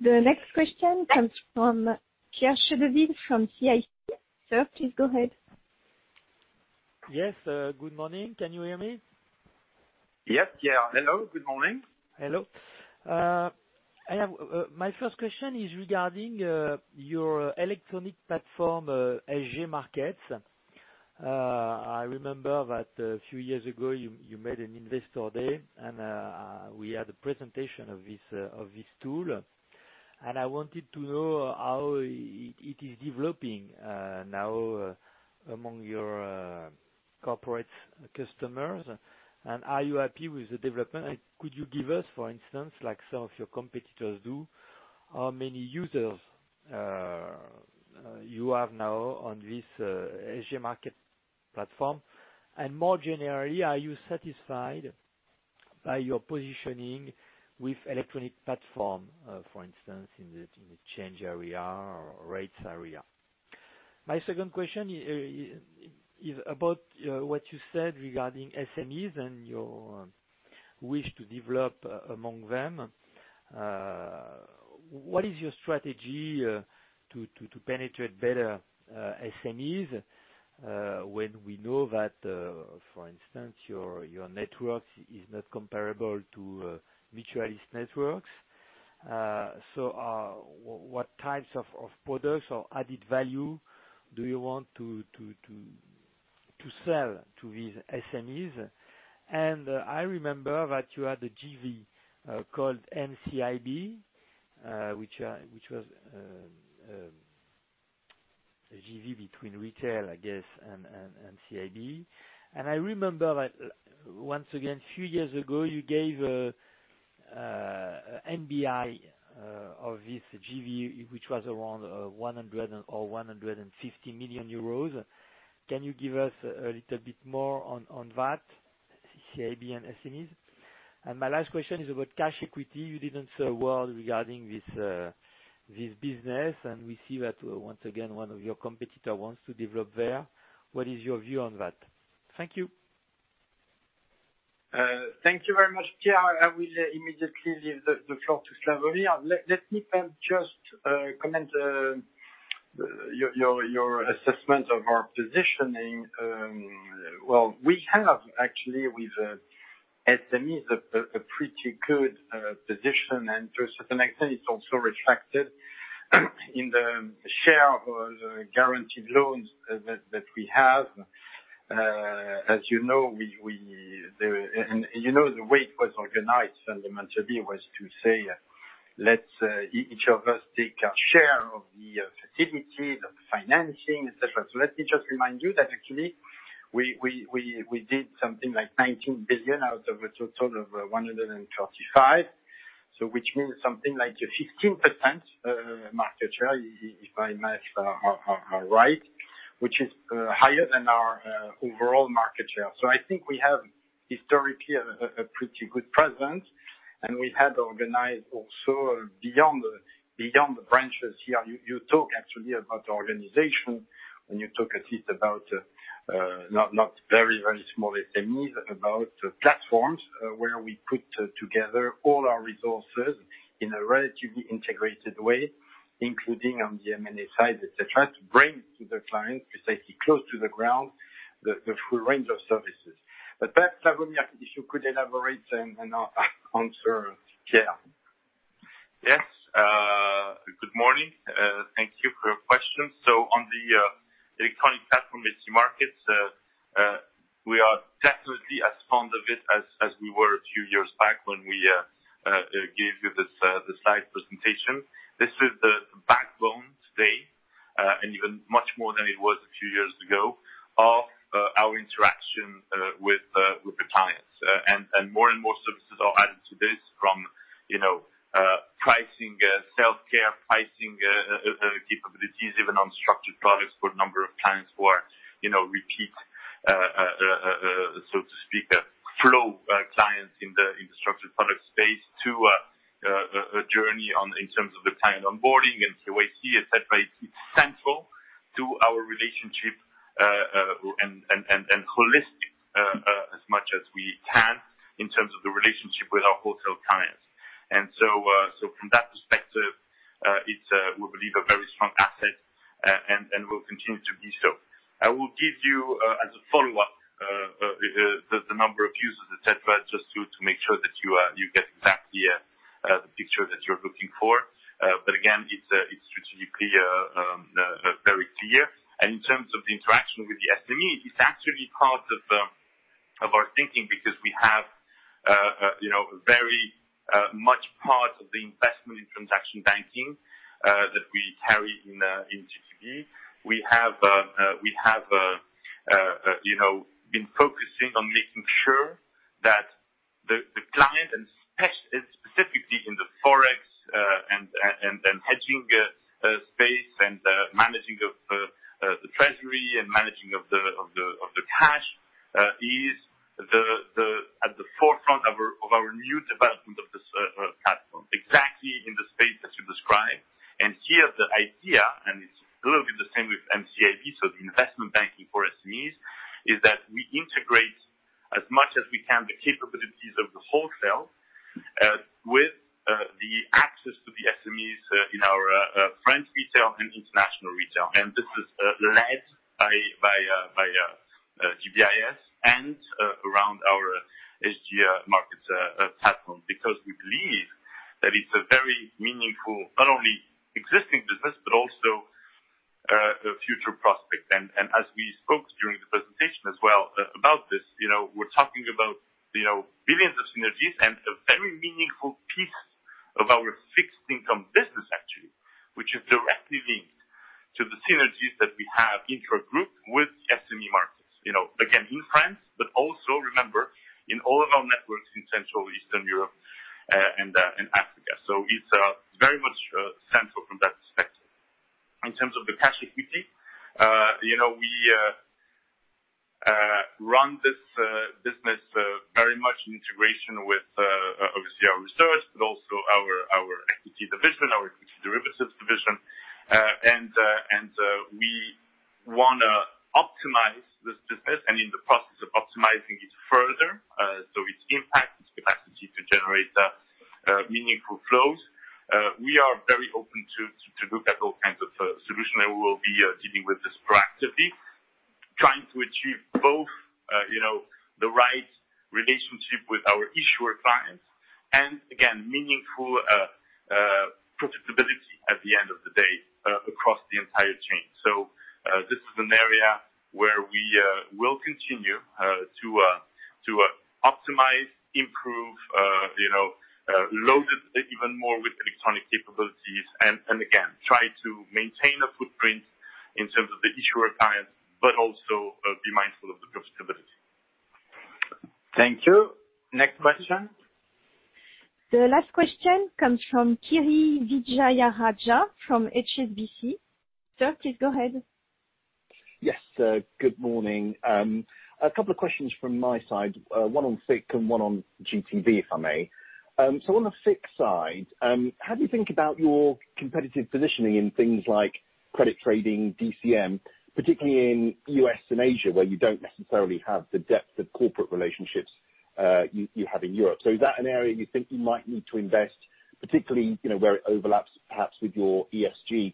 The next question comes from Pierre Chédeville from CIC. Sir, please go ahead. Yes, good morning. Can you hear me? Yes, Pierre. Hello, good morning. Hello. My first question is regarding your electronic platform, SG Markets. I remember that a few years ago, you made an investor day, and we had a presentation of this tool. I wanted to know how it is developing now among your corporate customers, and are you happy with the development? Could you give us, for instance, like some of your competitors do, how many users you have now on this SG Markets platform? More generally, are you satisfied by your positioning with electronic platform, for instance, in the change area or rates area? My second question is about what you said regarding SMEs and your wish to develop among them. What is your strategy to penetrate better SMEs, when we know that, for instance, your networks is not comparable to mutualist networks? What types of products or added value do you want to sell to these SMEs? I remember that you had a JV called MCIB, which was a JV between retail, I guess, and CIB. I remember that, once again, a few years ago, you gave NBI of this JV, which was around 100 million or 150 million euros. Can you give us a little bit more on that, CIB and SMEs? My last question is about cash equity. You didn't say a word regarding this business, and we see that once again, one of your competitor wants to develop there. What is your view on that? Thank you. Thank you very much, Pierre. I will immediately give the floor to Slawomir. Let me just comment your assessment of our positioning. Well, we have actually with SMEs, a pretty good position, and to a certain extent, it's also reflected in the share of guaranteed loans that we have. As you know, the way it was organized fundamentally was to say, "Let's each of us take a share of the facilities, of the financing, et cetera." Let me just remind you that actually, we did something like 19 billion out of a total of 135 billion, so which means something like a 15% market share, if I match right, which is higher than our overall market share. I think we have historically a pretty good presence, and we had organized also beyond the branches here. You talk actually about the organization, when you talk at least about not very small SMEs, about platforms where we put together all our resources in a relatively integrated way, including on the M&A side, et cetera, to bring to the client, precisely close to the ground, the full range of services. Perhaps, Slawomir, if you could elaborate and answer Pierre. Good morning. Thank you for your questions. On the electronic platform, SG Markets, we are definitely as fond of it as we were a few years back when we gave you the slide presentation. This is the backbone today, even much more than it was a few years ago, of our interaction with the clients. More and more services are added to this from pricing, self-care pricing capabilities, even on structured products for a number of clients who are repeat, so to speak, flow clients in the structured product space to a journey in terms of the client onboarding and KYC, et cetera. It's central to our relationship, and holistic as much as we can in terms of the relationship with our wholesale clients. It's, we believe, a very strong asset and will continue to be so. I will give you, as a follow-up, the number of users, et cetera, just to make sure that you get exactly the picture that you're looking for. Again, it's strategically very clear. In terms of the interaction with the SME, it's actually part of our thinking because we have very much part of the investment in transaction banking that we carry in GTB. We have been focusing on making sure that the client, and specifically in the forex and hedging space and the managing of the treasury and managing of the cash, is at the forefront of our new development of this platform, exactly in the space that you described. Here, the idea, and it's a little bit the same with MCIB, so the investment banking for SMEs, is that we integrate as much as we can the capabilities of the wholesale with the access to the SMEs in our French retail and international retail. This is led by GBIS, and around our SG Markets platform, because we believe that it's a very meaningful, not only existing business, but also a future prospect. As we spoke during the presentation as well about this, we're talking about billions of synergies and a very meaningful piece of our fixed income business actually, which is directly linked to the synergies that we have intragroup with SME markets. Again, in France, but also remember, in all of our networks in Central Eastern Europe and Africa. It's very much central from that perspective. In terms of the cash equity, we run this business very much in integration with obviously our research, but also our equity division, our equity derivatives division. We want to optimize this business and in the process of optimizing it further, so its impact, its capacity to generate meaningful flows. We are very open to look at all kinds of solutions, and we will be dealing with this proactively, trying to achieve both the right relationship with our issuer clients, and again, meaningful profitability at the end of the day across the entire chain. This is an area where we will continue to optimize, improve, load it even more with electronic capabilities, and again, try to maintain a footprint in terms of the issuer clients, but also be mindful of the profitability. Thank you. Next question. The last question comes from Kiri Vijayarajah from HSBC. Sir, please go ahead. Yes. Good morning. A couple of questions from my side, one on FICC and one on GTB, if I may. On the FICC side, how do you think about your competitive positioning in things like credit trading, DCM, particularly in U.S. and Asia, where you don't necessarily have the depth of corporate relationships you have in Europe. Is that an area you think you might need to invest, particularly where it overlaps, perhaps with your ESG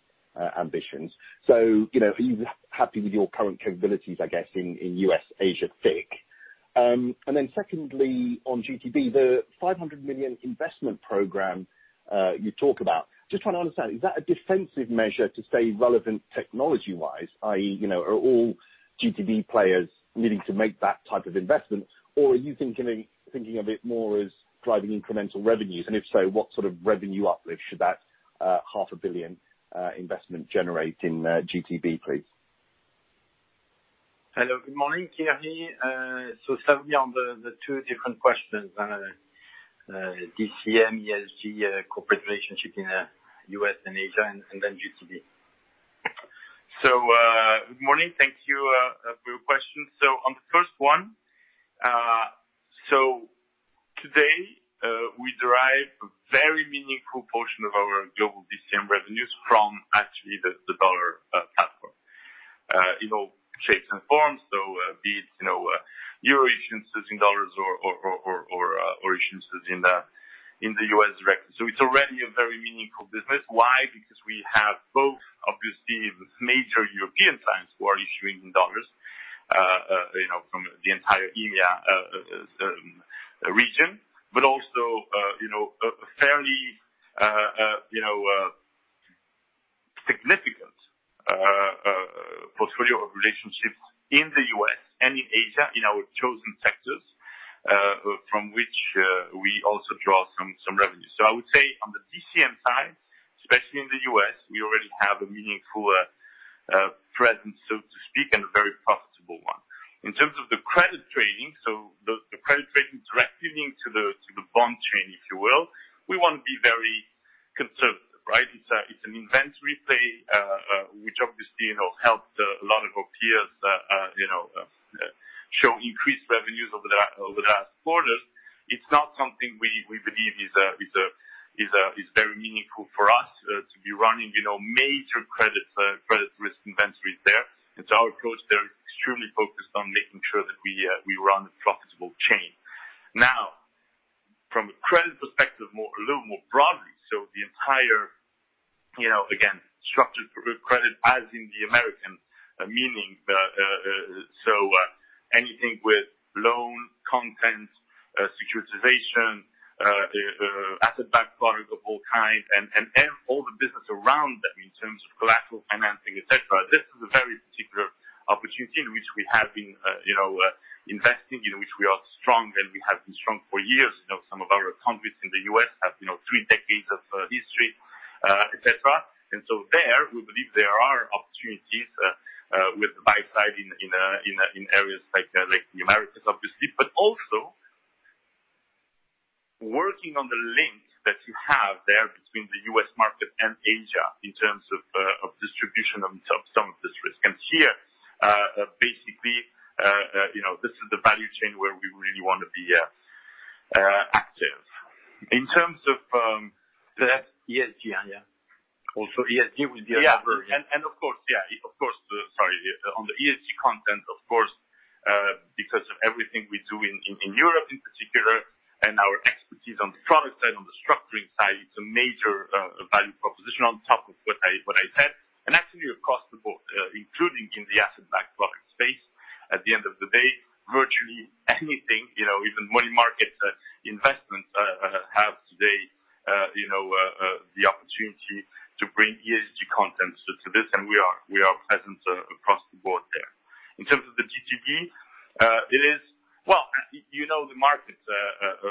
ambitions? Are you happy with your current capabilities, I guess, in U.S., Asia, FICC? Secondly, on GTB, the 500 million investment program you talk about. Just trying to understand, is that a defensive measure to stay relevant technology-wise, i.e., are all GTB players needing to make that type of investment? Or are you thinking of it more as driving incremental revenues? If so, what sort of revenue uplift should that EUR half a billion investment generate in GTB, please? Hello, good morning, Kiri. Certainly on the two different questions, DCM, ESG, corporate relationship in U.S. and Asia, and then GTB. Good morning. Thank you for your question. On the first one, today, we derive a very meaningful portion of our global DCM revenues from actually the dollar platform, in all shapes and forms. Be it, Euro issuances in dollars or issuances in the U.S. directly. It's already a very meaningful business. Why? Because we have both, obviously, major European clients who are issuing in dollars from the entire EMEA region. Also, a fairly significant portfolio of relationships in the U.S. and in Asia in our chosen sectors, from which we also draw some revenue. I would say on the DCM side, especially in the U.S., we already have a meaningful presence, so to speak, and a very profitable one. In terms of the credit trading, the credit trading directly linked to the bond chain, if you will. We want to be very conservative, right? It's an inventory play, which obviously, helped a lot of our peers show increased revenues over the last quarters. It's not something we believe is very meaningful for us to be running major credit risk inventories there. It's our approach. They're extremely focused on making sure that we run a profitable chain. From a credit perspective, a little more broadly. The entire, again, structured credit as in the U.S. meaning. Anything with loan content, securitization, asset-backed borrowing of all kinds, and all the business around them in terms of collateral financing, et cetera. This is a very particular opportunity in which we have been investing, in which we are strong, and we have been strong for years. Some of our colleagues in the U.S. have three decades of history, et cetera. There, we believe there are opportunities with the buy side in areas like the Americas, obviously. Also working on the link that you have there between the U.S. market and Asia in terms of distribution of some of this risk. Here, basically, this is the value chain where we really want to be active. ESG, yeah. ESG will be another. Of course, yeah. Sorry. On the ESG content, of course, because of everything we do in Europe in particular, and our expertise on the product side, on the structuring side, it's a major value proposition on top of what I said, and actually across the board, including in the asset-backed product space. At the end of the day, virtually anything, even money market investments have today the opportunity to bring ESG content to this, and we are present across the board there. In terms of the GTB, it is Well, you know the market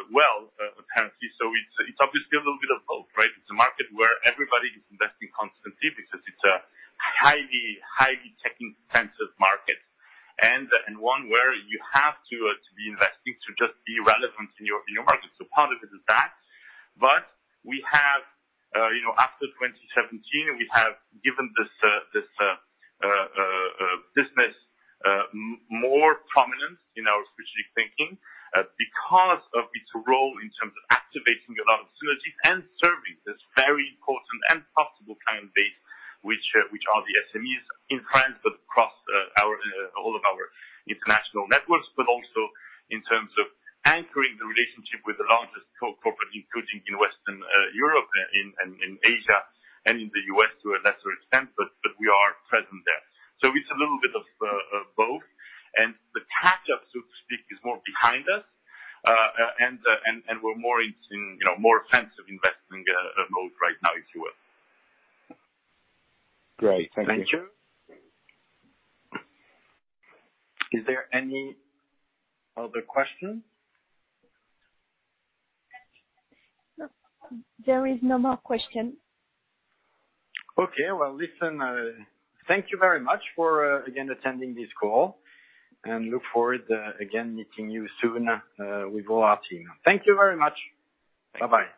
well, apparently. It's obviously a little bit of both, right? It's a market where everybody is investing constantly because it's a highly tech-intensive market, and one where you have to be investing to just be relevant in your market. Part of it is that. After 2017, we have given this business more prominence in our strategic thinking because of its role in terms of activating a lot of synergies and serving this very important and possible client base, which are the SMEs in France, across all of our international networks. Also in terms of anchoring the relationship with the largest corporate, including in Western Europe, in Asia, and in the U.S. to a lesser extent, but we are present there. It's a little bit of both. The catch-up, so to speak, is more behind us. We're more in more offensive investing mode right now, if you will. Great. Thank you. Thank you. Is there any other question? No. There is no more question. Okay. Well, listen, thank you very much for, again, attending this call. Look forward, again, meeting you soon with all our team. Thank you very much. Bye-bye.